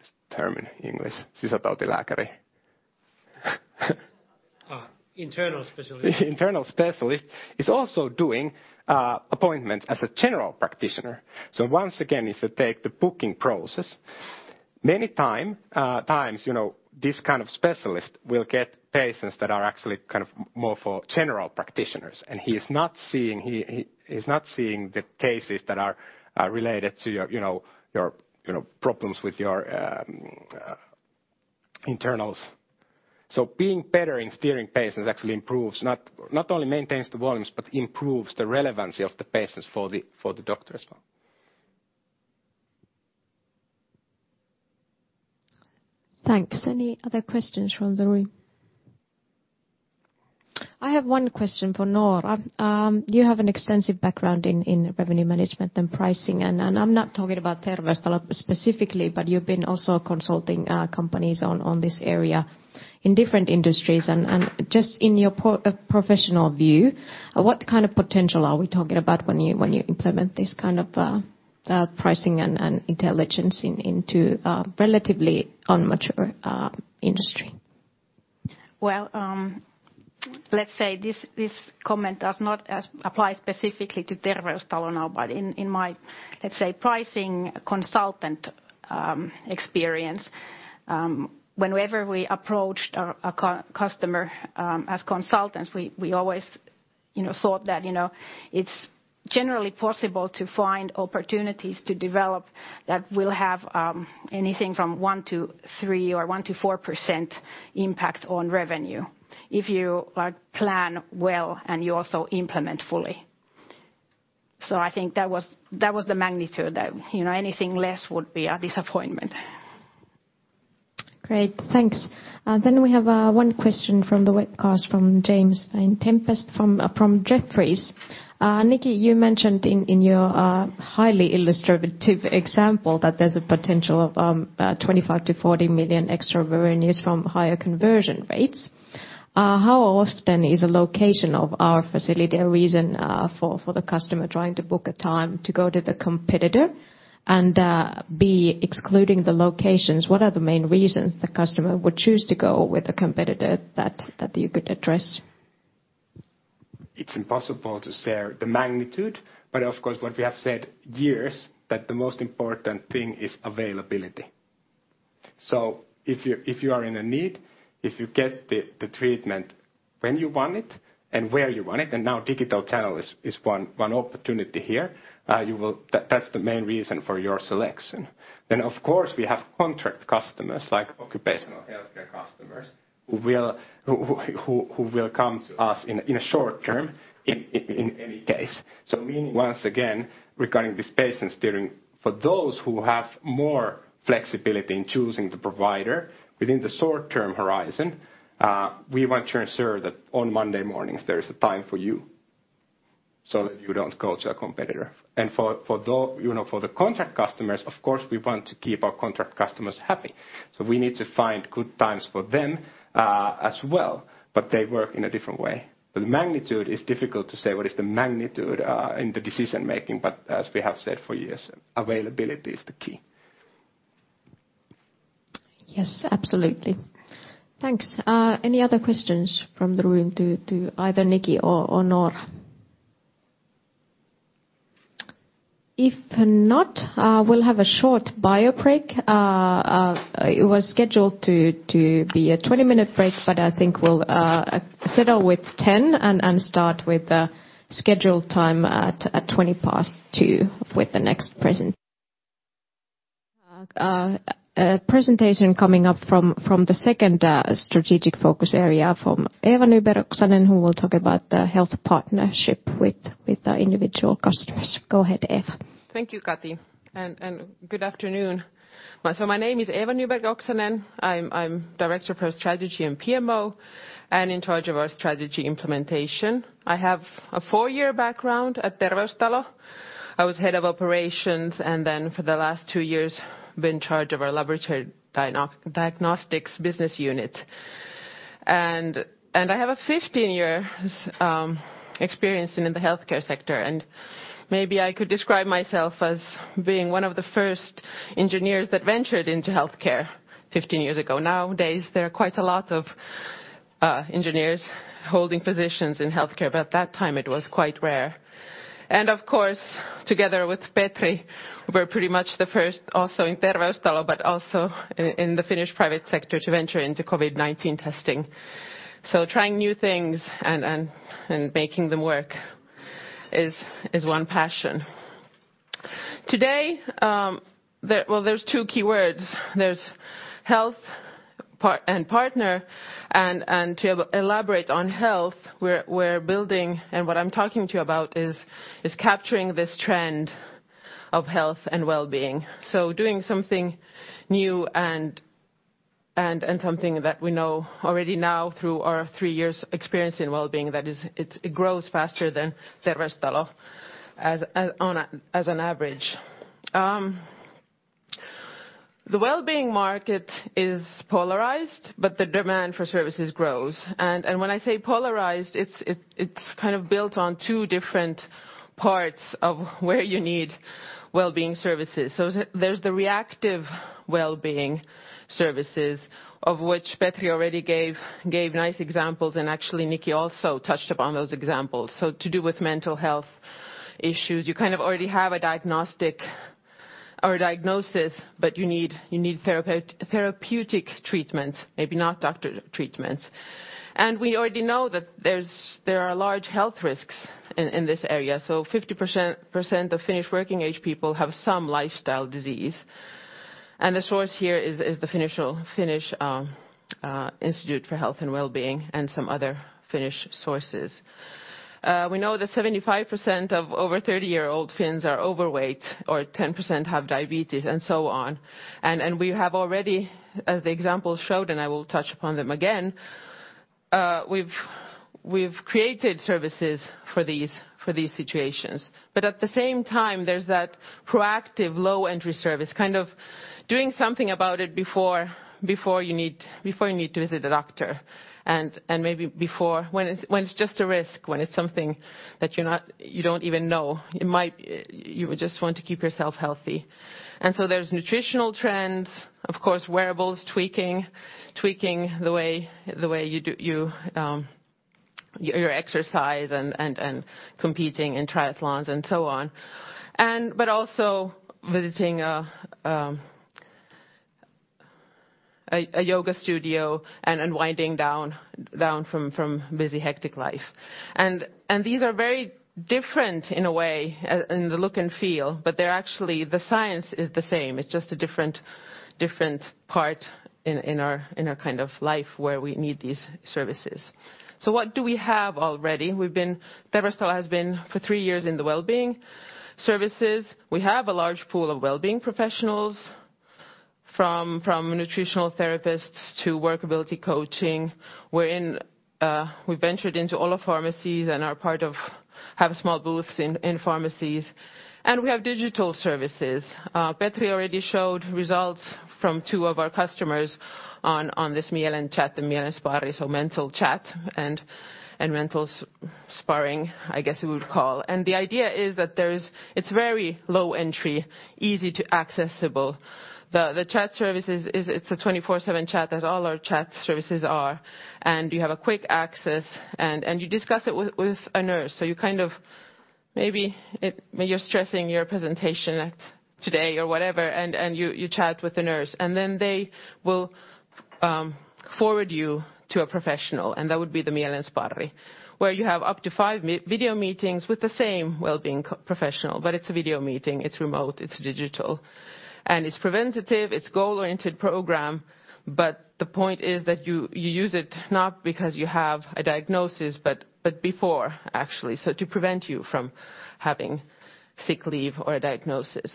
is the term in English? Sisätautilääkäri. Internal specialist. Internal specialist is also doing appointments as a general practitioner. Once again, if you take the booking process, many times this kind of specialist will get patients that are actually more for general practitioners, and he is not seeing the cases that are related to your problems with your internals. Being better in steering patients actually improves, not only maintains the volumes, but improves the relevancy of the patients for the doctor as well. Thanks. Any other questions from the room? I have one question for Noora. You have an extensive background in revenue management and pricing, and I'm not talking about Terveystalo specifically, but you've been also consulting companies on this area in different industries. Just in your professional view, what kind of potential are we talking about when you implement this kind of pricing and intelligence into a relatively immature industry? Well, let's say this comment does not apply specifically to Terveystalo now. In my, let's say, pricing consultant experience, whenever we approached a customer as consultants, we always thought that it's generally possible to find opportunities to develop that will have anything from 1%-3% or 1%-4% impact on revenue if you plan well and you also implement fully. I think that was the magnitude, that anything less would be a disappointment. Great. Thanks. We have one question from the webcast from James Vane-Tempest from Jefferies. Nikki, you mentioned in your highly illustrative example that there's a potential of 25 million-40 million extra revenues from higher conversion rates. How often is the location of our facility a reason for the customer trying to book a time to go to the competitor? B, excluding the locations, what are the main reasons the customer would choose to go with a competitor that you could address? It's impossible to share the magnitude, but of course, what we have said years, that the most important thing is availability. If you are in a need, if you get the treatment when you want it and where you want it, and now digital channel is one opportunity here, that's the main reason for your selection. Of course, we have contract customers like occupational healthcare customers who will come to us in a short term in any case. Once again, regarding this patient steering, for those who have more flexibility in choosing the provider within the short-term horizon, we want to ensure that on Monday mornings there is a time for you, so that you don't go to a competitor. For the contract customers, of course, we want to keep our contract customers happy, so we need to find good times for them as well, but they work in a different way. The magnitude is difficult to say what is the magnitude in the decision-making, but as we have said for years, availability is the key. Yes, absolutely. Thanks. Any other questions from the room to either Nikki or Noora? If not, we'll have a short bio break. It was scheduled to be a 20-minute break, but I think we'll settle with 10 and start with the scheduled time at 2:20 with the next presentation coming up from the second strategic focus area from Eeva Nyberg-Oksanen, who will talk about the health partnership with individual customers. Go ahead, Eeva. Thank you, Kati, and good afternoon. My name is Eeva Nyberg-Oksanen. I'm Director for Strategy and PMO and in charge of our strategy implementation. I have a four-year background at Terveystalo. I was Head of Operations, and then for the last two years, been in charge of our laboratory diagnostics business unit. I have a 15 years experience in the healthcare sector, and maybe I could describe myself as being one of the first engineers that ventured into healthcare 15 years ago. Nowadays, there are quite a lot of engineers holding positions in healthcare, but at that time it was quite rare. Of course, together with Petri, we're pretty much the first also in Terveystalo, but also in the Finnish private sector to venture into COVID-19 testing. Trying new things and making them work is one passion. Today, well, there's two keywords. There's health and partner, and to elaborate on health, we're building, and what I'm talking to you about is capturing this trend of health and wellbeing. Doing something new and something that we know already now through our three years experience in wellbeing, that it grows faster than Terveystalo as an average. The wellbeing market is polarized, but the demand for services grows. When I say polarized, it's kind of built on two different parts of where you need wellbeing services. There's the reactive wellbeing services of which Petri already gave nice examples, and actually Niki also touched upon those examples. To do with mental health issues, you kind of already have a diagnostic or a diagnosis, but you need therapeutic treatments, maybe not doctor treatments. We already know that there are large health risks in this area. 50% of Finnish working age people have some lifestyle disease, and the source here is the Finnish Institute for Health and Welfare and some other Finnish sources. We know that 75% of over 30-year-old Finns are overweight, or 10% have diabetes and so on. We have already, as the examples showed, and I will touch upon them again, we've created services for these situations. At the same time, there's that proactive low entry service, kind of doing something about it before you need to visit a doctor, and maybe before when it's just a risk, when it's something that you don't even know. You would just want to keep yourself healthy. There's nutritional trends, of course, wearables, tweaking your exercise and competing in triathlons and so on. Also visiting a yoga studio and unwinding down from busy, hectic life. These are very different in a way in the look and feel, but actually the science is the same. It's just a different part in our kind of life where we need these services. What do we have already? Terveystalo has been for three years in the wellbeing services. We have a large pool of wellbeing professionals, from nutritional therapists to workability coaching. We ventured into all our pharmacies and have small booths in pharmacies, and we have digital services. Petri already showed results from two of our customers on this Mielen Chat and Mielen Sparri, so mental chat and mental sparring, I guess you would call. The idea is that it's very low entry, easy to accessible. The chat services, it's a 24/7 chat as all our chat services are. You have a quick access, and you discuss it with a nurse. Maybe you're stressing your presentation today or whatever, and you chat with a nurse, and then they will forward you to a professional, and that would be the Mielen Sparri, where you have up to five video meetings with the same wellbeing professional, but it's a video meeting, it's remote, it's digital. It's preventative, it's goal-oriented program, but the point is that you use it not because you have a diagnosis, but before actually, so to prevent you from having sick leave or a diagnosis.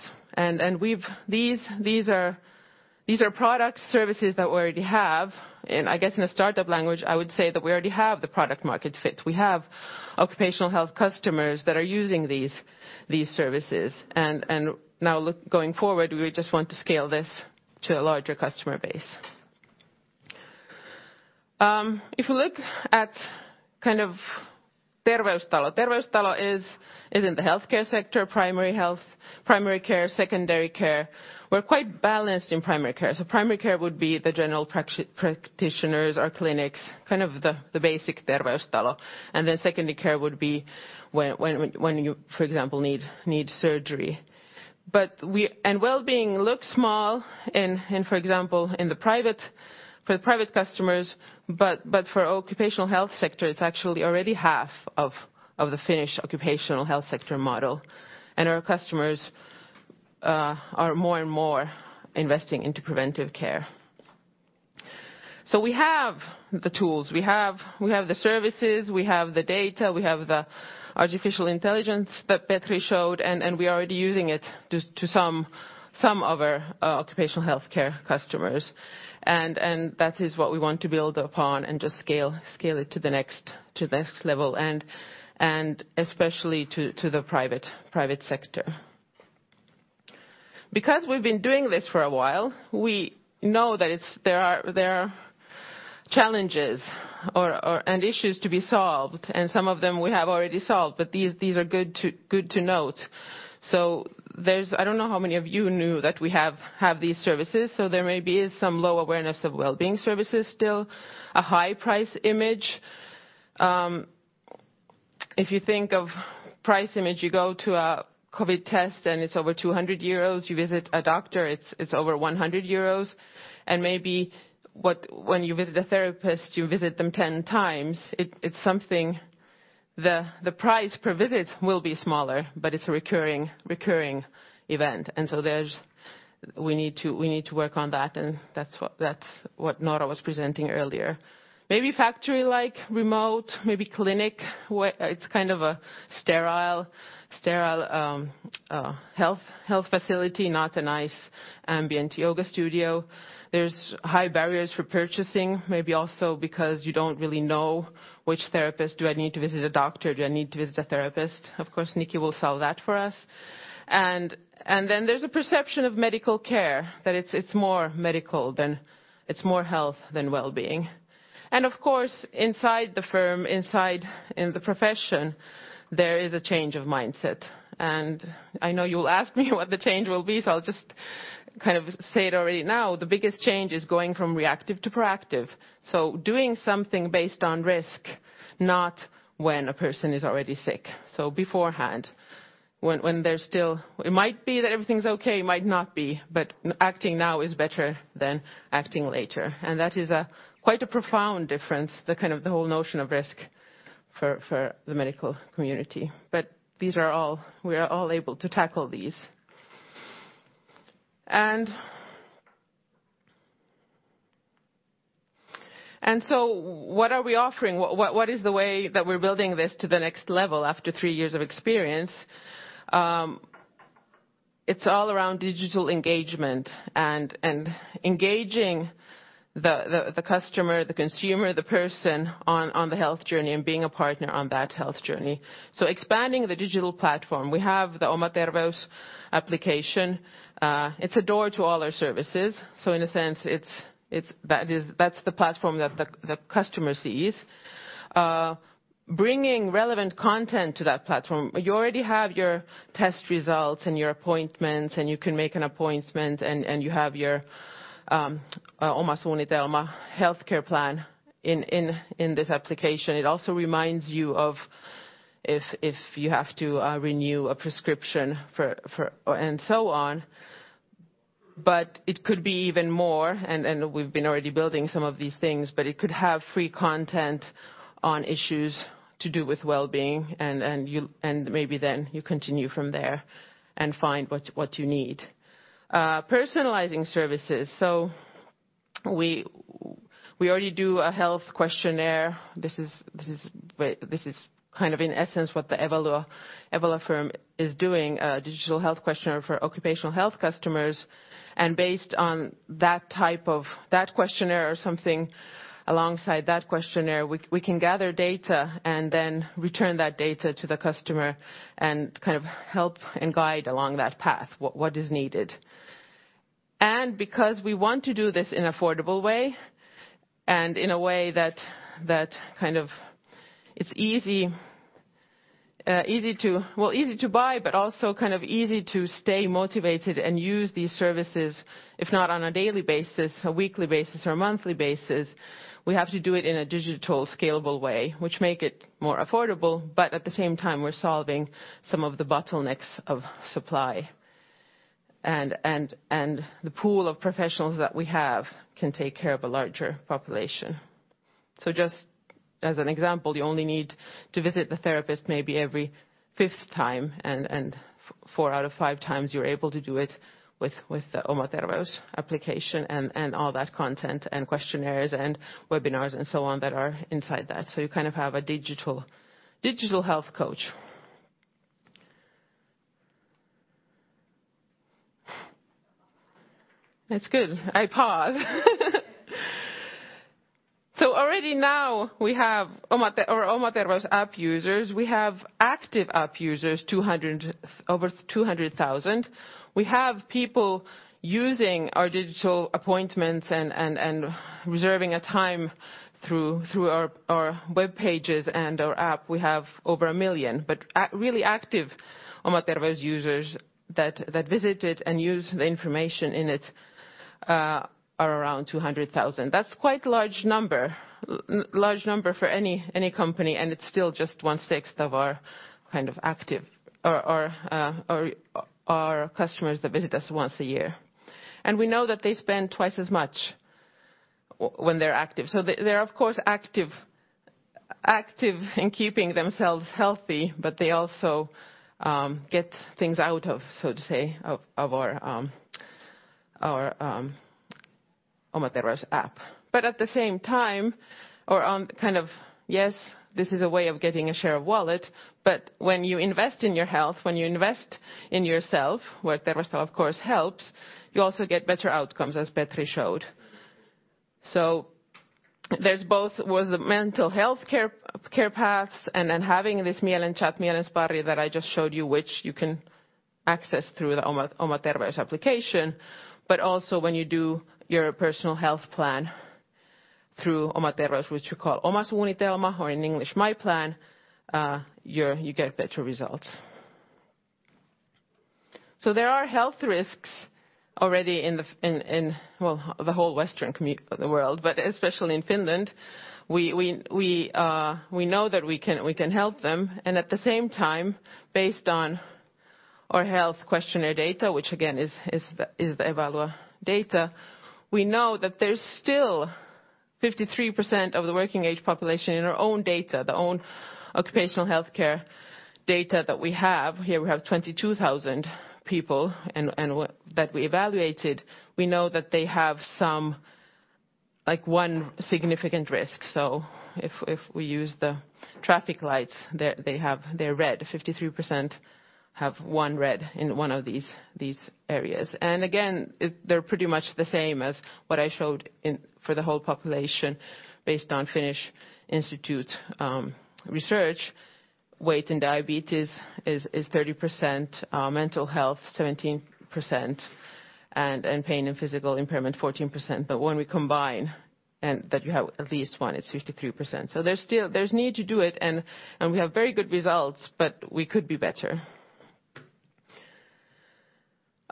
These are products, services that we already have, and I guess in a startup language, I would say that we already have the product market fit. We have occupational health customers that are using these services. Now going forward, we just want to scale this to a larger customer base. If you look at Terveystalo. Terveystalo is in the healthcare sector, primary health, primary care, secondary care. We're quite balanced in primary care. Primary care would be the general practitioners or clinics, kind of the basic Terveystalo. Secondary care would be when you, for example, need surgery. Wellbeing looks small for the private customers, but for occupational health sector, it's actually already half of the Finnish occupational health sector model. Our customers are more and more investing into preventive care. We have the tools, we have the services, we have the data, we have the artificial intelligence that Petri showed, and we are already using it to some of our occupational healthcare customers. That is what we want to build upon and just scale it to the next level and especially to the private sector. We've been doing this for a while, we know that there are challenges and issues to be solved, and some of them we have already solved, but these are good to note. I don't know how many of you knew that we have these services. There may be some low awareness of wellbeing services still, a high price image. If you think of price image, you go to a COVID test and it's over 200 euros, you visit a doctor, it's over 100 euros. Maybe when you visit a therapist, you visit them 10x. The price per visit will be smaller, but it's a recurring event. We need to work on that, and that's what Noora was presenting earlier. Maybe factory-like remote, maybe clinic, it's kind of a sterile health facility, not a nice ambient yoga studio. There's high barriers for purchasing, maybe also because you don't really know which therapist. Do I need to visit a doctor? Do I need to visit a therapist? Of course, Nikki will sell that for us. Then there's a perception of medical care, that it's more health than wellbeing. Of course, inside the firm, in the profession, there is a change of mindset. I know you'll ask me what the change will be, so I'll just kind of say it already now. The biggest change is going from reactive to proactive. Doing something based on risk, not when a person is already sick. Beforehand, it might be that everything's okay, it might not be, but acting now is better than acting later. That is quite a profound difference, the kind of the whole notion of risk for the medical community. We are all able to tackle these. What are we offering? What is the way that we're building this to the next level after three years of experience? It's all around digital engagement and engaging the customer, the consumer, the person on the health journey and being a partner on that health journey. Expanding the digital platform. We have the Oma Terveys application. It's a door to all our services. In a sense, that's the platform that the customer sees. Bringing relevant content to that platform. You already have your test results and your appointments, and you can make an appointment, and you have your Oma Suunnitelma healthcare plan in this application. It also reminds you if you have to renew a prescription and so on. It could be even more, and we've been already building some of these things, but it could have free content on issues to do with wellbeing, and maybe then you continue from there and find what you need. Personalizing services. We already do a health questionnaire. This is kind of in essence what the Evalua firm is doing, a digital health questionnaire for occupational health customers. Based on that questionnaire or something alongside that questionnaire, we can gather data and then return that data to the customer and kind of help and guide along that path what is needed. Because we want to do this in affordable way and in a way that kind of it's easy to buy but also kind of easy to stay motivated and use these services if not on a daily basis, a weekly basis, or a monthly basis, we have to do it in a digital scalable way, which make it more affordable, but at the same time we're solving some of the bottlenecks of supply. The pool of professionals that we have can take care of a larger population. Just as an example, you only need to visit the therapist maybe every fifth time, and four out of five times you're able to do it with the Oma Terveys application and all that content and questionnaires and webinars and so on that are inside that. You kind of have a digital health coach. That's good. I pause. Already now we have Oma Terveys app users. We have active app users, over 200,000. We have people using our digital appointments and reserving a time through our webpages and our app. We have over a million. Really active Oma Terveys users that visited and use the information in it are around 200,000. That's quite a large number for any company, and it's still just 1/6 of our customers that visit us once a year. We know that they spend twice as much when they're active. They're, of course, active in keeping themselves healthy, but they also get things out of our Oma Terveys app. At the same time, yes, this is a way of getting a share of wallet, but when you invest in your health, when you invest in yourself, where Terveystalo, of course, helps, you also get better outcomes, as Petri showed. There's both the mental health care paths and then having this Mielen Chat, Mielen Sparri, that I just showed you, which you can access through the Oma Terveys application. Also when you do your personal health plan through Oma Terveys, which we call Oma Suunnitelma, or in English, My Plan, you get better results. There are health risks already in the whole Western world, but especially in Finland. We know that we can help them. At the same time, based on our health questionnaire data, which again, is the Evalua data, we know that there's still 53% of the working-age population in our own data, our own occupational healthcare data that we have. Here we have 22,000 people that we evaluated. We know that they have one significant risk. If we use the traffic lights, they're red. 53% have one red in one of these areas. Again, they're pretty much the same as what I showed for the whole population based on Finnish Institute research. Weight and diabetes is 30%, mental health 17%, and pain and physical impairment 14%. When we combine, and that you have at least one, it's 53%. There's need to do it, and we have very good results, but we could be better.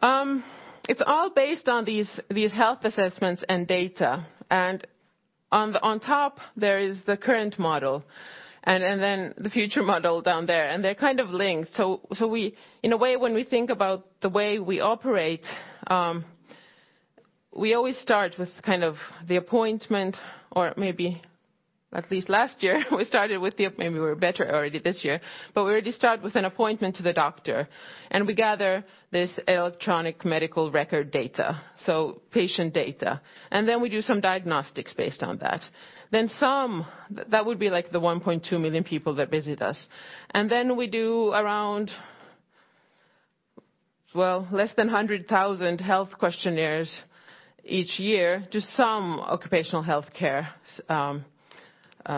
It's all based on these health assessments and data. On top, there is the current model, and then the future model down there, and they're kind of linked. In a way, when we think about the way we operate, we always start with the appointment. Maybe we're better already this year, but we already start with an appointment to the doctor, and we gather this electronic medical record data, so patient data. We do some diagnostics based on that. That would be like the 1.2 million people that visit us. We do around less than 100,000 health questionnaires each year to some occupational healthcare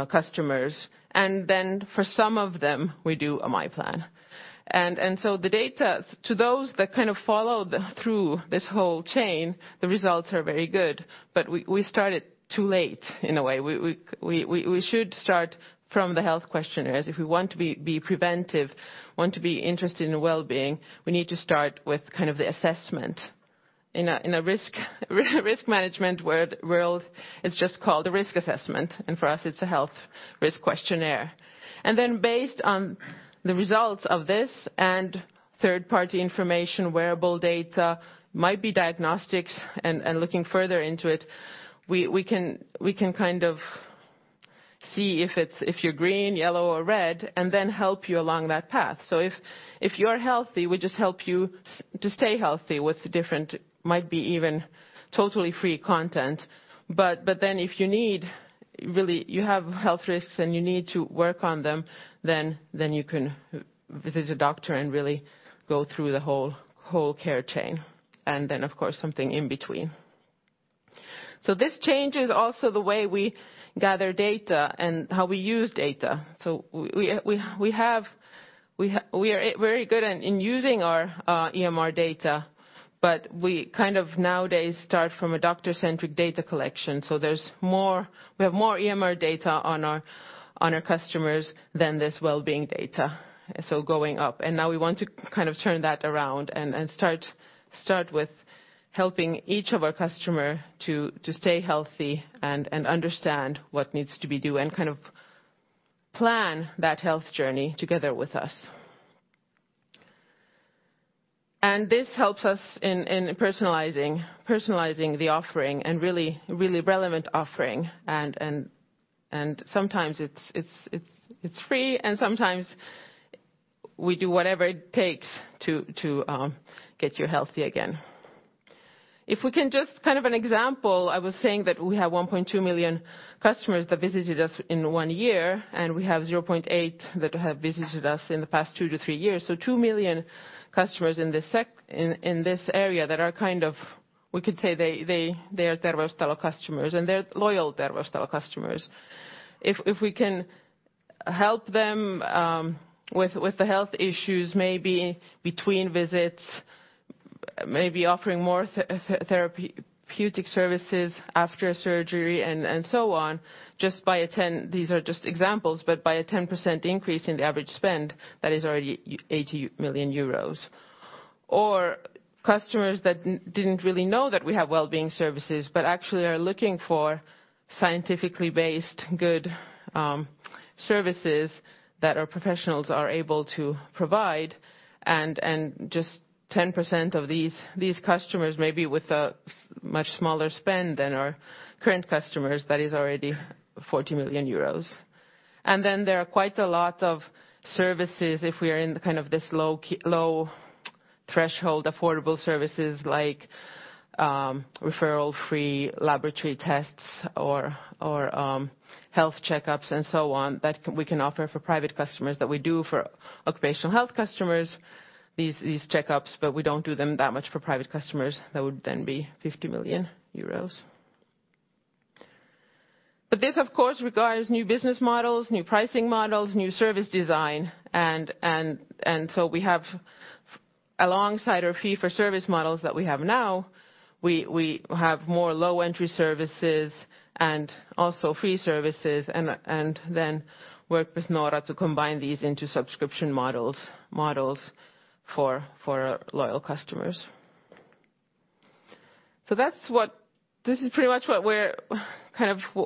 customers. For some of them, we do a My Plan. The data to those that followed through this whole chain, the results are very good, but we started too late, in a way. We should start from the health questionnaires. If we want to be preventive, want to be interested in wellbeing, we need to start with the assessment. In a risk management world, it's just called a risk assessment, and for us, it's a health risk questionnaire. Based on the results of this and third-party information, wearable data, might be diagnostics, and looking further into it, we can see if you're green, yellow, or red, and then help you along that path. If you are healthy, we just help you to stay healthy with different, might be even totally free content. If you have health risks and you need to work on them, then you can visit a doctor and really go through the whole care chain. Then, of course, something in between. This changes also the way we gather data and how we use data. We are very good in using our EMR data, but we nowadays start from a doctor-centric data collection. We have more EMR data on our customers than this wellbeing data. Going up. Now we want to turn that around and start with helping each of our customer to stay healthy and understand what needs to be done, and kind of plan that health journey together with us. This helps us in personalizing the offering and really relevant offering. Sometimes it's free, and sometimes we do whatever it takes to get you healthy again. If we can just, kind of an example, I was saying that we have 1.2 million customers that visited us in one year, and we have 0.8 that have visited us in the past two to three years. 2 million customers in this area that are, we could say they are Terveystalo customers, and they're loyal Terveystalo customers. If we can help them with the health issues, maybe between visits, maybe offering more therapeutic services after a surgery and so on. These are just examples. By a 10% increase in the average spend, that is already 80 million euros. Customers that didn't really know that we have wellbeing services but actually are looking for scientifically based good services that our professionals are able to provide, and just 10% of these customers, maybe with a much smaller spend than our current customers, that is already 40 million euros. There are quite a lot of services if we are in this low-threshold, affordable services like referral-free laboratory tests or health checkups and so on, that we can offer for private customers that we do for occupational health customers, these checkups, but we don't do them that much for private customers. That would then be 50 million euros. This, of course, requires new business models, new pricing models, new service design. We have, alongside our fee-for-service models that we have now, we have more low-entry services and also free services, and then work with Noora to combine these into subscription models for our loyal customers. This is pretty much what we're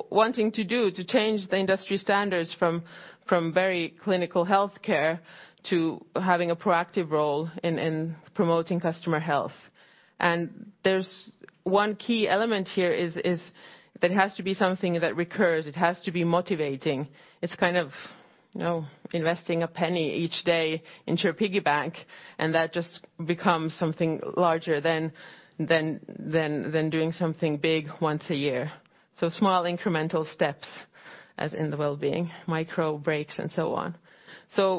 wanting to do to change the industry standards from very clinical healthcare to having a proactive role in promoting customer health. There's one key element here is it has to be something that recurs. It has to be motivating. It's kind of investing a penny each day into your piggy bank, and that just becomes something larger than doing something big once a year. Small incremental steps, as in the wellbeing, micro-breaks and so on.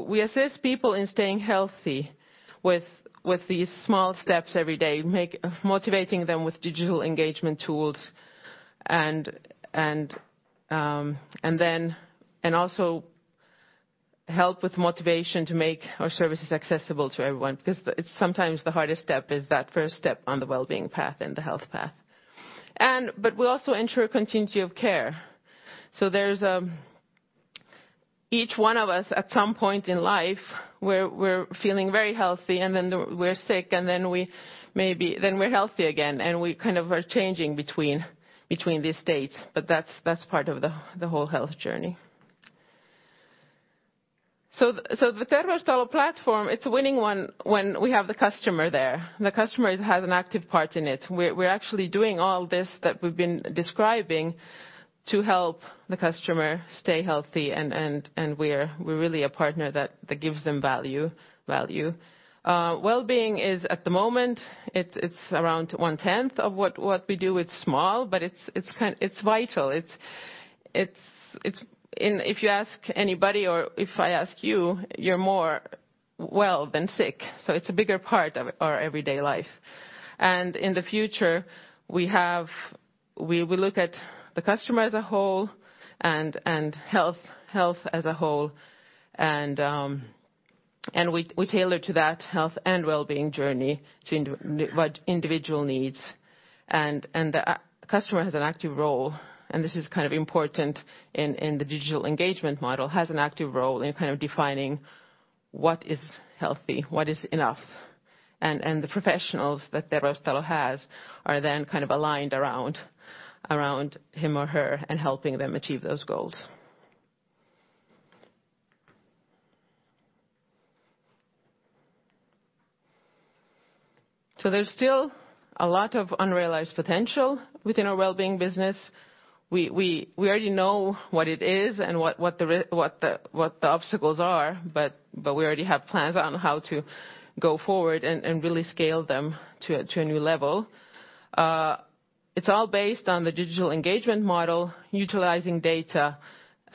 We assist people in staying healthy with these small steps every day, motivating them with digital engagement tools, and also help with motivation to make our services accessible to everyone. Because sometimes the hardest step is that first step on the wellbeing path and the health path. We also ensure continuity of care. Each one of us, at some point in life, we're feeling very healthy, and then we're sick, and then we're healthy again, and we kind of are changing between these states. That's part of the whole health journey. The Terveystalo platform, it's a winning one when we have the customer there. The customer has an active part in it. We're actually doing all this that we've been describing to help the customer stay healthy, and we're really a partner that gives them value. Wellbeing is, at the moment, it's around one-tenth of what we do. It's small, but it's vital. If you ask anybody or if I ask you're more well than sick, so it's a bigger part of our everyday life. In the future, we will look at the customer as a whole and health as a whole, and we tailor to that health and wellbeing journey to individual needs. The customer has an active role, and this is kind of important in the digital engagement model, has an active role in kind of defining what is healthy, what is enough. The professionals that Terveystalo has are then kind of aligned around him or her and helping them achieve those goals. There's still a lot of unrealized potential within our wellbeing business. We already know what it is and what the obstacles are, but we already have plans on how to go forward and really scale them to a new level. It's all based on the digital engagement model, utilizing data,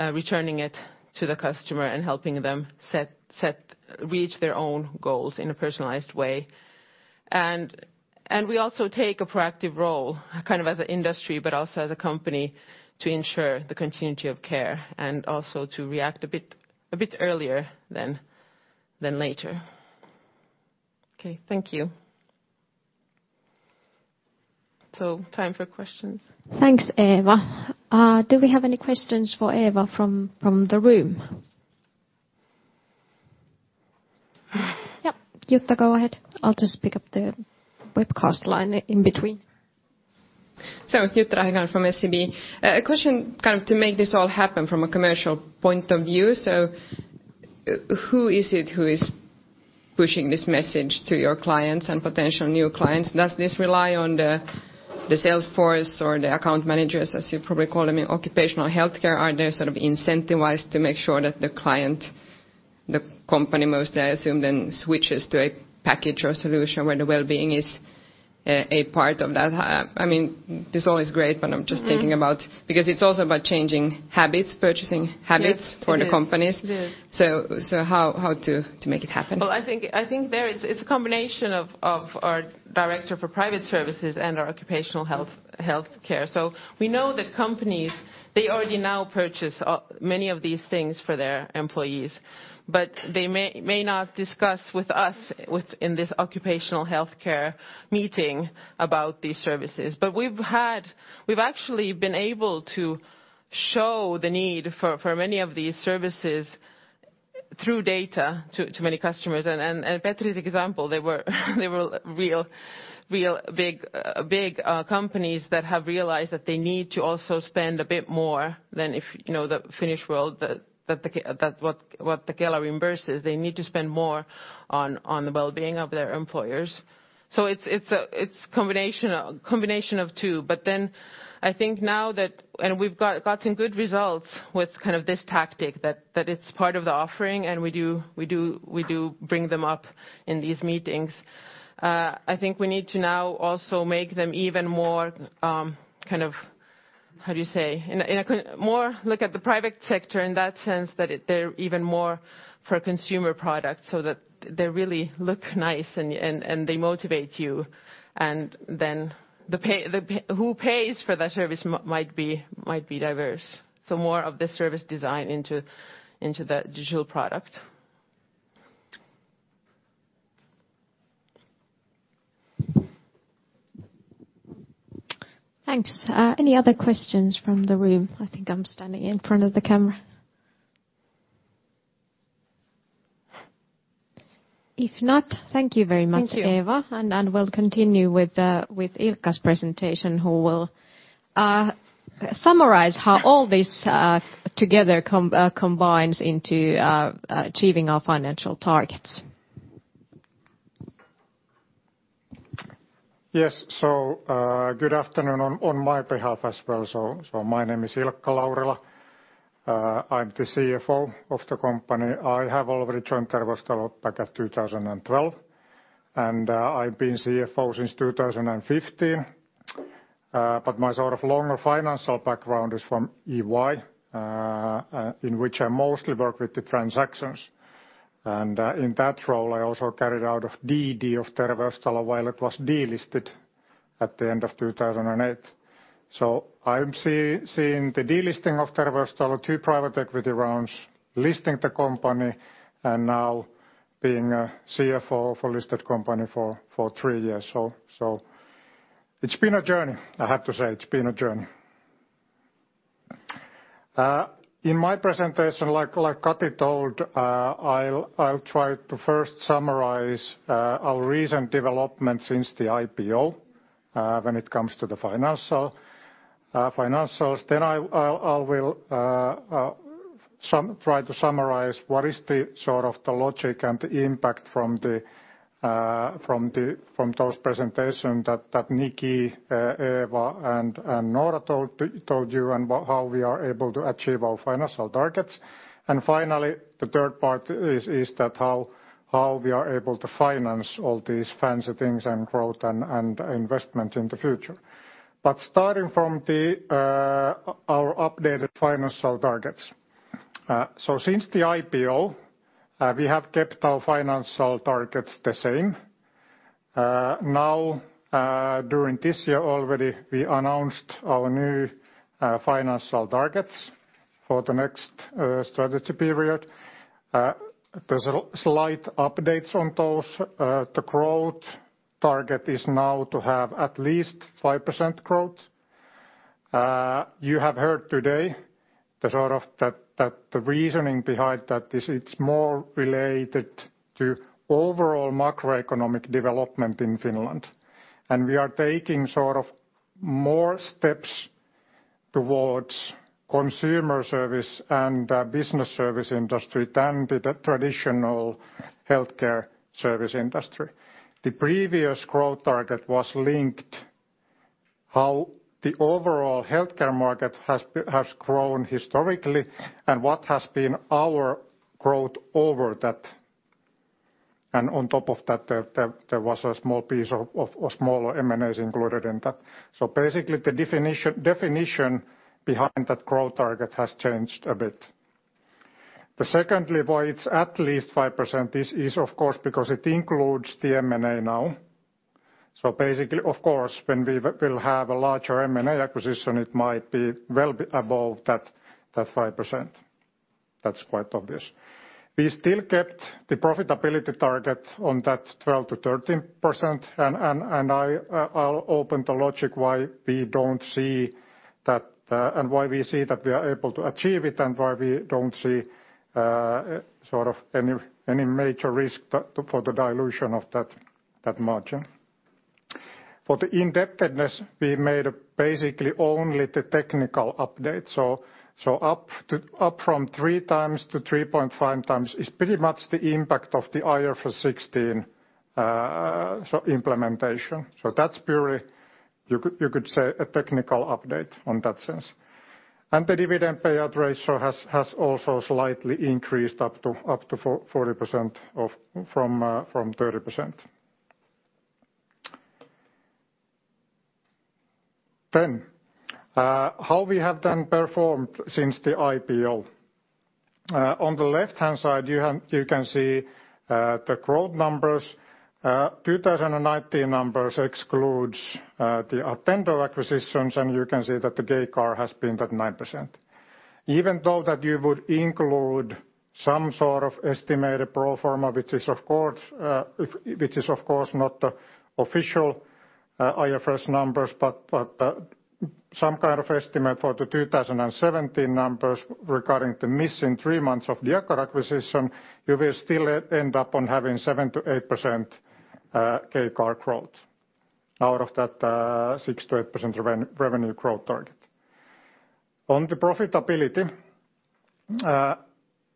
returning it to the customer, and helping them reach their own goals in a personalized way. We also take a proactive role, kind of as an industry, but also as a company, to ensure the continuity of care and also to react a bit earlier than later. Okay. Thank you. Time for questions. Thanks, Eeva. Do we have any questions for Eeva from the room? Jutta, go ahead. I'll just pick up the webcast line in between. Jutta Rahikainen from SEB. A question to make this all happen from a commercial point of view. Who is it who is pushing this message to your clients and potential new clients? Does this rely on the sales force or the account managers, as you probably call them in occupational healthcare? Are they incentivized to make sure that the client, the company mostly, I assume, then switches to a package or solution where the wellbeing is a part of that? This all is great. I'm just thinking about because it's also about changing habits, purchasing habits. Yes, it is. For the companies. It is. How to make it happen? Well, I think there it's a combination of our director for private services and our occupational healthcare. We know that companies, they already now purchase many of these things for their employees, but they may not discuss with us within this occupational healthcare meeting about these services. We've actually been able to show the need for many of these services through data to many customers. Petri's example, they were big companies that have realized that they need to also spend a bit more than if, the Finnish word, what the Kela reimburses. They need to spend more on the wellbeing of their employers. It's combination of two. I think now that And we've got some good results with this tactic, that it's part of the offering, and we do bring them up in these meetings. I think we need to now also make them even more, how do you say, look at the private sector in that sense, that they're even more for a consumer product, so that they really look nice, and they motivate you, and then who pays for that service might be diverse. More of the service design into the digital product. Thanks. Any other questions from the room? I think I'm standing in front of the camera. If not, thank you very much. Thank you. Eeva, we'll continue with Ilkka's presentation, who will summarize how all this together combines into achieving our financial targets. Yes. Good afternoon on my behalf as well. My name is Ilkka Laurila. I'm the CFO of the company. I have already joined Terveystalo back at 2012, and I've been CFO since 2015. My longer financial background is from EY, in which I mostly worked with the transactions. In that role, I also carried out of DD of Terveystalo while it was delisted at the end of 2008. I'm seeing the delisting of Terveystalo, two private equity rounds, listing the company, and now being a CFO of a listed company for three years. It's been a journey, I have to say. It's been a journey. In my presentation, like Kati told, I'll try to first summarize our recent development since the IPO, when it comes to the financials. I will try to summarize what is the logic and the impact from those presentation that Niki, Eeva and Noora told you, and about how we are able to achieve our financial targets. Finally, the third part is that how we are able to finance all these fancy things and growth and investment in the future. Starting from our updated financial targets. Since the IPO, we have kept our financial targets the same. Now, during this year already, we announced our new financial targets for the next strategy period. There's slight updates on those. The growth target is now to have at least 5% growth. You have heard today that the reasoning behind that is it's more related to overall macroeconomic development in Finland. We are taking more steps towards consumer service and business service industry than the traditional healthcare service industry. The previous growth target was linked how the overall healthcare market has grown historically, and what has been our growth over that. On top of that, there was a small piece of a smaller M&As included in that. Basically, the definition behind that growth target has changed a bit. Secondly, why it's at least 5% is, of course, because it includes the M&A now. Basically, of course, when we will have a larger M&A acquisition, it might be well above that 5%. That's quite obvious. We still kept the profitability target on that 12%-13%, and I'll open the logic why we see that we are able to achieve it, and why we don't see any major risk for the dilution of that margin. For the indebtedness, we made basically only the technical updates. Up from 3x to 3.5x is pretty much the impact of the IFRS 16 implementation. That's purely, you could say, a technical update on that sense. The dividend payout ratio has also slightly increased up to 40% from 30%. How we have then performed since the IPO. On the left-hand side, you can see the growth numbers. 2019 numbers excludes the Attendo acquisitions, and you can see that the CAGR has been at 9%. Even though that you would include some sort of estimated pro forma, which is, of course, not the official IFRS numbers, but some kind of estimate for the 2017 numbers regarding the missing three months of the Diacor acquisition, you will still end up on having 7%-8% CAGR growth out of that 6%-8% revenue growth target. On the profitability,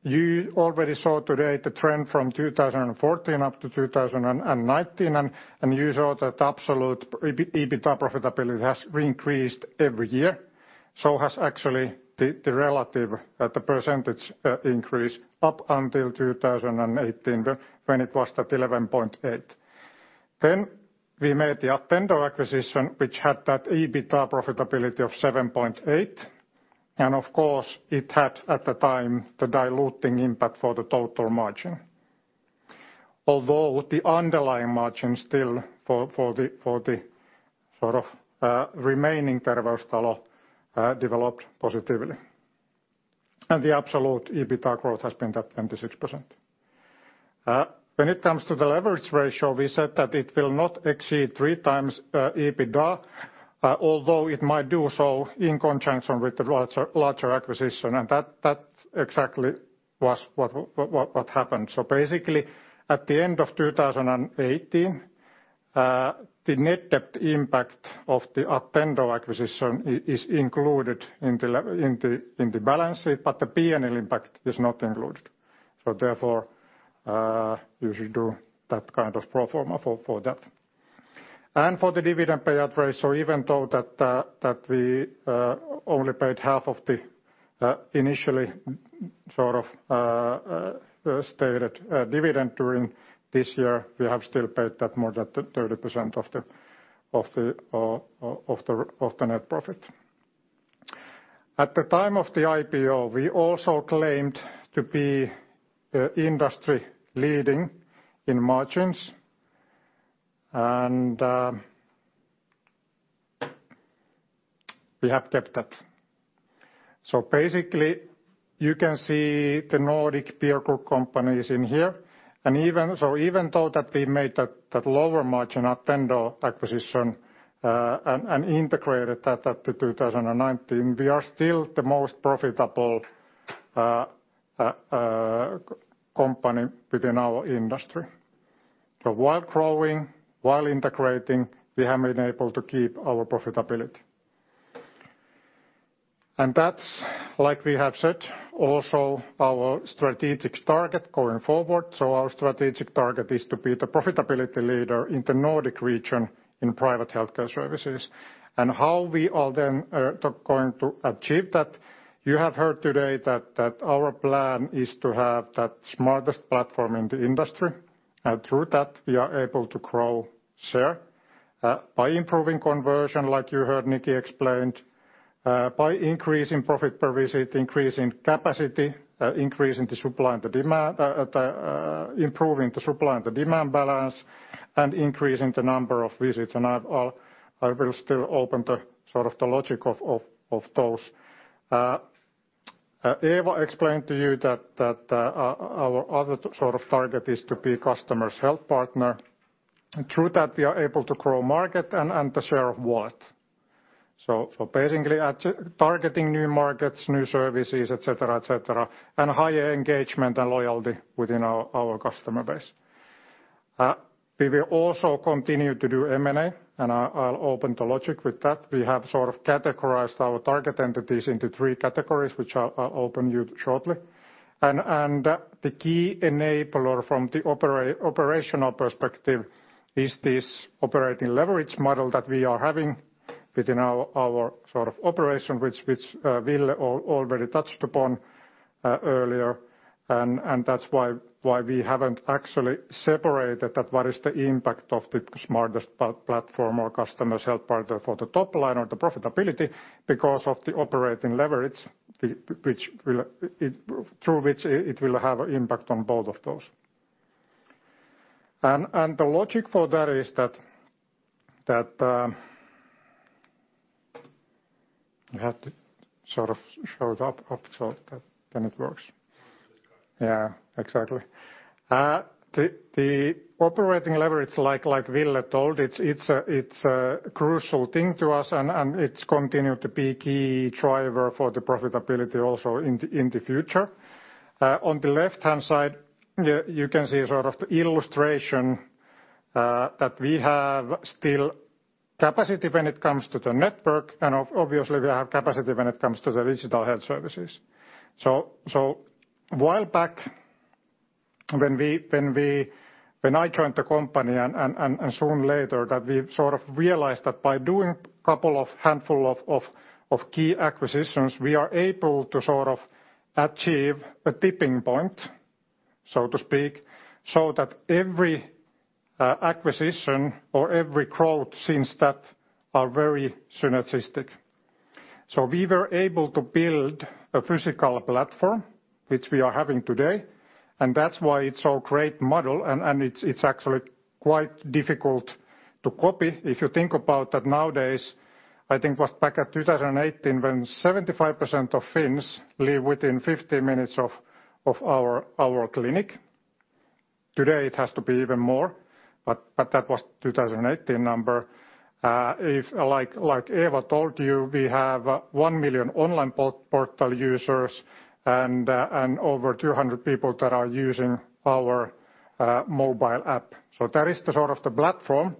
you already saw today the trend from 2014 up to 2019. You saw that absolute EBITDA profitability has increased every year. Has actually the relative, the percentage increase up until 2018 when it was at 11.8%. We made the Attendo acquisition, which had that EBITDA profitability of 7.8%. Of course, it had at the time the diluting impact for the total margin. Although the underlying margin still for the remaining Terveystalo developed positively. The absolute EBITDA growth has been at 26%. When it comes to the leverage ratio, we said that it will not exceed three times EBITDA, although it might do so in conjunction with the larger acquisition. That exactly was what happened. At the end of 2018, the net debt impact of the Attendo acquisition is included in the balance sheet, but the P&L impact is not included. Therefore, you should do that kind of pro forma for that. For the dividend payout ratio, even though that we only paid half of the initially stated dividend during this year, we have still paid that more than 30% of the net profit. At the time of the IPO, we also claimed to be industry leading in margins, and we have kept that. You can see the Nordic peer group companies in here. Even though that we made that lower margin Attendo acquisition, and integrated that up to 2019, we are still the most profitable company within our industry. While growing, while integrating, we have been able to keep our profitability. That's, like we have said, also our strategic target going forward. Our strategic target is to be the profitability leader in the Nordic region in private healthcare services. How we are then going to achieve that, you have heard today that our plan is to have that smartest platform in the industry. Through that, we are able to grow share by improving conversion, like you heard Nikki explained, by increasing profit per visit, increasing capacity, increasing the supply and the demand, improving the supply and the demand balance, and increasing the number of visits. I will still open the logic of those. Eeva explained to you that our other target is to be customer's health partner. Through that, we are able to grow market and the share of wallet. Basically targeting new markets, new services, et cetera, et cetera, and higher engagement and loyalty within our customer base. We will also continue to do M&A, and I'll open the logic with that. We have categorized our target entities into 3 categories, which I'll open you shortly. The key enabler from the operational perspective is this operating leverage model that we are having within our operation, which Ville already touched upon earlier. That's why we haven't actually separated that what is the impact of the smartest platform or customer self-partner for the top line or the profitability because of the operating leverage through which it will have an impact on both of those. The logic for that is that you have to show it up so that then it works. Yeah, exactly. The operating leverage, like Ville told, it's a crucial thing to us, and it's continued to be key driver for the profitability also in the future. On the left-hand side-You can see an illustration that we have still capacity when it comes to the network, and obviously we have capacity when it comes to the digital health services. A while back when I joined the company and soon later that we realized that by doing couple of handful of key acquisitions, we are able to achieve a tipping point, so to speak, so that every acquisition or every growth since that are very synergistic. We were able to build a physical platform, which we are having today, and that's why it's so great model and it's actually quite difficult to copy. If you think about that nowadays, I think it was back at 2018 when 75% of Finns live within 15 minutes of our clinic. Today it has to be even more, that was 2018 number. Like Eeva told you, we have 1 million online portal users and over 200 people that are using our mobile app. That is the platform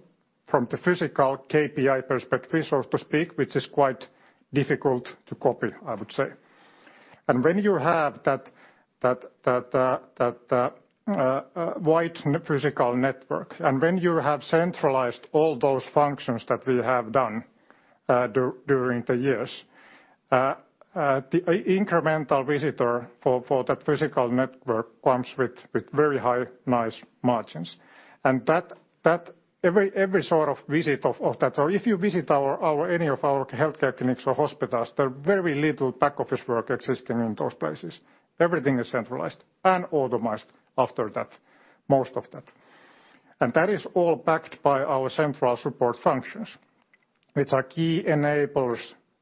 from the physical KPI perspective, so to speak, which is quite difficult to copy, I would say. When you have that wide physical network, and when you have centralized all those functions that we have done during the years, the incremental visitor for that physical network comes with very high, nice margins and every visit of that or if you visit any of our healthcare clinics or hospitals, there are very little back office work existing in those places. Everything is centralized and automized after that, most of that. That is all backed by our central support functions, which are key enablers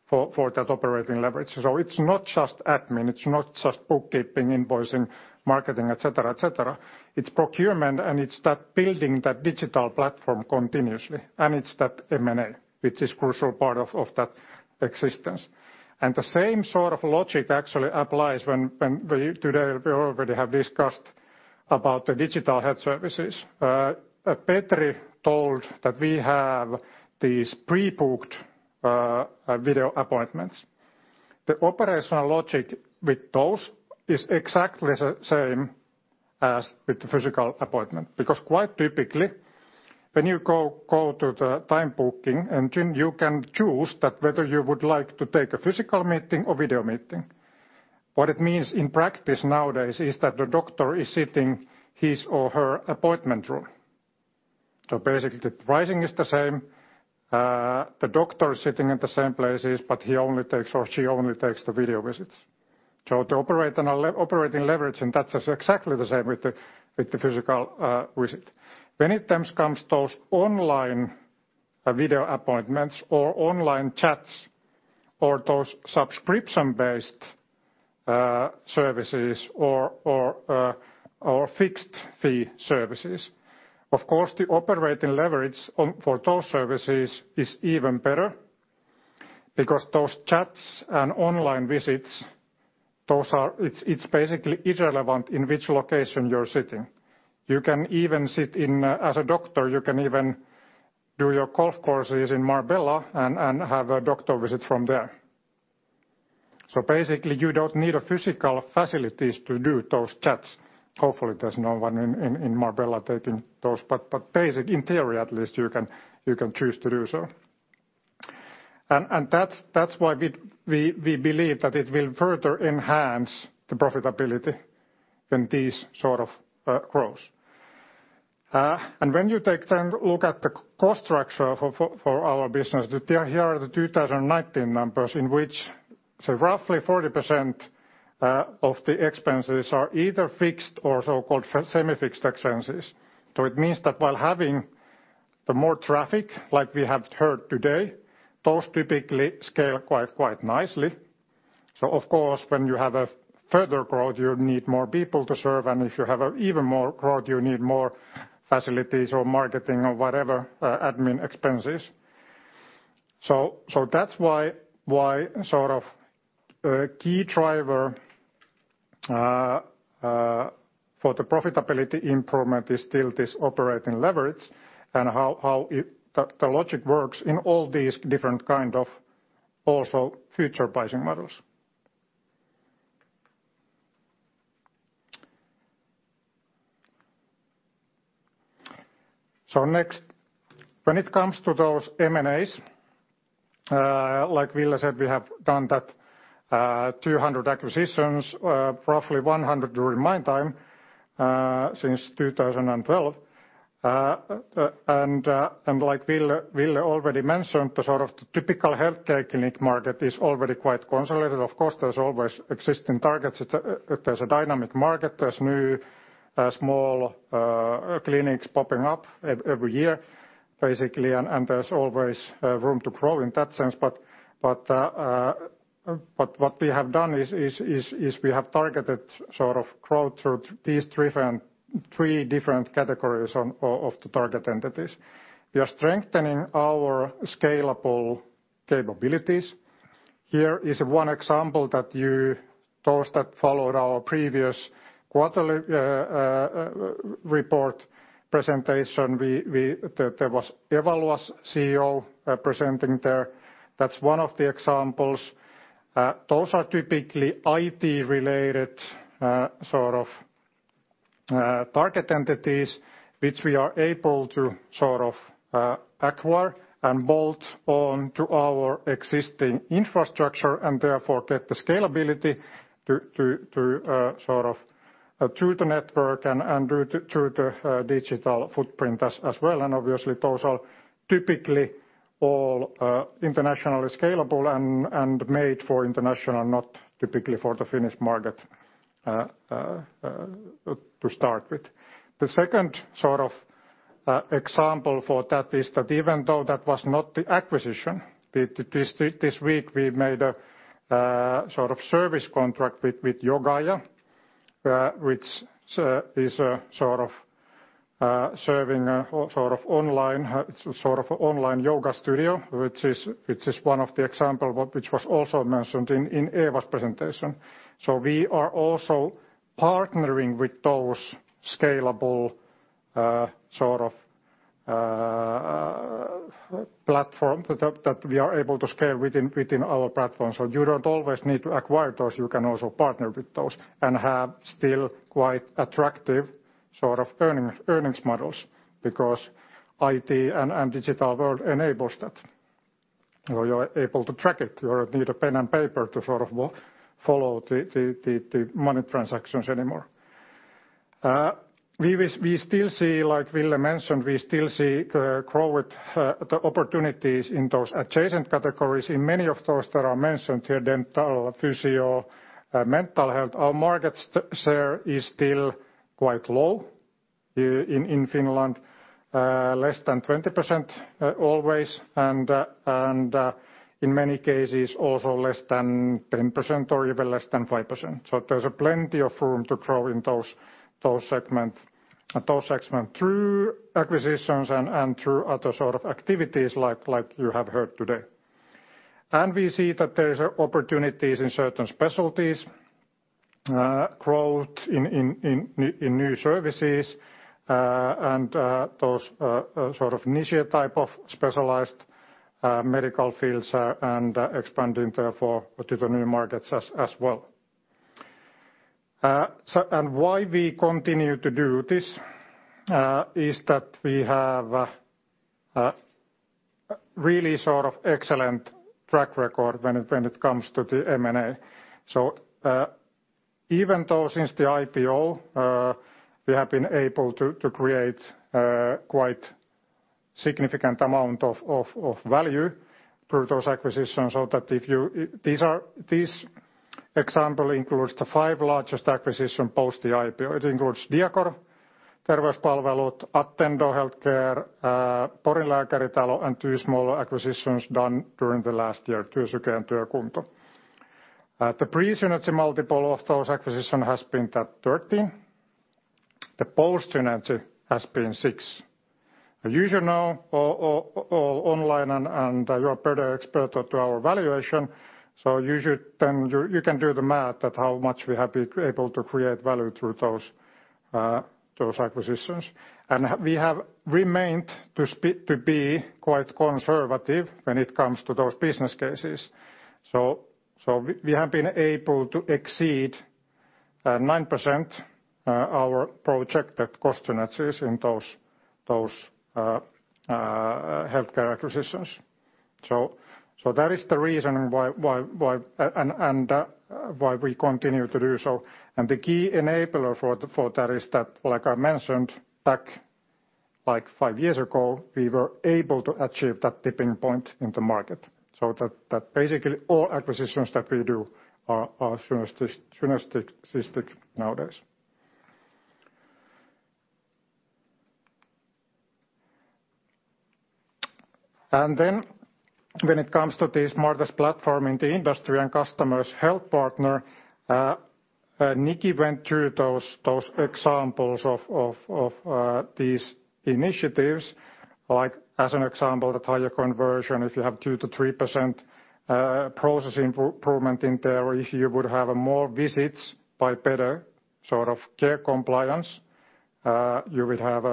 for that operating leverage. It's not just admin, it's not just bookkeeping, invoicing, marketing, et cetera. It's procurement and it's that building that digital platform continuously, and it's that M&A, which is crucial part of that existence. The same logic actually applies when today we already have discussed about the digital health services. Petri told that we have these pre-booked video appointments. The operational logic with those is exactly the same as with the physical appointment because quite typically, when you go to the time booking engine, you can choose that whether you would like to take a physical meeting or video meeting. What it means in practice nowadays is that the doctor is sitting his or her appointment room. Basically the pricing is the same, the doctor is sitting at the same places, but he only takes or she only takes the video visits. Many times comes those online video appointments or online chats or those subscription-based services or fixed-fee services. Of course, the operating leverage for those services is even better because those chats and online visits, it's basically irrelevant in which location you're sitting. As a doctor, you can even do your golf courses in Marbella and have a doctor visit from there. Basically you don't need a physical facilities to do those chats. Hopefully there's no one in Marbella taking those, but basic in theory at least you can choose to do so. That's why we believe that it will further enhance the profitability in these sort of growth. When you take then look at the cost structure for our business, here are the 2019 numbers in which roughly 40% of the expenses are either fixed or so-called semi-fixed expenses. It means that while having the more traffic like we have heard today, those typically scale quite nicely. Of course, when you have a further growth, you need more people to serve. If you have even more growth, you need more facilities or marketing or whatever, admin expenses. That's why key driver for the profitability improvement is still this operating leverage and how the logic works in all these different kind of also future pricing models. Next, when it comes to those M&As, like Ville said, we have done that 200 acquisitions, roughly 100 during my time, since 2012. Like Ville already mentioned, the typical healthcare clinic market is already quite consolidated. Of course, there's always existing targets. There's a dynamic market, there's new small clinics popping up every year. Basically, there's always room to grow in that sense. What we have done is we have targeted growth through these three different categories of the target entities. We are strengthening our scalable capabilities. Here is one example that those that followed our previous quarterly report presentation, there was Eeva, CEO, presenting there. That's one of the examples. Those are typically IT-related target entities, which we are able to acquire and bolt on to our existing infrastructure, therefore get the scalability through the network and through the digital footprint as well. Obviously, those are typically all internationally scalable and made for international, not typically for the Finnish market to start with. The second example for that is that even though that was not the acquisition, this week we made a service contract with Yogaia, which is serving an online yoga studio, which is one of the example, which was also mentioned in Eeva's presentation. We are also partnering with those scalable platforms that we are able to scale within our platform. You don't always need to acquire those, you can also partner with those and have still quite attractive earnings models because IT and digital world enables that. You are able to track it. You don't need a pen and paper to follow the money transactions anymore. Like Ville mentioned, we still see growth opportunities in those adjacent categories in many of those that are mentioned here, dental, physio, mental health. Our market share is still quite low in Finland, less than 20% always, and in many cases, also less than 10% or even less than 5%. There's plenty of room to grow in those segment through acquisitions and through other sort of activities like you have heard today. We see that there is opportunities in certain specialties, growth in new services, and those niche type of specialized medical fields and expanding therefore to the new markets as well. Why we continue to do this, is that we have really excellent track record when it comes to the M&A. Even though since the IPO, we have been able to create quite significant amount of value through those acquisitions, this example includes the five largest acquisition post the IPO. It includes Diacor, Terveystalo Palvelut, Attendo Healthcare, Porin Lääkäritalo, and two smaller acquisitions done during the last year, Tyske and Työkunto. The pre-synergy multiple of those acquisition has been at 13. The post-synergy has been six. You should know online and you are better expert to our valuation, so you can do the math at how much we have been able to create value through those acquisitions. We have remained to be quite conservative when it comes to those business cases. We have been able to exceed 9% our projected cost synergies in those healthcare acquisitions. That is the reason and why we continue to do so. The key enabler for that is that, like I mentioned back five years ago, we were able to achieve that tipping point in the market, so that basically all acquisitions that we do are synergistic nowadays. When it comes to the smartest platform in the industry and customers' health partner, Niki went through those examples of these initiatives, like as an example, the tire conversion, if you have 2%-3% processing improvement in there, if you would have more visits by better care compliance, you would have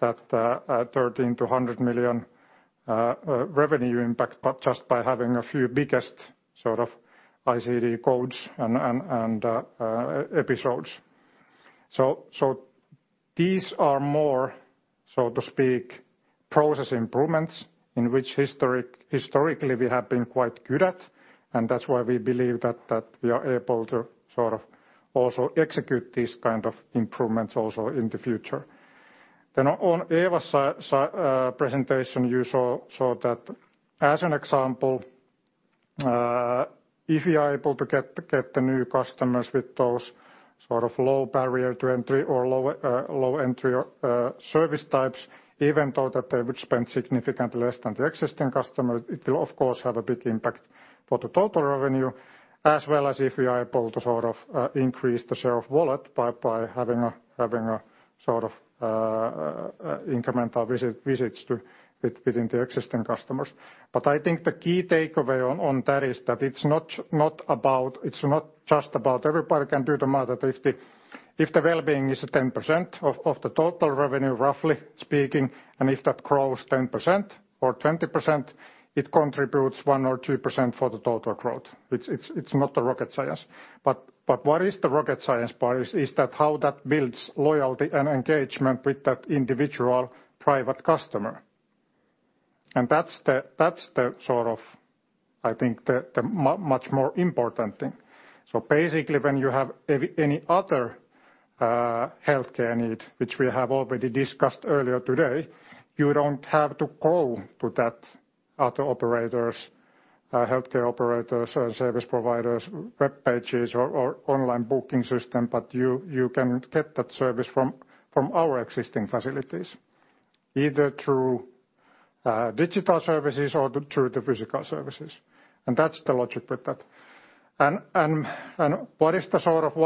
that 13 million-100 million revenue impact, just by having a few biggest ICD codes and episodes. These are more, so to speak, process improvements in which historically we have been quite good at, and that's why we believe that we are able to also execute these kind of improvements also in the future. On Eeva's presentation, you saw that, as an example, if you are able to get the new customers with those low barrier to entry or low entry service types, even though that they would spend significantly less than the existing customer, it will of course have a big impact for the total revenue as well as if we are able to increase the share of wallet by having incremental visits within the existing customers. I think the key takeaway on that is that it's not just about everybody can do the math at if the well-being is 10% of the total revenue, roughly speaking, and if that grows 10% or 20%, it contributes 1% or 2% for the total growth. It's not rocket science. What is the rocket science part is that how that builds loyalty and engagement with that individual private customer. That's the, I think, the much more important thing. Basically, when you have any other healthcare need, which we have already discussed earlier today, you don't have to go to that other operators, healthcare operators or service providers, webpages or online booking system, but you can get that service from our existing facilities, either through digital services or through the physical services. That's the logic with that. Why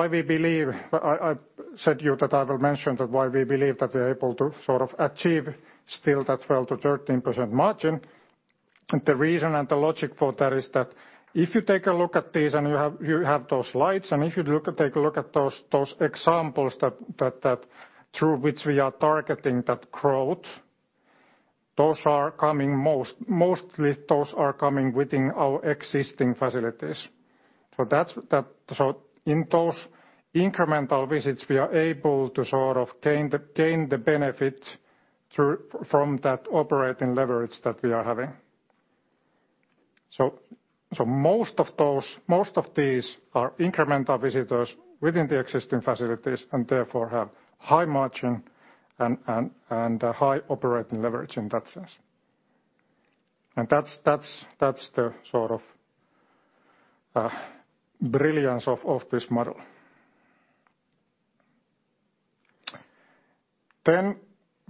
we believe, I said to you that I will mention that why we believe that we're able to achieve still that 12%-13% margin. The reason and the logic for that is that if you take a look at this, and you have those slides, and if you take a look at those examples through which we are targeting that growth, mostly those are coming within our existing facilities. In those incremental visits, we are able to gain the benefit from that operating leverage that we are having. Most of these are incremental visitors within the existing facilities, and therefore have high margin and high operating leverage in that sense. That's the brilliance of this model.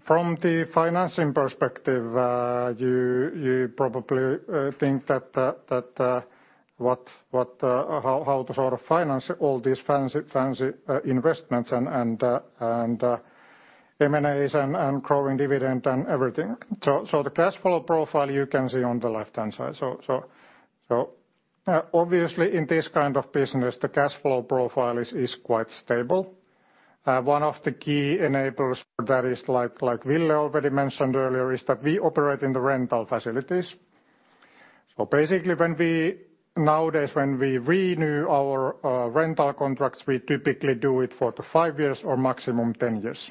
From the financing perspective, you probably think how to finance all these fancy investments and M&As and growing dividend and everything. The cash flow profile you can see on the left-hand side. Obviously, in this kind of business, the cash flow profile is quite stable. One of the key enablers for that is, like Ville already mentioned earlier, is that we operate in the rental facilities. Basically, nowadays when we renew our rental contracts, we typically do it for the five years or maximum 10 years.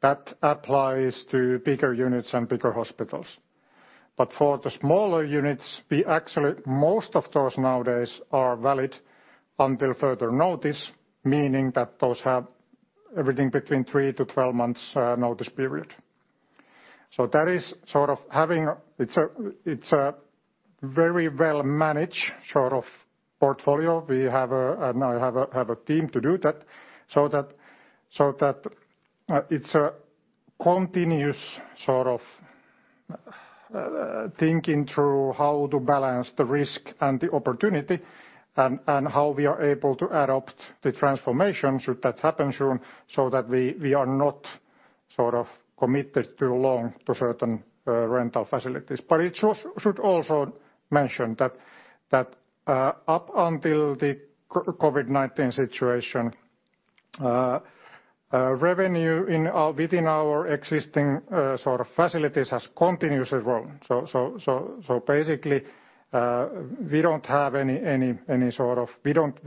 That applies to bigger units and bigger hospitals. For the smaller units, actually, most of those nowadays are valid until further notice, meaning that those have everything between three-12 months notice period. It's a very well-managed portfolio. We now have a team to do that, so that it's a continuous thinking through how to balance the risk and the opportunity and how we are able to adopt the transformation, should that happen soon, so that we are not committed too long to certain rental facilities. Should also mention that up until the COVID-19 situation, revenue within our existing facilities has continuously grown. Basically, we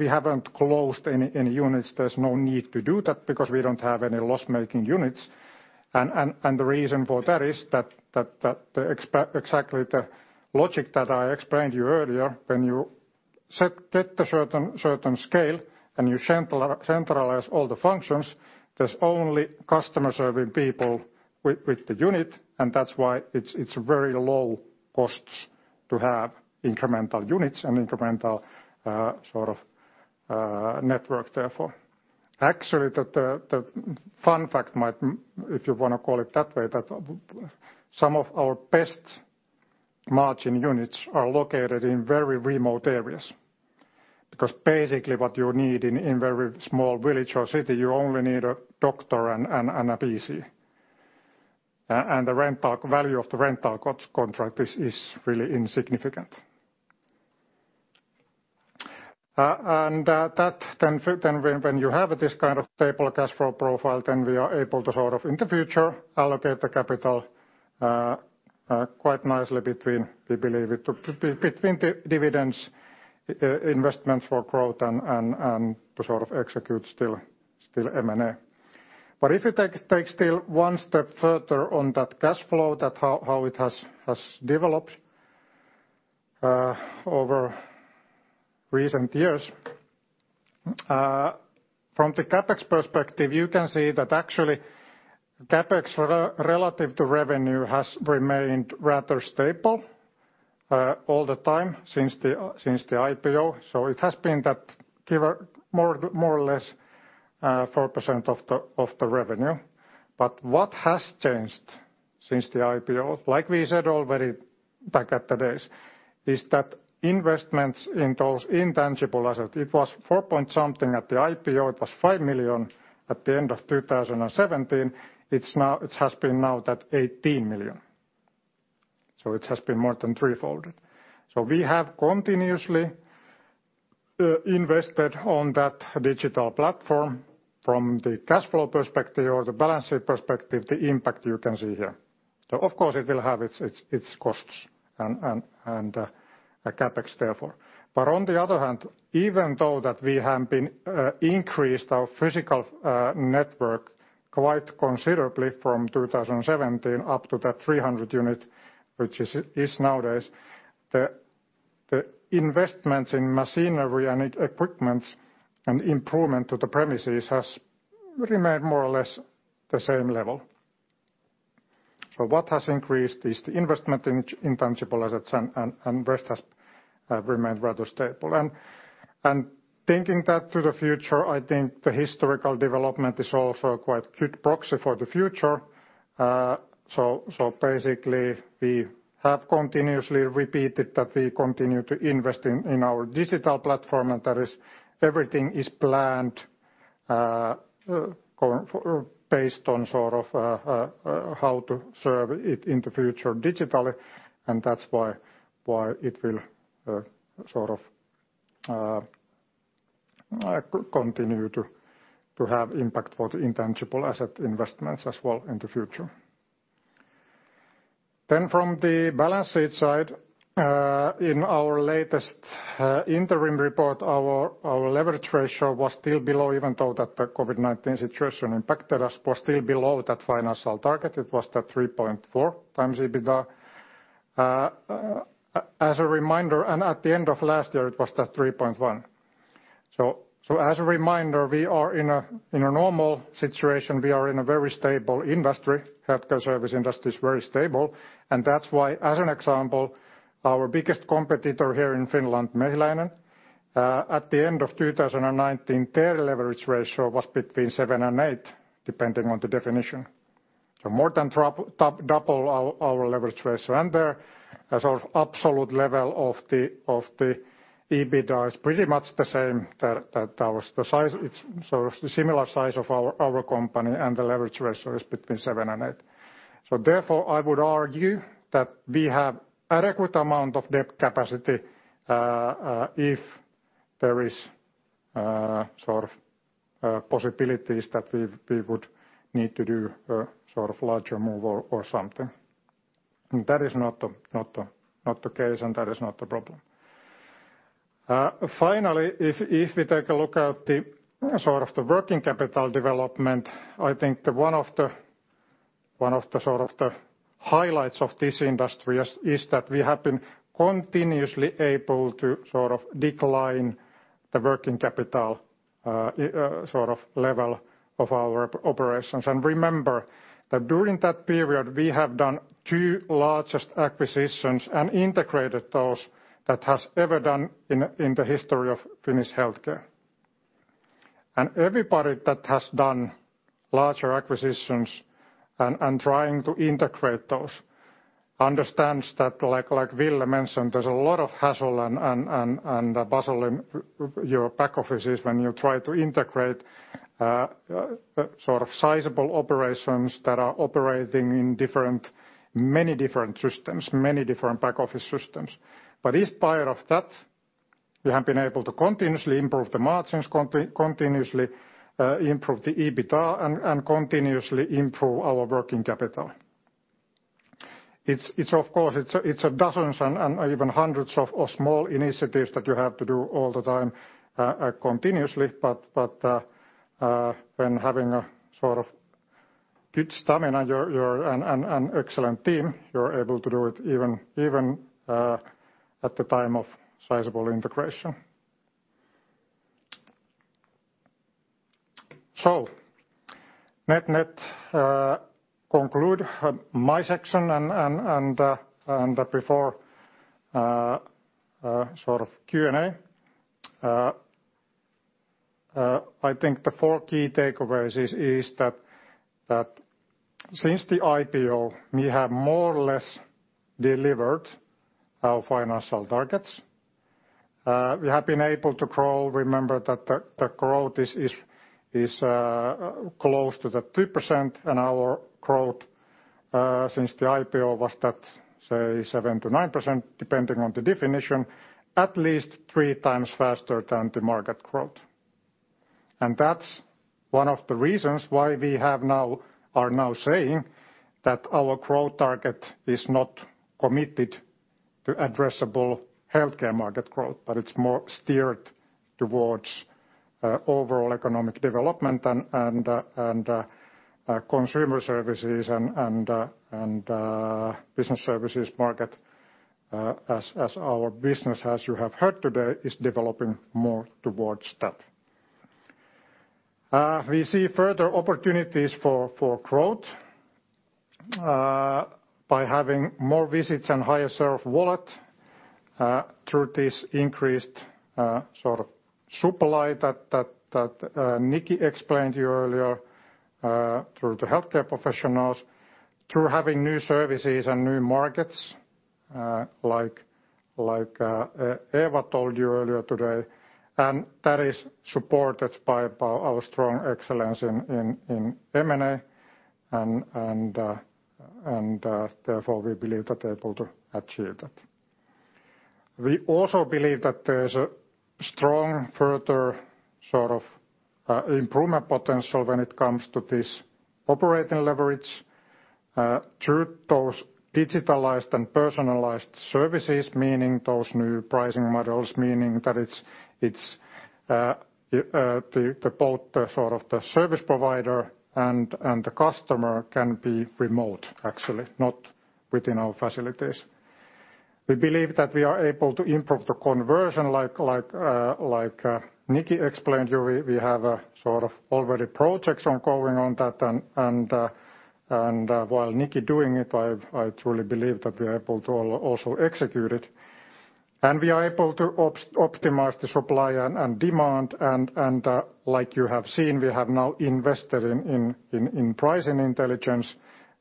haven't closed any units. There's no need to do that because we don't have any loss-making units. The reason for that is exactly the logic that I explained to you earlier. When you get a certain scale and you centralize all the functions, there's only customer-serving people with the unit, that's why it's very low costs to have incremental units and incremental network therefore. Actually, the fun fact, if you want to call it that way, that some of our best margin units are located in very remote areas. Basically, what you need in very small village or city, you only need a doctor and a PC. The value of the rental contract is really insignificant. When you have this kind of stable cash flow profile, we are able to, in the future, allocate the capital quite nicely, we believe, between dividends, investments for growth and to execute still M&A. If you take still one step further on that cash flow, that how it has developed over recent years, from the CapEx perspective, you can see that actually CapEx relative to revenue has remained rather stable all the time since the IPO. It has been more or less 4% of the revenue. What has changed since the IPO, like we said already back at the days, is that investments in those intangible assets, it was four-point-something at the IPO, it was 5 million at the end of 2017. It has been now that 18 million. It has been more than three-folded. We have continuously invested on that digital platform from the cash flow perspective or the balance sheet perspective, the impact you can see here. Of course it will have its costs and a CapEx therefore. On the other hand, even though that we have increased our physical network quite considerably from 2017 up to that 300 unit, which it is nowadays, the investments in machinery and equipment and improvement to the premises has remained more or less the same level. What has increased is the investment in intangible assets, and rest has remained rather stable. Taking that to the future, I think the historical development is also quite good proxy for the future. Basically, we have continuously repeated that we continue to invest in our digital platform, and everything is planned based on how to serve it in the future digitally. That's why it will continue to have impact for the intangible asset investments as well in the future. From the balance sheet side, in our latest interim report, our leverage ratio was still below, even though the COVID-19 situation impacted us, was still below that financial target. It was 3.4x EBITDA. As a reminder, at the end of last year, it was 3.1. As a reminder, in a normal situation, we are in a very stable industry. Healthcare service industry is very stable. That's why, as an example, our biggest competitor here in Finland, Mehiläinen, at the end of 2019, their leverage ratio was between seven and eight, depending on the definition. More than double our leverage ratio. Their absolute level of the EBITDA is pretty much the same. It's similar size of our company and the leverage ratio is between seven and eight. Therefore, I would argue that we have adequate amount of debt capacity if there is possibilities that we would need to do larger move or something. That is not the case, and that is not the problem. If we take a look at the working capital development, I think one of the highlights of this industry is that we have been continuously able to decline the working capital level of our operations. Remember that during that period, we have done two largest acquisitions and integrated those that has ever done in the history of Finnish healthcare. Everybody that has done larger acquisitions and trying to integrate those understands that, like Ville mentioned, there's a lot of hassle and bustle in your back offices when you try to integrate sizeable operations that are operating in many different systems, many different back office systems. In spite of that, we have been able to continuously improve the margins, continuously improve the EBITDA, and continuously improve our working capital. Of course, it's dozens and even hundreds of small initiatives that you have to do all the time continuously, but when having a good stamina and excellent team, you're able to do it even at the time of sizeable integration. Net-net, conclude my section and before Q&A I think the four key takeaways is that since the IPO, we have more or less delivered our financial targets. We have been able to grow. Remember that the growth is close to 3%, and our growth since the IPO was that, say, 7%-9%, depending on the definition, at least three times faster than the market growth. That's one of the reasons why we are now saying that our growth target is not committed to addressable healthcare market growth, but it's more steered towards overall economic development and consumer services and business services market as our business, as you have heard today, is developing more towards that. We see further opportunities for growth by having more visits and higher self-wallet through this increased supply that Niki explained to you earlier through the healthcare professionals, through having new services and new markets like Eeva told you earlier today. That is supported by our strong excellence in M&A, and therefore, we believe that they're able to achieve that. We also believe that there's a strong further improvement potential when it comes to this operating leverage, through those digitalized and personalized services, meaning those new pricing models, meaning that it's both the service provider and the customer can be remote, actually, not within our facilities. We believe that we are able to improve the conversion like Nikki explained to you. We have already projects ongoing on that and while Nikki doing it, I truly believe that we're able to also execute it. We are able to optimize the supply and demand, and like you have seen, we have now invested in pricing intelligence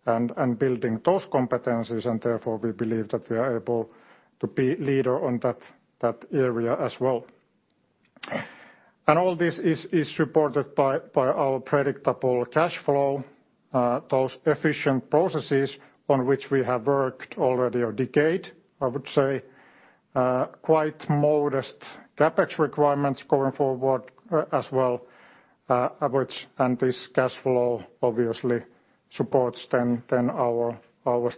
and building those competencies, and therefore, we believe that we are able to be leader on that area as well. All this is supported by our predictable cash flow, those efficient processes on which we have worked already a decade, I would say. Quite modest CapEx requirements going forward as well. This cash flow obviously supports then our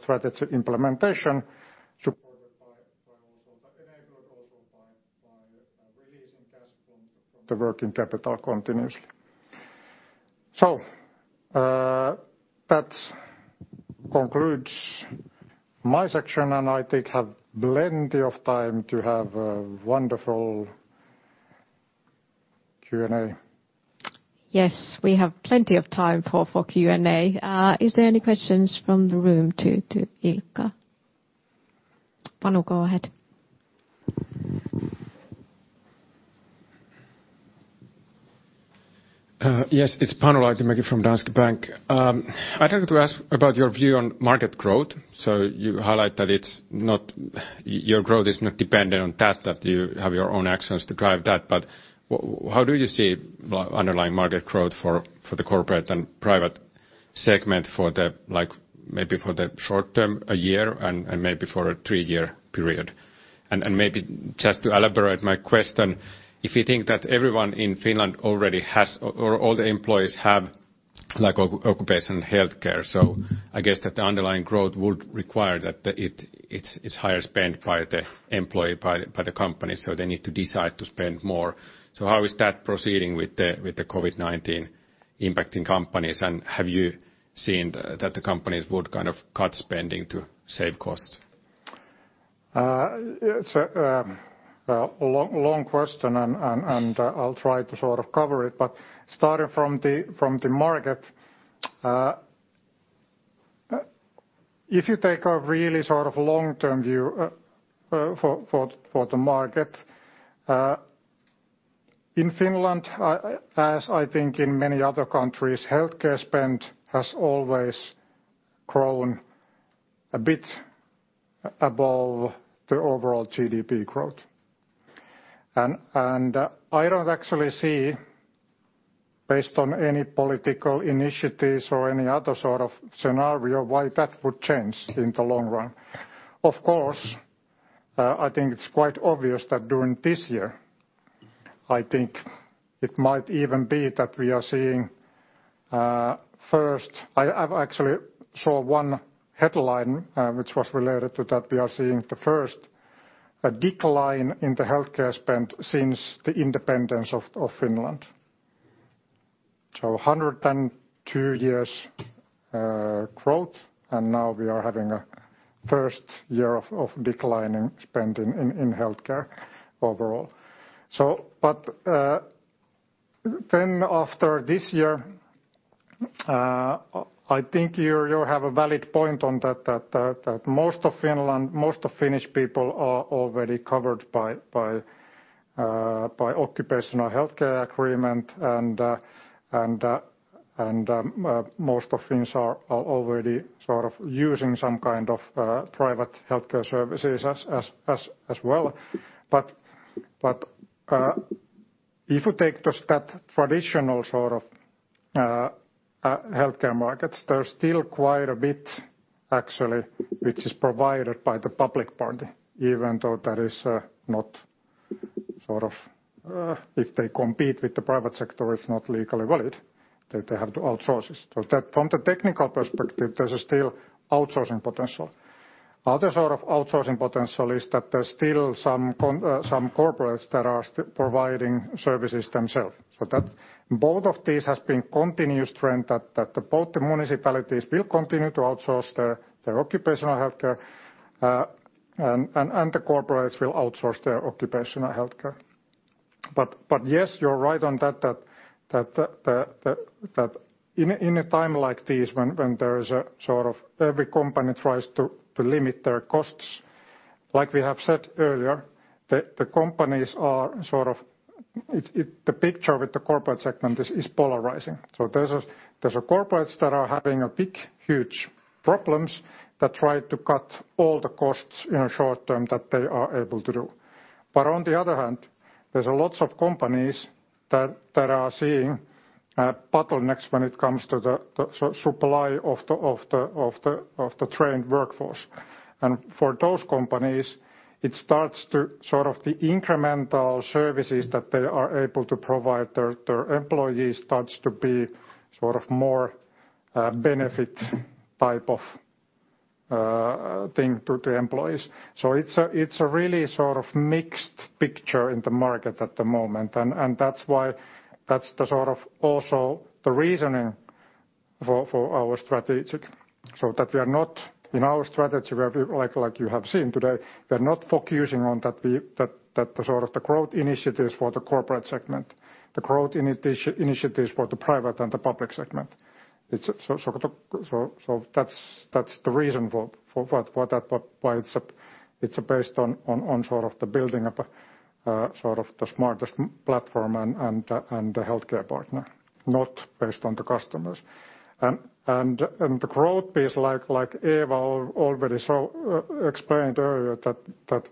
strategy implementation, supported by, enabled also by releasing cash from the working capital continuously. That concludes my section. I think have plenty of time to have a wonderful Q&A. Yes, we have plenty of time for Q&A. Is there any questions from the room to Ilkka? Panu, go ahead. Yes. It's Panu Laitinmäki from Danske Bank. I'd like to ask about your view on market growth. You highlight that your growth is not dependent on that you have your own actions to drive that. How do you see underlying market growth for the corporate and private segment for the maybe for the short term, one year and maybe for a three-year period? Maybe just to elaborate my question, if you think that everyone in Finland already has or all the employees have occupational healthcare. I guess that the underlying growth would require that it's higher spend by the employee, by the company, so they need to decide to spend more. How is that proceeding with the COVID-19 impacting companies? Have you seen that the companies would cut spending to save costs? It's a long question, and I'll try to cover it. Starting from the market, if you take a really long-term view for the market, in Finland, as I think in many other countries, healthcare spend has always grown a bit above the overall GDP growth. I don't actually see, based on any political initiatives or any other sort of scenario, why that would change in the long run. Of course, I think it's quite obvious that during this year, I think it might even be that we are seeing first I've actually saw one headline, which was related to that we are seeing the first decline in the healthcare spend since the independence of Finland. 102 years growth, and now we are having a first year of declining spending in healthcare overall. After this year, I think you have a valid point on that most of Finland, most of Finnish people are already covered by occupational healthcare agreement and most of Finns are already using some kind of private healthcare services as well. If you take just that traditional healthcare markets, there's still quite a bit actually which is provided by the public party, even though that is not sort of if they compete with the private sector, it's not legally valid, that they have to outsource it. From the technical perspective, there's still outsourcing potential. Other sort of outsourcing potential is that there's still some corporates that are providing services themselves. Both of these has been continuous trend that both the municipalities will continue to outsource their occupational healthcare, and the corporates will outsource their occupational healthcare. Yes, you're right on that, in a time like this when every company tries to limit their costs, like we have said earlier, the picture with the corporate segment is polarizing. There's corporates that are having big, huge problems that try to cut all the costs in a short term that they are able to do. On the other hand, there's lots of companies that are seeing bottlenecks when it comes to the supply of the trained workforce. For those companies, the incremental services that they are able to provide their employees starts to be more benefit type of thing to employees. It's a really mixed picture in the market at the moment, and that's also the reasoning for our strategic. In our strategy, like you have seen today, we're not focusing on the growth initiatives for the corporate segment, the growth initiatives for the private and the public segment. That's the reason why it's based on the building up the smartest platform and the healthcare partner, not based on the customers. The growth piece, like Eeva already explained earlier, that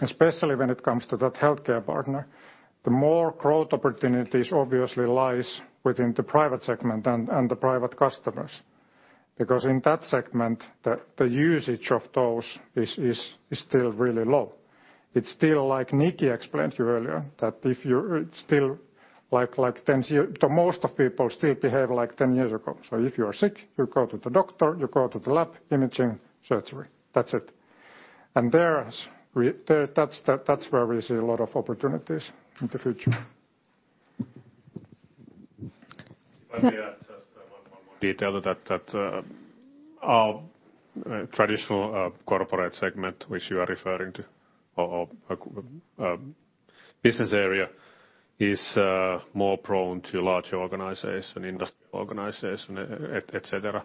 especially when it comes to that healthcare partner, the more growth opportunities obviously lies within the private segment and the private customers. Because in that segment, the usage of those is still really low. It's still like Niki explained to you earlier, most of people still behave like 10 years ago. If you are sick, you go to the doctor, you go to the lab, imaging, surgery. That's it. That's where we see a lot of opportunities in the future. Let me add just one more detail to that. Traditional corporate segment, which you are referring to, or business area, is more prone to larger organization, industrial organization, et cetera.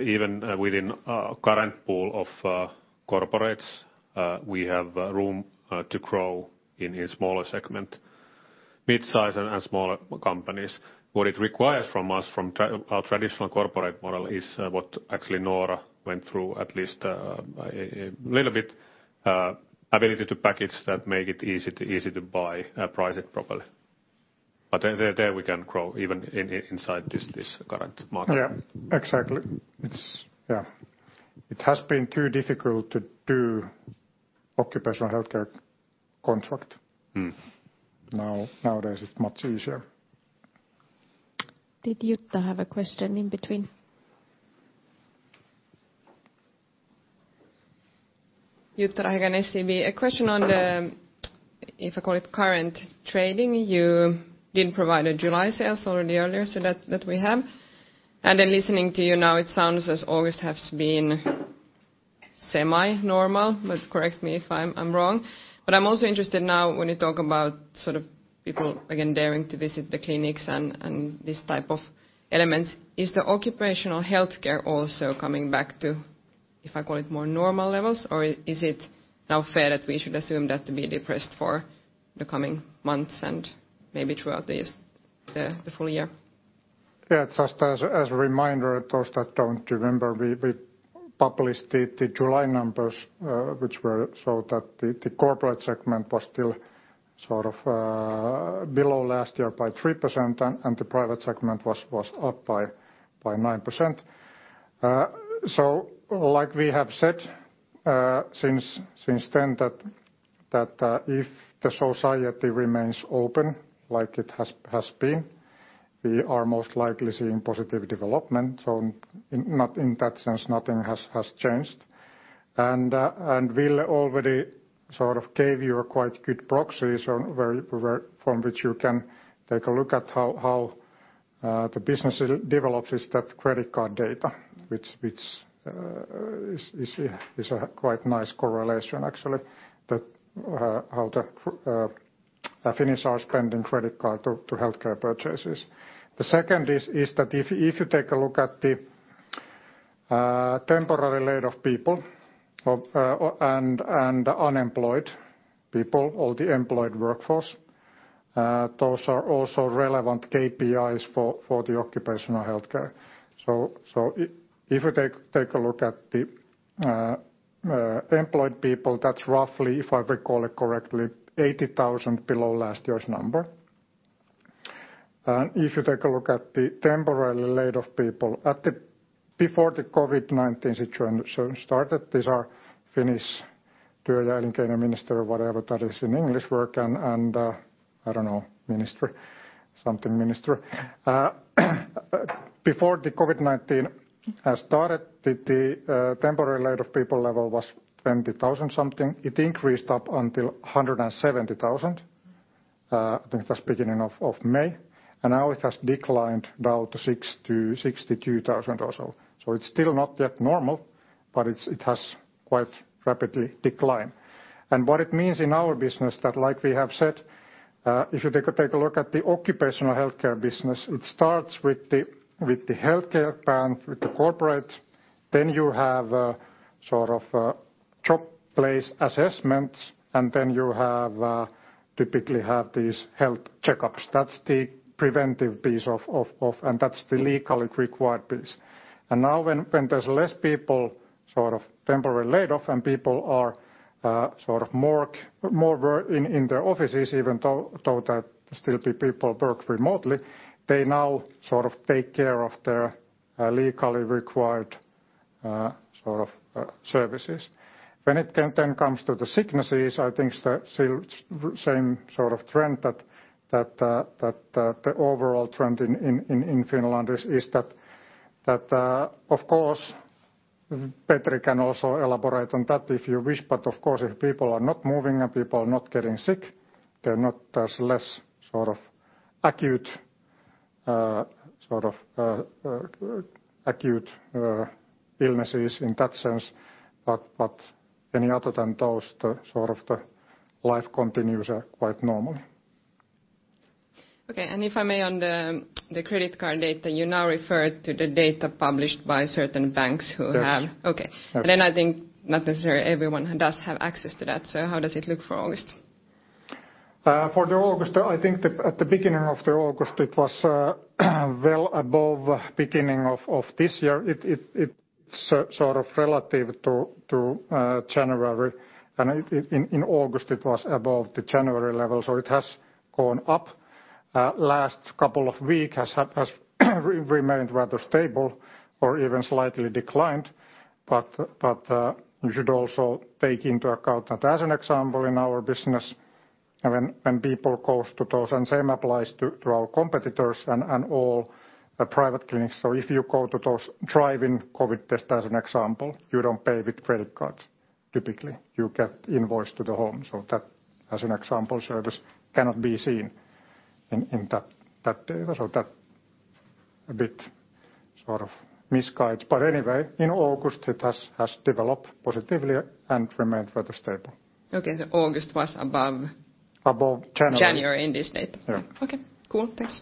Even within our current pool of corporates, we have room to grow in smaller segment, mid-size and smaller companies. What it requires from us, from our traditional corporate model, is what actually Noora went through at least a little bit, ability to package that make it easy to buy, priced it properly. There we can grow even inside this current market. Exactly. It has been too difficult to do occupational healthcare contract. Nowadays, it's much easier. Did Jutta have a question in between? Jutta Rahikainen, SEB. A question on the, if I call it current trading, you did provide a July sales already earlier, so that we have. Then listening to you now, it sounds as August has been semi-normal, but correct me if I'm wrong. I'm also interested now when you talk about people again daring to visit the clinics and this type of elements, is the occupational health care also coming back to, if I call it more normal levels, or is it now fair that we should assume that to be depressed for the coming months and maybe throughout the full year? Yeah, just as a reminder, those that don't remember, we published the July numbers, which showed that the corporate segment was still below last year by 3%, and the private segment was up by 9%. Like we have said since then that if the society remains open like it has been, we are most likely seeing positive development. In that sense, nothing has changed. Ville already gave you a quite good proxy from which you can take a look at how the business develops, is that credit card data, which is a quite nice correlation, actually. That how the Finnish are spending credit card to healthcare purchases. The second is that if you take a look at the temporary laid-off people and unemployed people, all the employed workforce, those are also relevant KPIs for the occupational healthcare. If you take a look at the employed people, that's roughly, if I recall it correctly, 80,000 below last year's number. If you take a look at the temporarily laid off people, before the COVID-19 situation started, these are Finnish Työeläke and minister, whatever that is in English, work and I don't know, minister, something minister. Before the COVID-19 started, the temporary laid off people level was 20,000 something. It increased up until 170,000. I think that's beginning of May. Now it has declined down to 62,000 or so. It's still not yet normal, but it has quite rapidly declined. What it means in our business, that like we have said, if you take a look at the occupational healthcare business, it starts with the healthcare plan, with the corporate. You have workplace assessments, and then you typically have these health checkups. That's the preventive piece and that's the legally required piece. Now when there's less people temporarily laid off and people are more in the offices, even though there's still people work remotely, they now take care of their legally required services. When it then comes to the sicknesses, I think the same sort of trend that the overall trend in Finland is that, of course, Petri can also elaborate on that if you wish, of course, if people are not moving and people are not getting sick, there's less acute illnesses in that sense. Any other than those, the life continues quite normally. Okay, if I may on the credit card data, you now refer to the data published by certain banks who have. Yes. Okay. I think not necessarily everyone does have access to that. How does it look for August? For the August, I think at the beginning of the August, it was well above beginning of this year. It's relative to January. In August it was above the January level. It has gone up. Last couple of week has remained rather stable or even slightly declined. You should also take into account that as an example in our business and when people goes to those, same applies to our competitors and all private clinics. If you go to those drive-in COVID test as an example, you don't pay with credit card, typically. You get invoice to the home. That as an example, service cannot be seen in that data. That a bit misguides. Anyway, in August it has developed positively and remained rather stable. Okay. August was above. Above January. January in this data. Yeah. Okay. Cool. Thanks.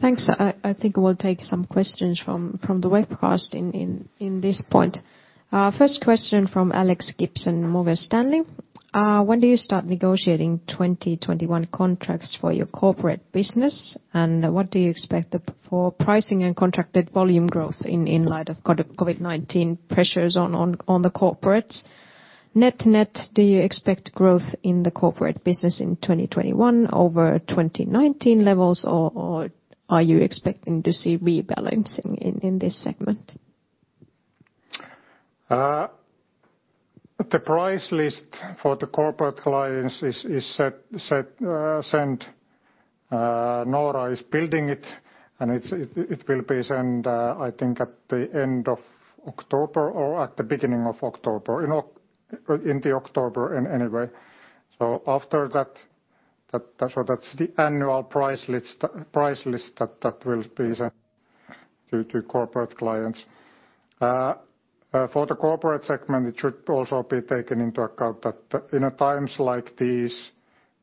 Thanks. I think we'll take some questions from the webcast in this point. First question from Alex Gibson, Morgan Stanley. When do you start negotiating 2021 contracts for your corporate business, and what do you expect for pricing and contracted volume growth in light of COVID-19 pressures on the corporates? Net, do you expect growth in the corporate business in 2021 over 2019 levels, or are you expecting to see rebalancing in this segment? The price list for the corporate clients is sent. Noora is building it, and it will be sent, I think, at the end of October or at the beginning of October. In the October in any way. After that's the annual price list that will be sent to corporate clients. For the corporate segment, it should also be taken into account that in times like these,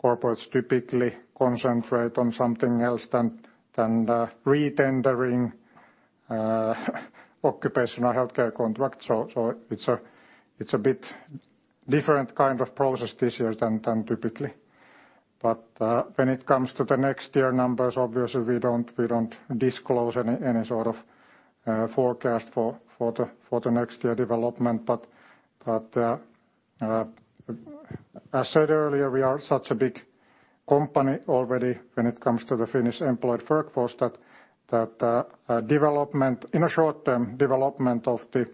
corporates typically concentrate on something else than retendering occupational healthcare contracts. It's a bit different kind of process this year than typically. When it comes to the next year numbers, obviously we don't disclose any sort of forecast for the next year development, but as said earlier, we are such a big company already when it comes to the Finnish employed workforce, that in a short term, development of the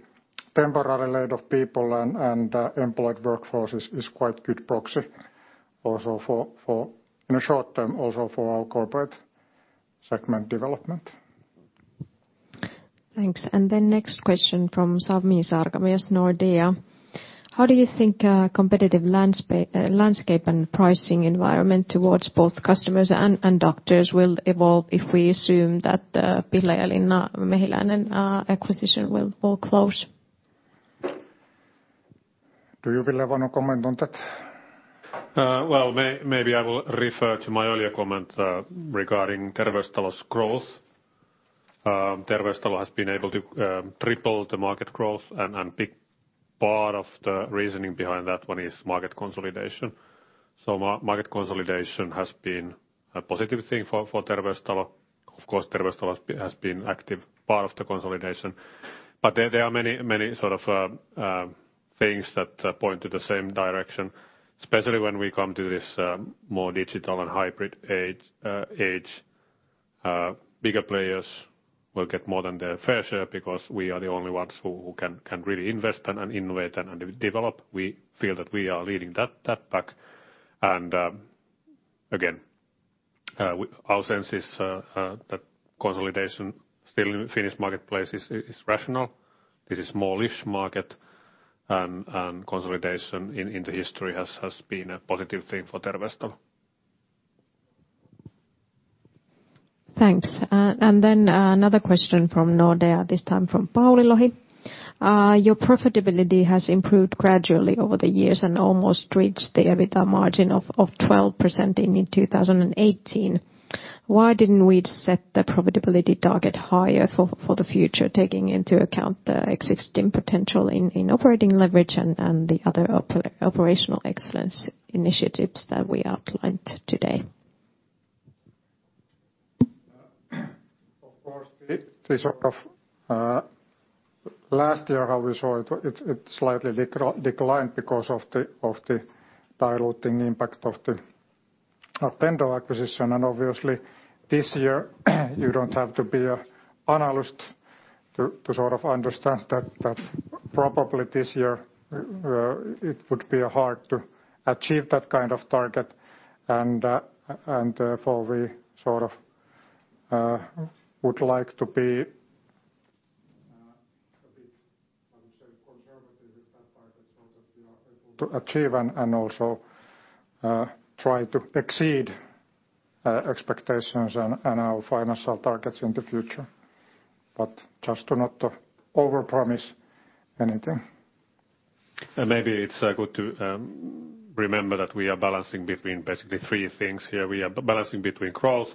temporarily laid off people and employed workforce is quite good proxy also for, in a short term, also for our corporate segment development. Thanks. Next question from Sami Sarkamies, Nordea. How do you think competitive landscape and pricing environment towards both customers and doctors will evolve if we assume that the Pihlajalinna, Mehiläinen acquisition will close? Do you, Ville, want to comment on that? Maybe I will refer to my earlier comment regarding Terveystalo's growth. Terveystalo has been able to triple the market growth, and big part of the reasoning behind that one is market consolidation. Market consolidation has been a positive thing for Terveystalo. Of course, Terveystalo has been active part of the consolidation. There are many things that point to the same direction, especially when we come to this more digital and hybrid age. Bigger players will get more than their fair share because we are the only ones who can really invest and innovate and develop. We feel that we are leading that pack. Again, our sense is that consolidation still in Finnish marketplace is rational. This is small-ish market, and consolidation in the history has been a positive thing for Terveystalo. Thanks. Another question from Nordea, this time from Pauli Lohi. Your profitability has improved gradually over the years and almost reached the EBITDA margin of 12% in 2018. Why didn't we set the profitability target higher for the future, taking into account the existing potential in operating leverage and the other operational excellence initiatives that we outlined today? Of course, last year how we saw it slightly declined because of the diluting impact of the Attendo acquisition, and obviously this year you don't have to be a analyst to sort of understand that probably this year, it would be hard to achieve that kind of target and therefore we sort of would like to be a bit, I would say, conservative with that target so that we are able to achieve and also try to exceed expectations and our financial targets in the future. Just to not overpromise anything. Maybe it's good to remember that we are balancing between basically three things here. We are balancing between growth,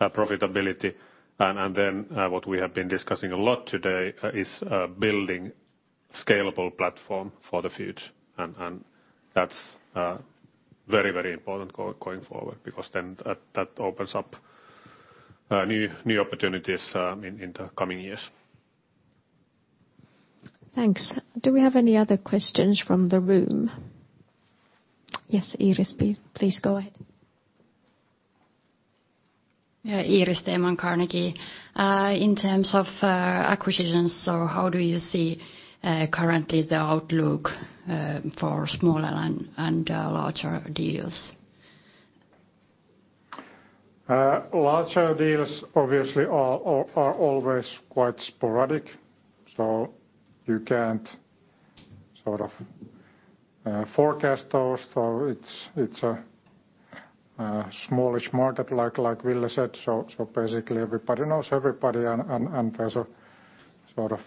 profitability, and then what we have been discussing a lot today is building scalable platform for the future and that's very important going forward because then that opens up new opportunities in the coming years. Thanks. Do we have any other questions from the room? Yes, Iiris, please go ahead. Yeah, Iiris Theman, Carnegie. In terms of acquisitions, how do you see currently the outlook for smaller and larger deals? Larger deals obviously are always quite sporadic, so you can't sort of forecast those, so it's a smallish market like Ville said, so basically everybody knows everybody and there's a sort of,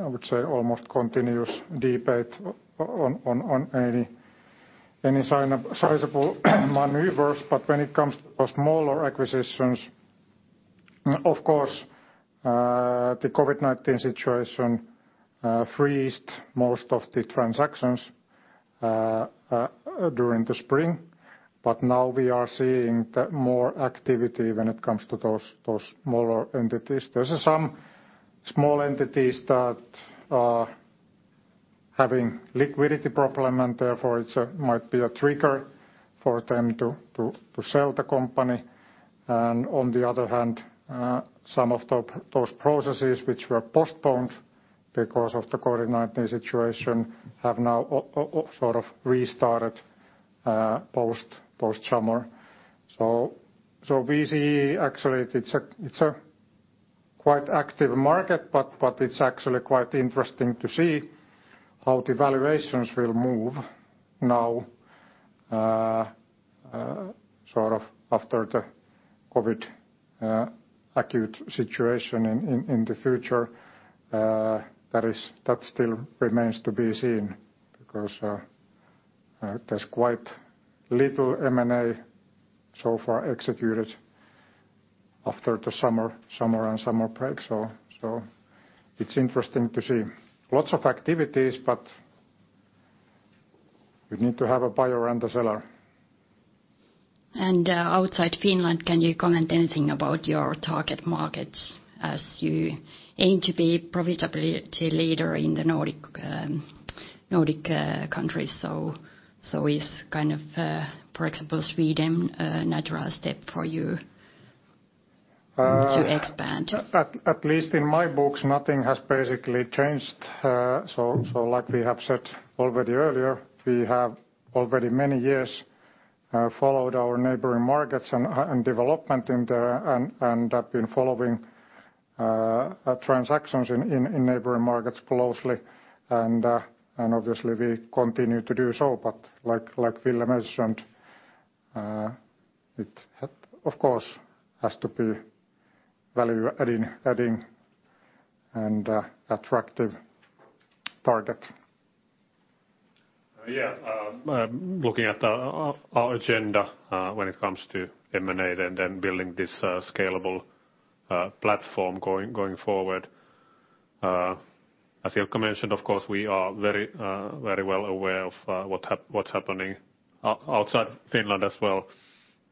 I would say, almost continuous debate on any sign of sizable maneuvers. When it comes to smaller acquisitions, of course, the COVID-19 situation freezed most of the transactions during the spring. Now we are seeing more activity when it comes to those smaller entities. There's some small entities that are having liquidity problem, and therefore it might be a trigger for them to sell the company. On the other hand, some of those processes which were postponed because of the COVID-19 situation have now sort of restarted post summer. We see actually it's a quite active market, but it's actually quite interesting to see how the valuations will move now sort of after the COVID acute situation in the future. That still remains to be seen because there's quite little M&A so far executed after the summer and summer break. It's interesting to see. Lots of activities, but you need to have a buyer and a seller. Outside Finland, can you comment anything about your target markets as you aim to be profitability leader in the Nordic countries? Is kind of, for example, Sweden a natural step for you to expand? At least in my books, nothing has basically changed. Like we have said already earlier, we have already many years followed our neighboring markets and development in there and have been following transactions in neighboring markets closely and obviously we continue to do so. Like Ville mentioned, it of course has to be value-adding and attractive target. Yeah. Looking at our agenda when it comes to M&A and then building this scalable platform going forward, as Ilkka mentioned, of course, we are very well aware of what's happening outside Finland as well.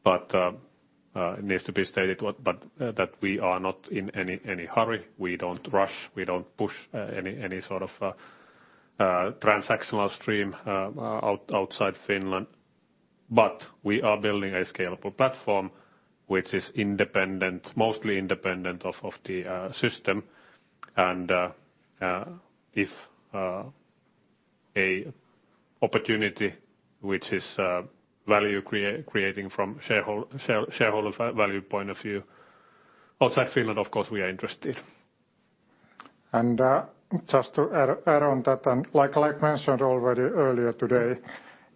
It needs to be stated that we are not in any hurry. We don't rush, we don't push any sort of transactional stream outside Finland. We are building a scalable platform which is mostly independent of the system and if a opportunity which is value creating from shareholder value point of view outside Finland, of course, we are interested. Just to add on that, like mentioned already earlier today,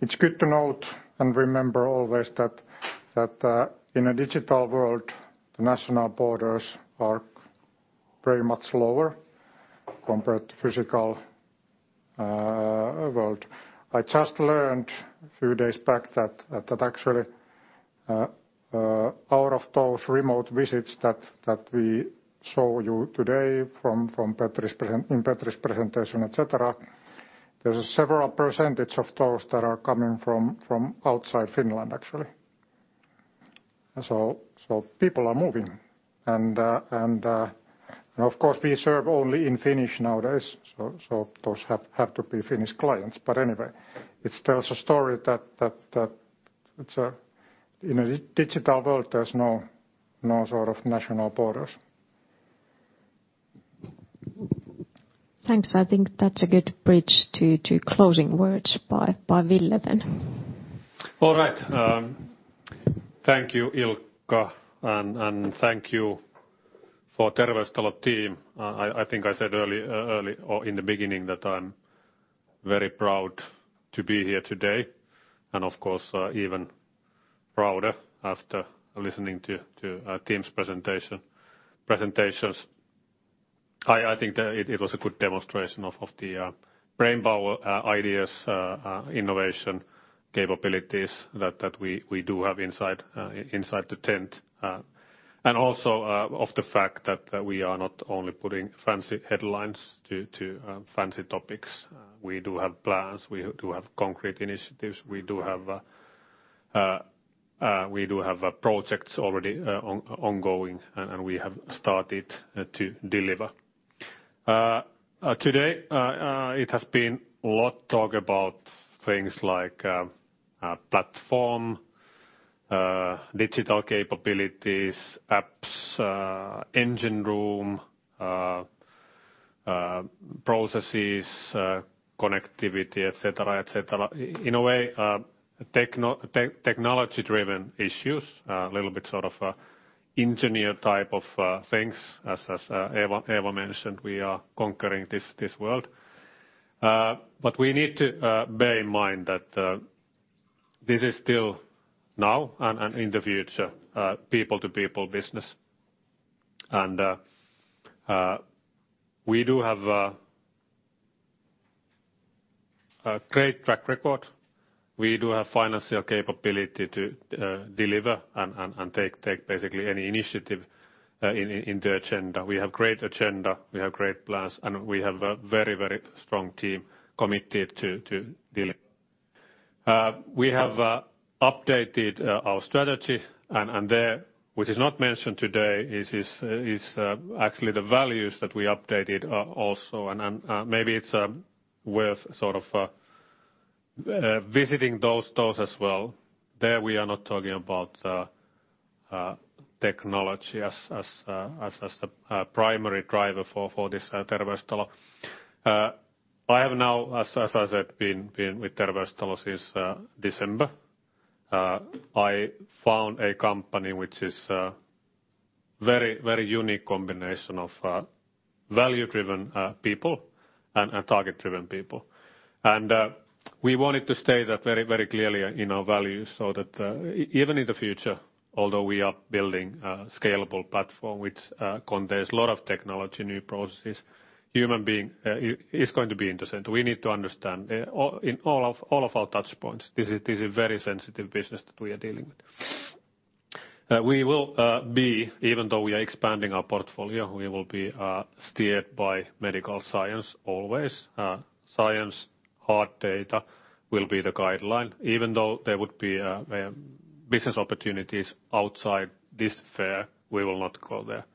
it's good to note and remember always that in a digital world, the national borders are very much lower compared to physical world. I just learned a few days back that, actually, out of those remote visits that we showed you today in Petri’s presentation, et cetera, there's several percentage of those that are coming from outside Finland, actually. People are moving. Of course, we serve only in Finnish nowadays, those have to be Finnish clients. Anyway, it tells a story that in a digital world, there's no national borders. Thanks. I think that's a good bridge to closing words by Ville then. All right. Thank you, Ilkka, and thank you for Terveystalo team. I think I said in the beginning that I am very proud to be here today, and of course, even prouder after listening to team's presentations. I think that it was a good demonstration of the brainpower, ideas, innovation capabilities that we do have inside the tent. Also of the fact that we are not only putting fancy headlines to fancy topics. We do have plans. We do have concrete initiatives. We do have projects already ongoing, and we have started to deliver. Today, it has been a lot talk about things like platform, digital capabilities, apps, engine room, processes, connectivity, et cetera. In a way, technology-driven issues, a little bit engineer type of things. As Eeva mentioned, we are conquering this world. We need to bear in mind that this is still now and in the future people-to-people business. We do have a great track record. We do have financial capability to deliver and take basically any initiative in the agenda. We have great agenda, we have great plans, and we have a very strong team committed to deliver. We have updated our strategy. There, which is not mentioned today, is actually the values that we updated also. Maybe it's worth visiting those as well. There, we are not talking about technology as the primary driver for this Terveystalo. I have now, as I said, been with Terveystalo since December. I found a company which is very unique combination of value-driven people and target-driven people. We wanted to state that very clearly in our values so that even in the future, although we are building a scalable platform which contains lot of technology, new processes, human being is going to be in the center. We need to understand in all of our touchpoints, this is a very sensitive business that we are dealing with. Even though we are expanding our portfolio, we will be steered by medical science always. Science, hard data will be the guideline. Even though there would be business opportunities outside this sphere, we will not go there.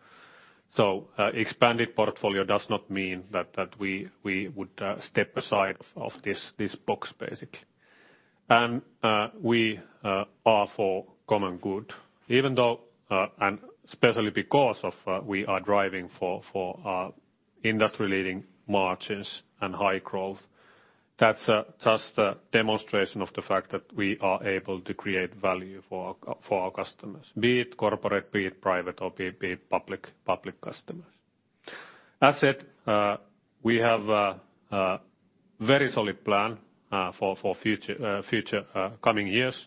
Expanded portfolio does not mean that we would step aside of this box, basically. We are for common good. Even though, and especially because of, we are driving for industry-leading margins and high growth, that's just a demonstration of the fact that we are able to create value for our customers, be it corporate, be it private or be it public customers. As said, we have a very solid plan for future coming years.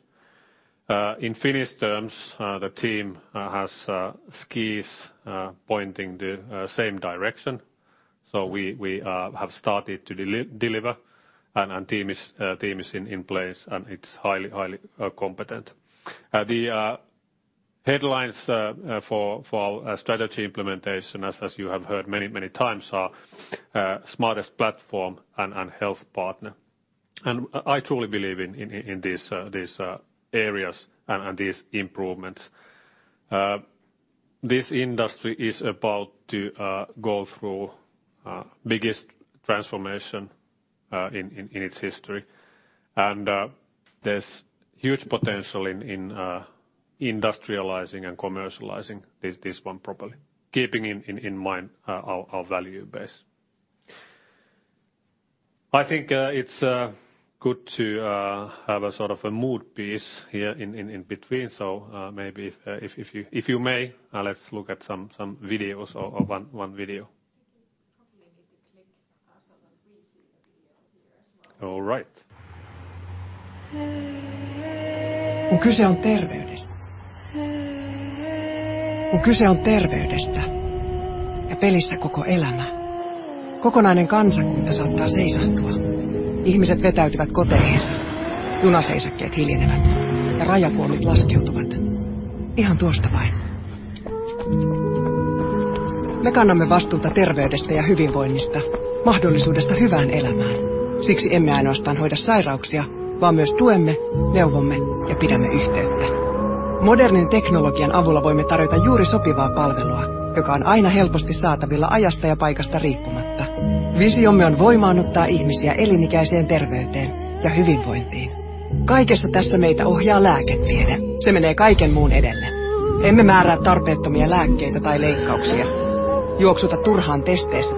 In Finnish terms, the team has skis pointing the same direction. We have started to deliver, and team is in place, and it's highly competent. The headlines for our strategy implementation, as you have heard many times, are Smartest Platform and Health Partner. I truly believe in these areas and these improvements. This industry is about to go through biggest transformation in its history. There's huge potential in industrializing and commercializing this one properly, keeping in mind our value base. I think it's good to have a mood piece here in between, so maybe if you may, let's look at some videos or one video. I think you probably need to click so that we see the video here as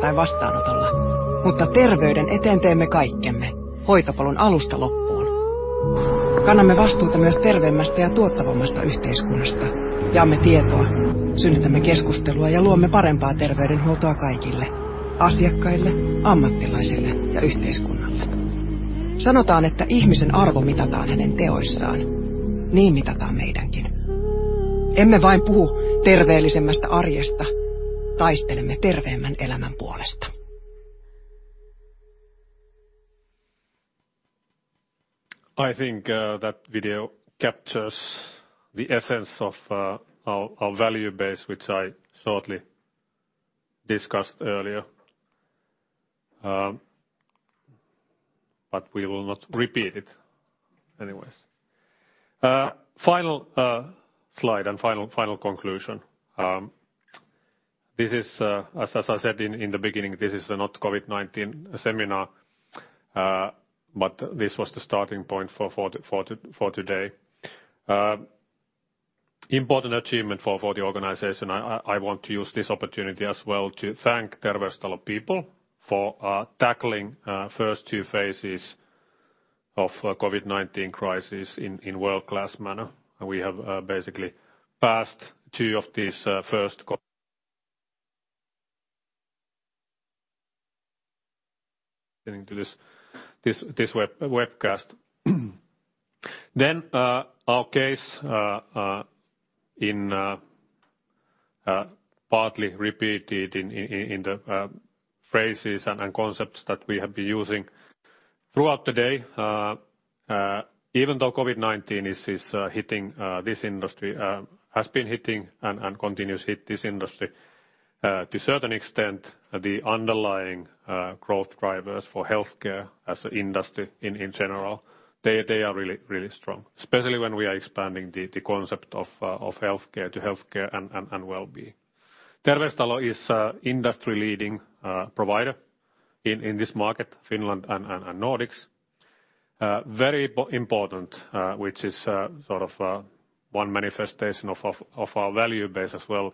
well. All right. [Non-Englis content] I think that video captures the essence of our value base, which I shortly discussed earlier. We will not repeat it anyways. Final slide and final conclusion. As I said in the beginning, this is not a COVID-19 seminar, this was the starting point for today. Important achievement for the organization. I want to use this opportunity as well to thank Terveystalo people for tackling first two phases of COVID-19 crisis in world-class manner. We have basically passed two of these. Getting to this webcast. Our case partly repeated in the phrases and concepts that we have been using throughout the day. Even though COVID-19 is hitting this industry, has been hitting and continues to hit this industry to a certain extent, the underlying growth drivers for healthcare as an industry in general are really strong, especially when we are expanding the concept of healthcare to healthcare and wellbeing. Terveystalo is an industry-leading provider in this market, Finland and Nordics. Very important, which is one manifestation of our value base as well,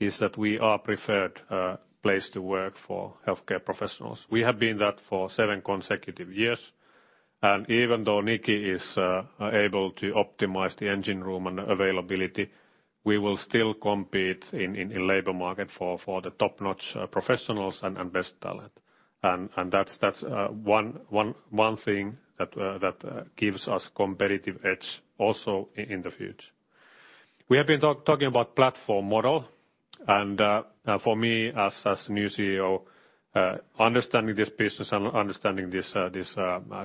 is that we are a preferred place to work for healthcare professionals. We have been that for seven consecutive years, and even though Niki is able to optimize the engine room and availability, we will still compete in the labor market for the top-notch professionals and best talent. That's one thing that gives us a competitive edge also in the future. We have been talking about the platform model, and for me as the new CEO, understanding this business and understanding this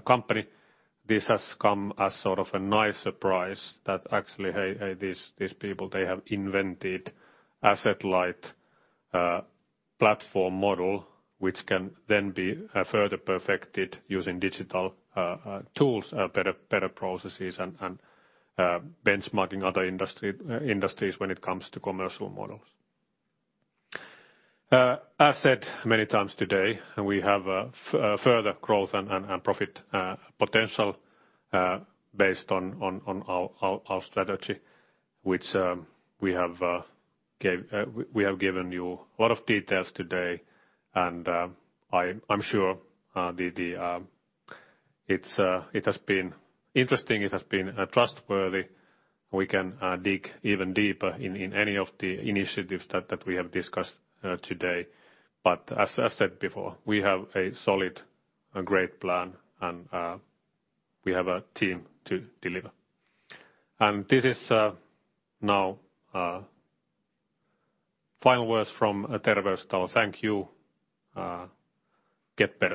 company, this has come as sort of a nice surprise that actually these people have invented an asset-light platform model, which can then be further perfected using digital tools, better processes, and benchmarking other industries when it comes to commercial models. As said many times today, we have further growth and profit potential based on our strategy, which we have given you a lot of details today, and I am sure it has been interesting, it has been trustworthy. We can dig even deeper into any of the initiatives that we have discussed today. As I said before, we have a solid, great plan, and we have a team to deliver. These are now the final words from Terveystalo. Thank you. Get better.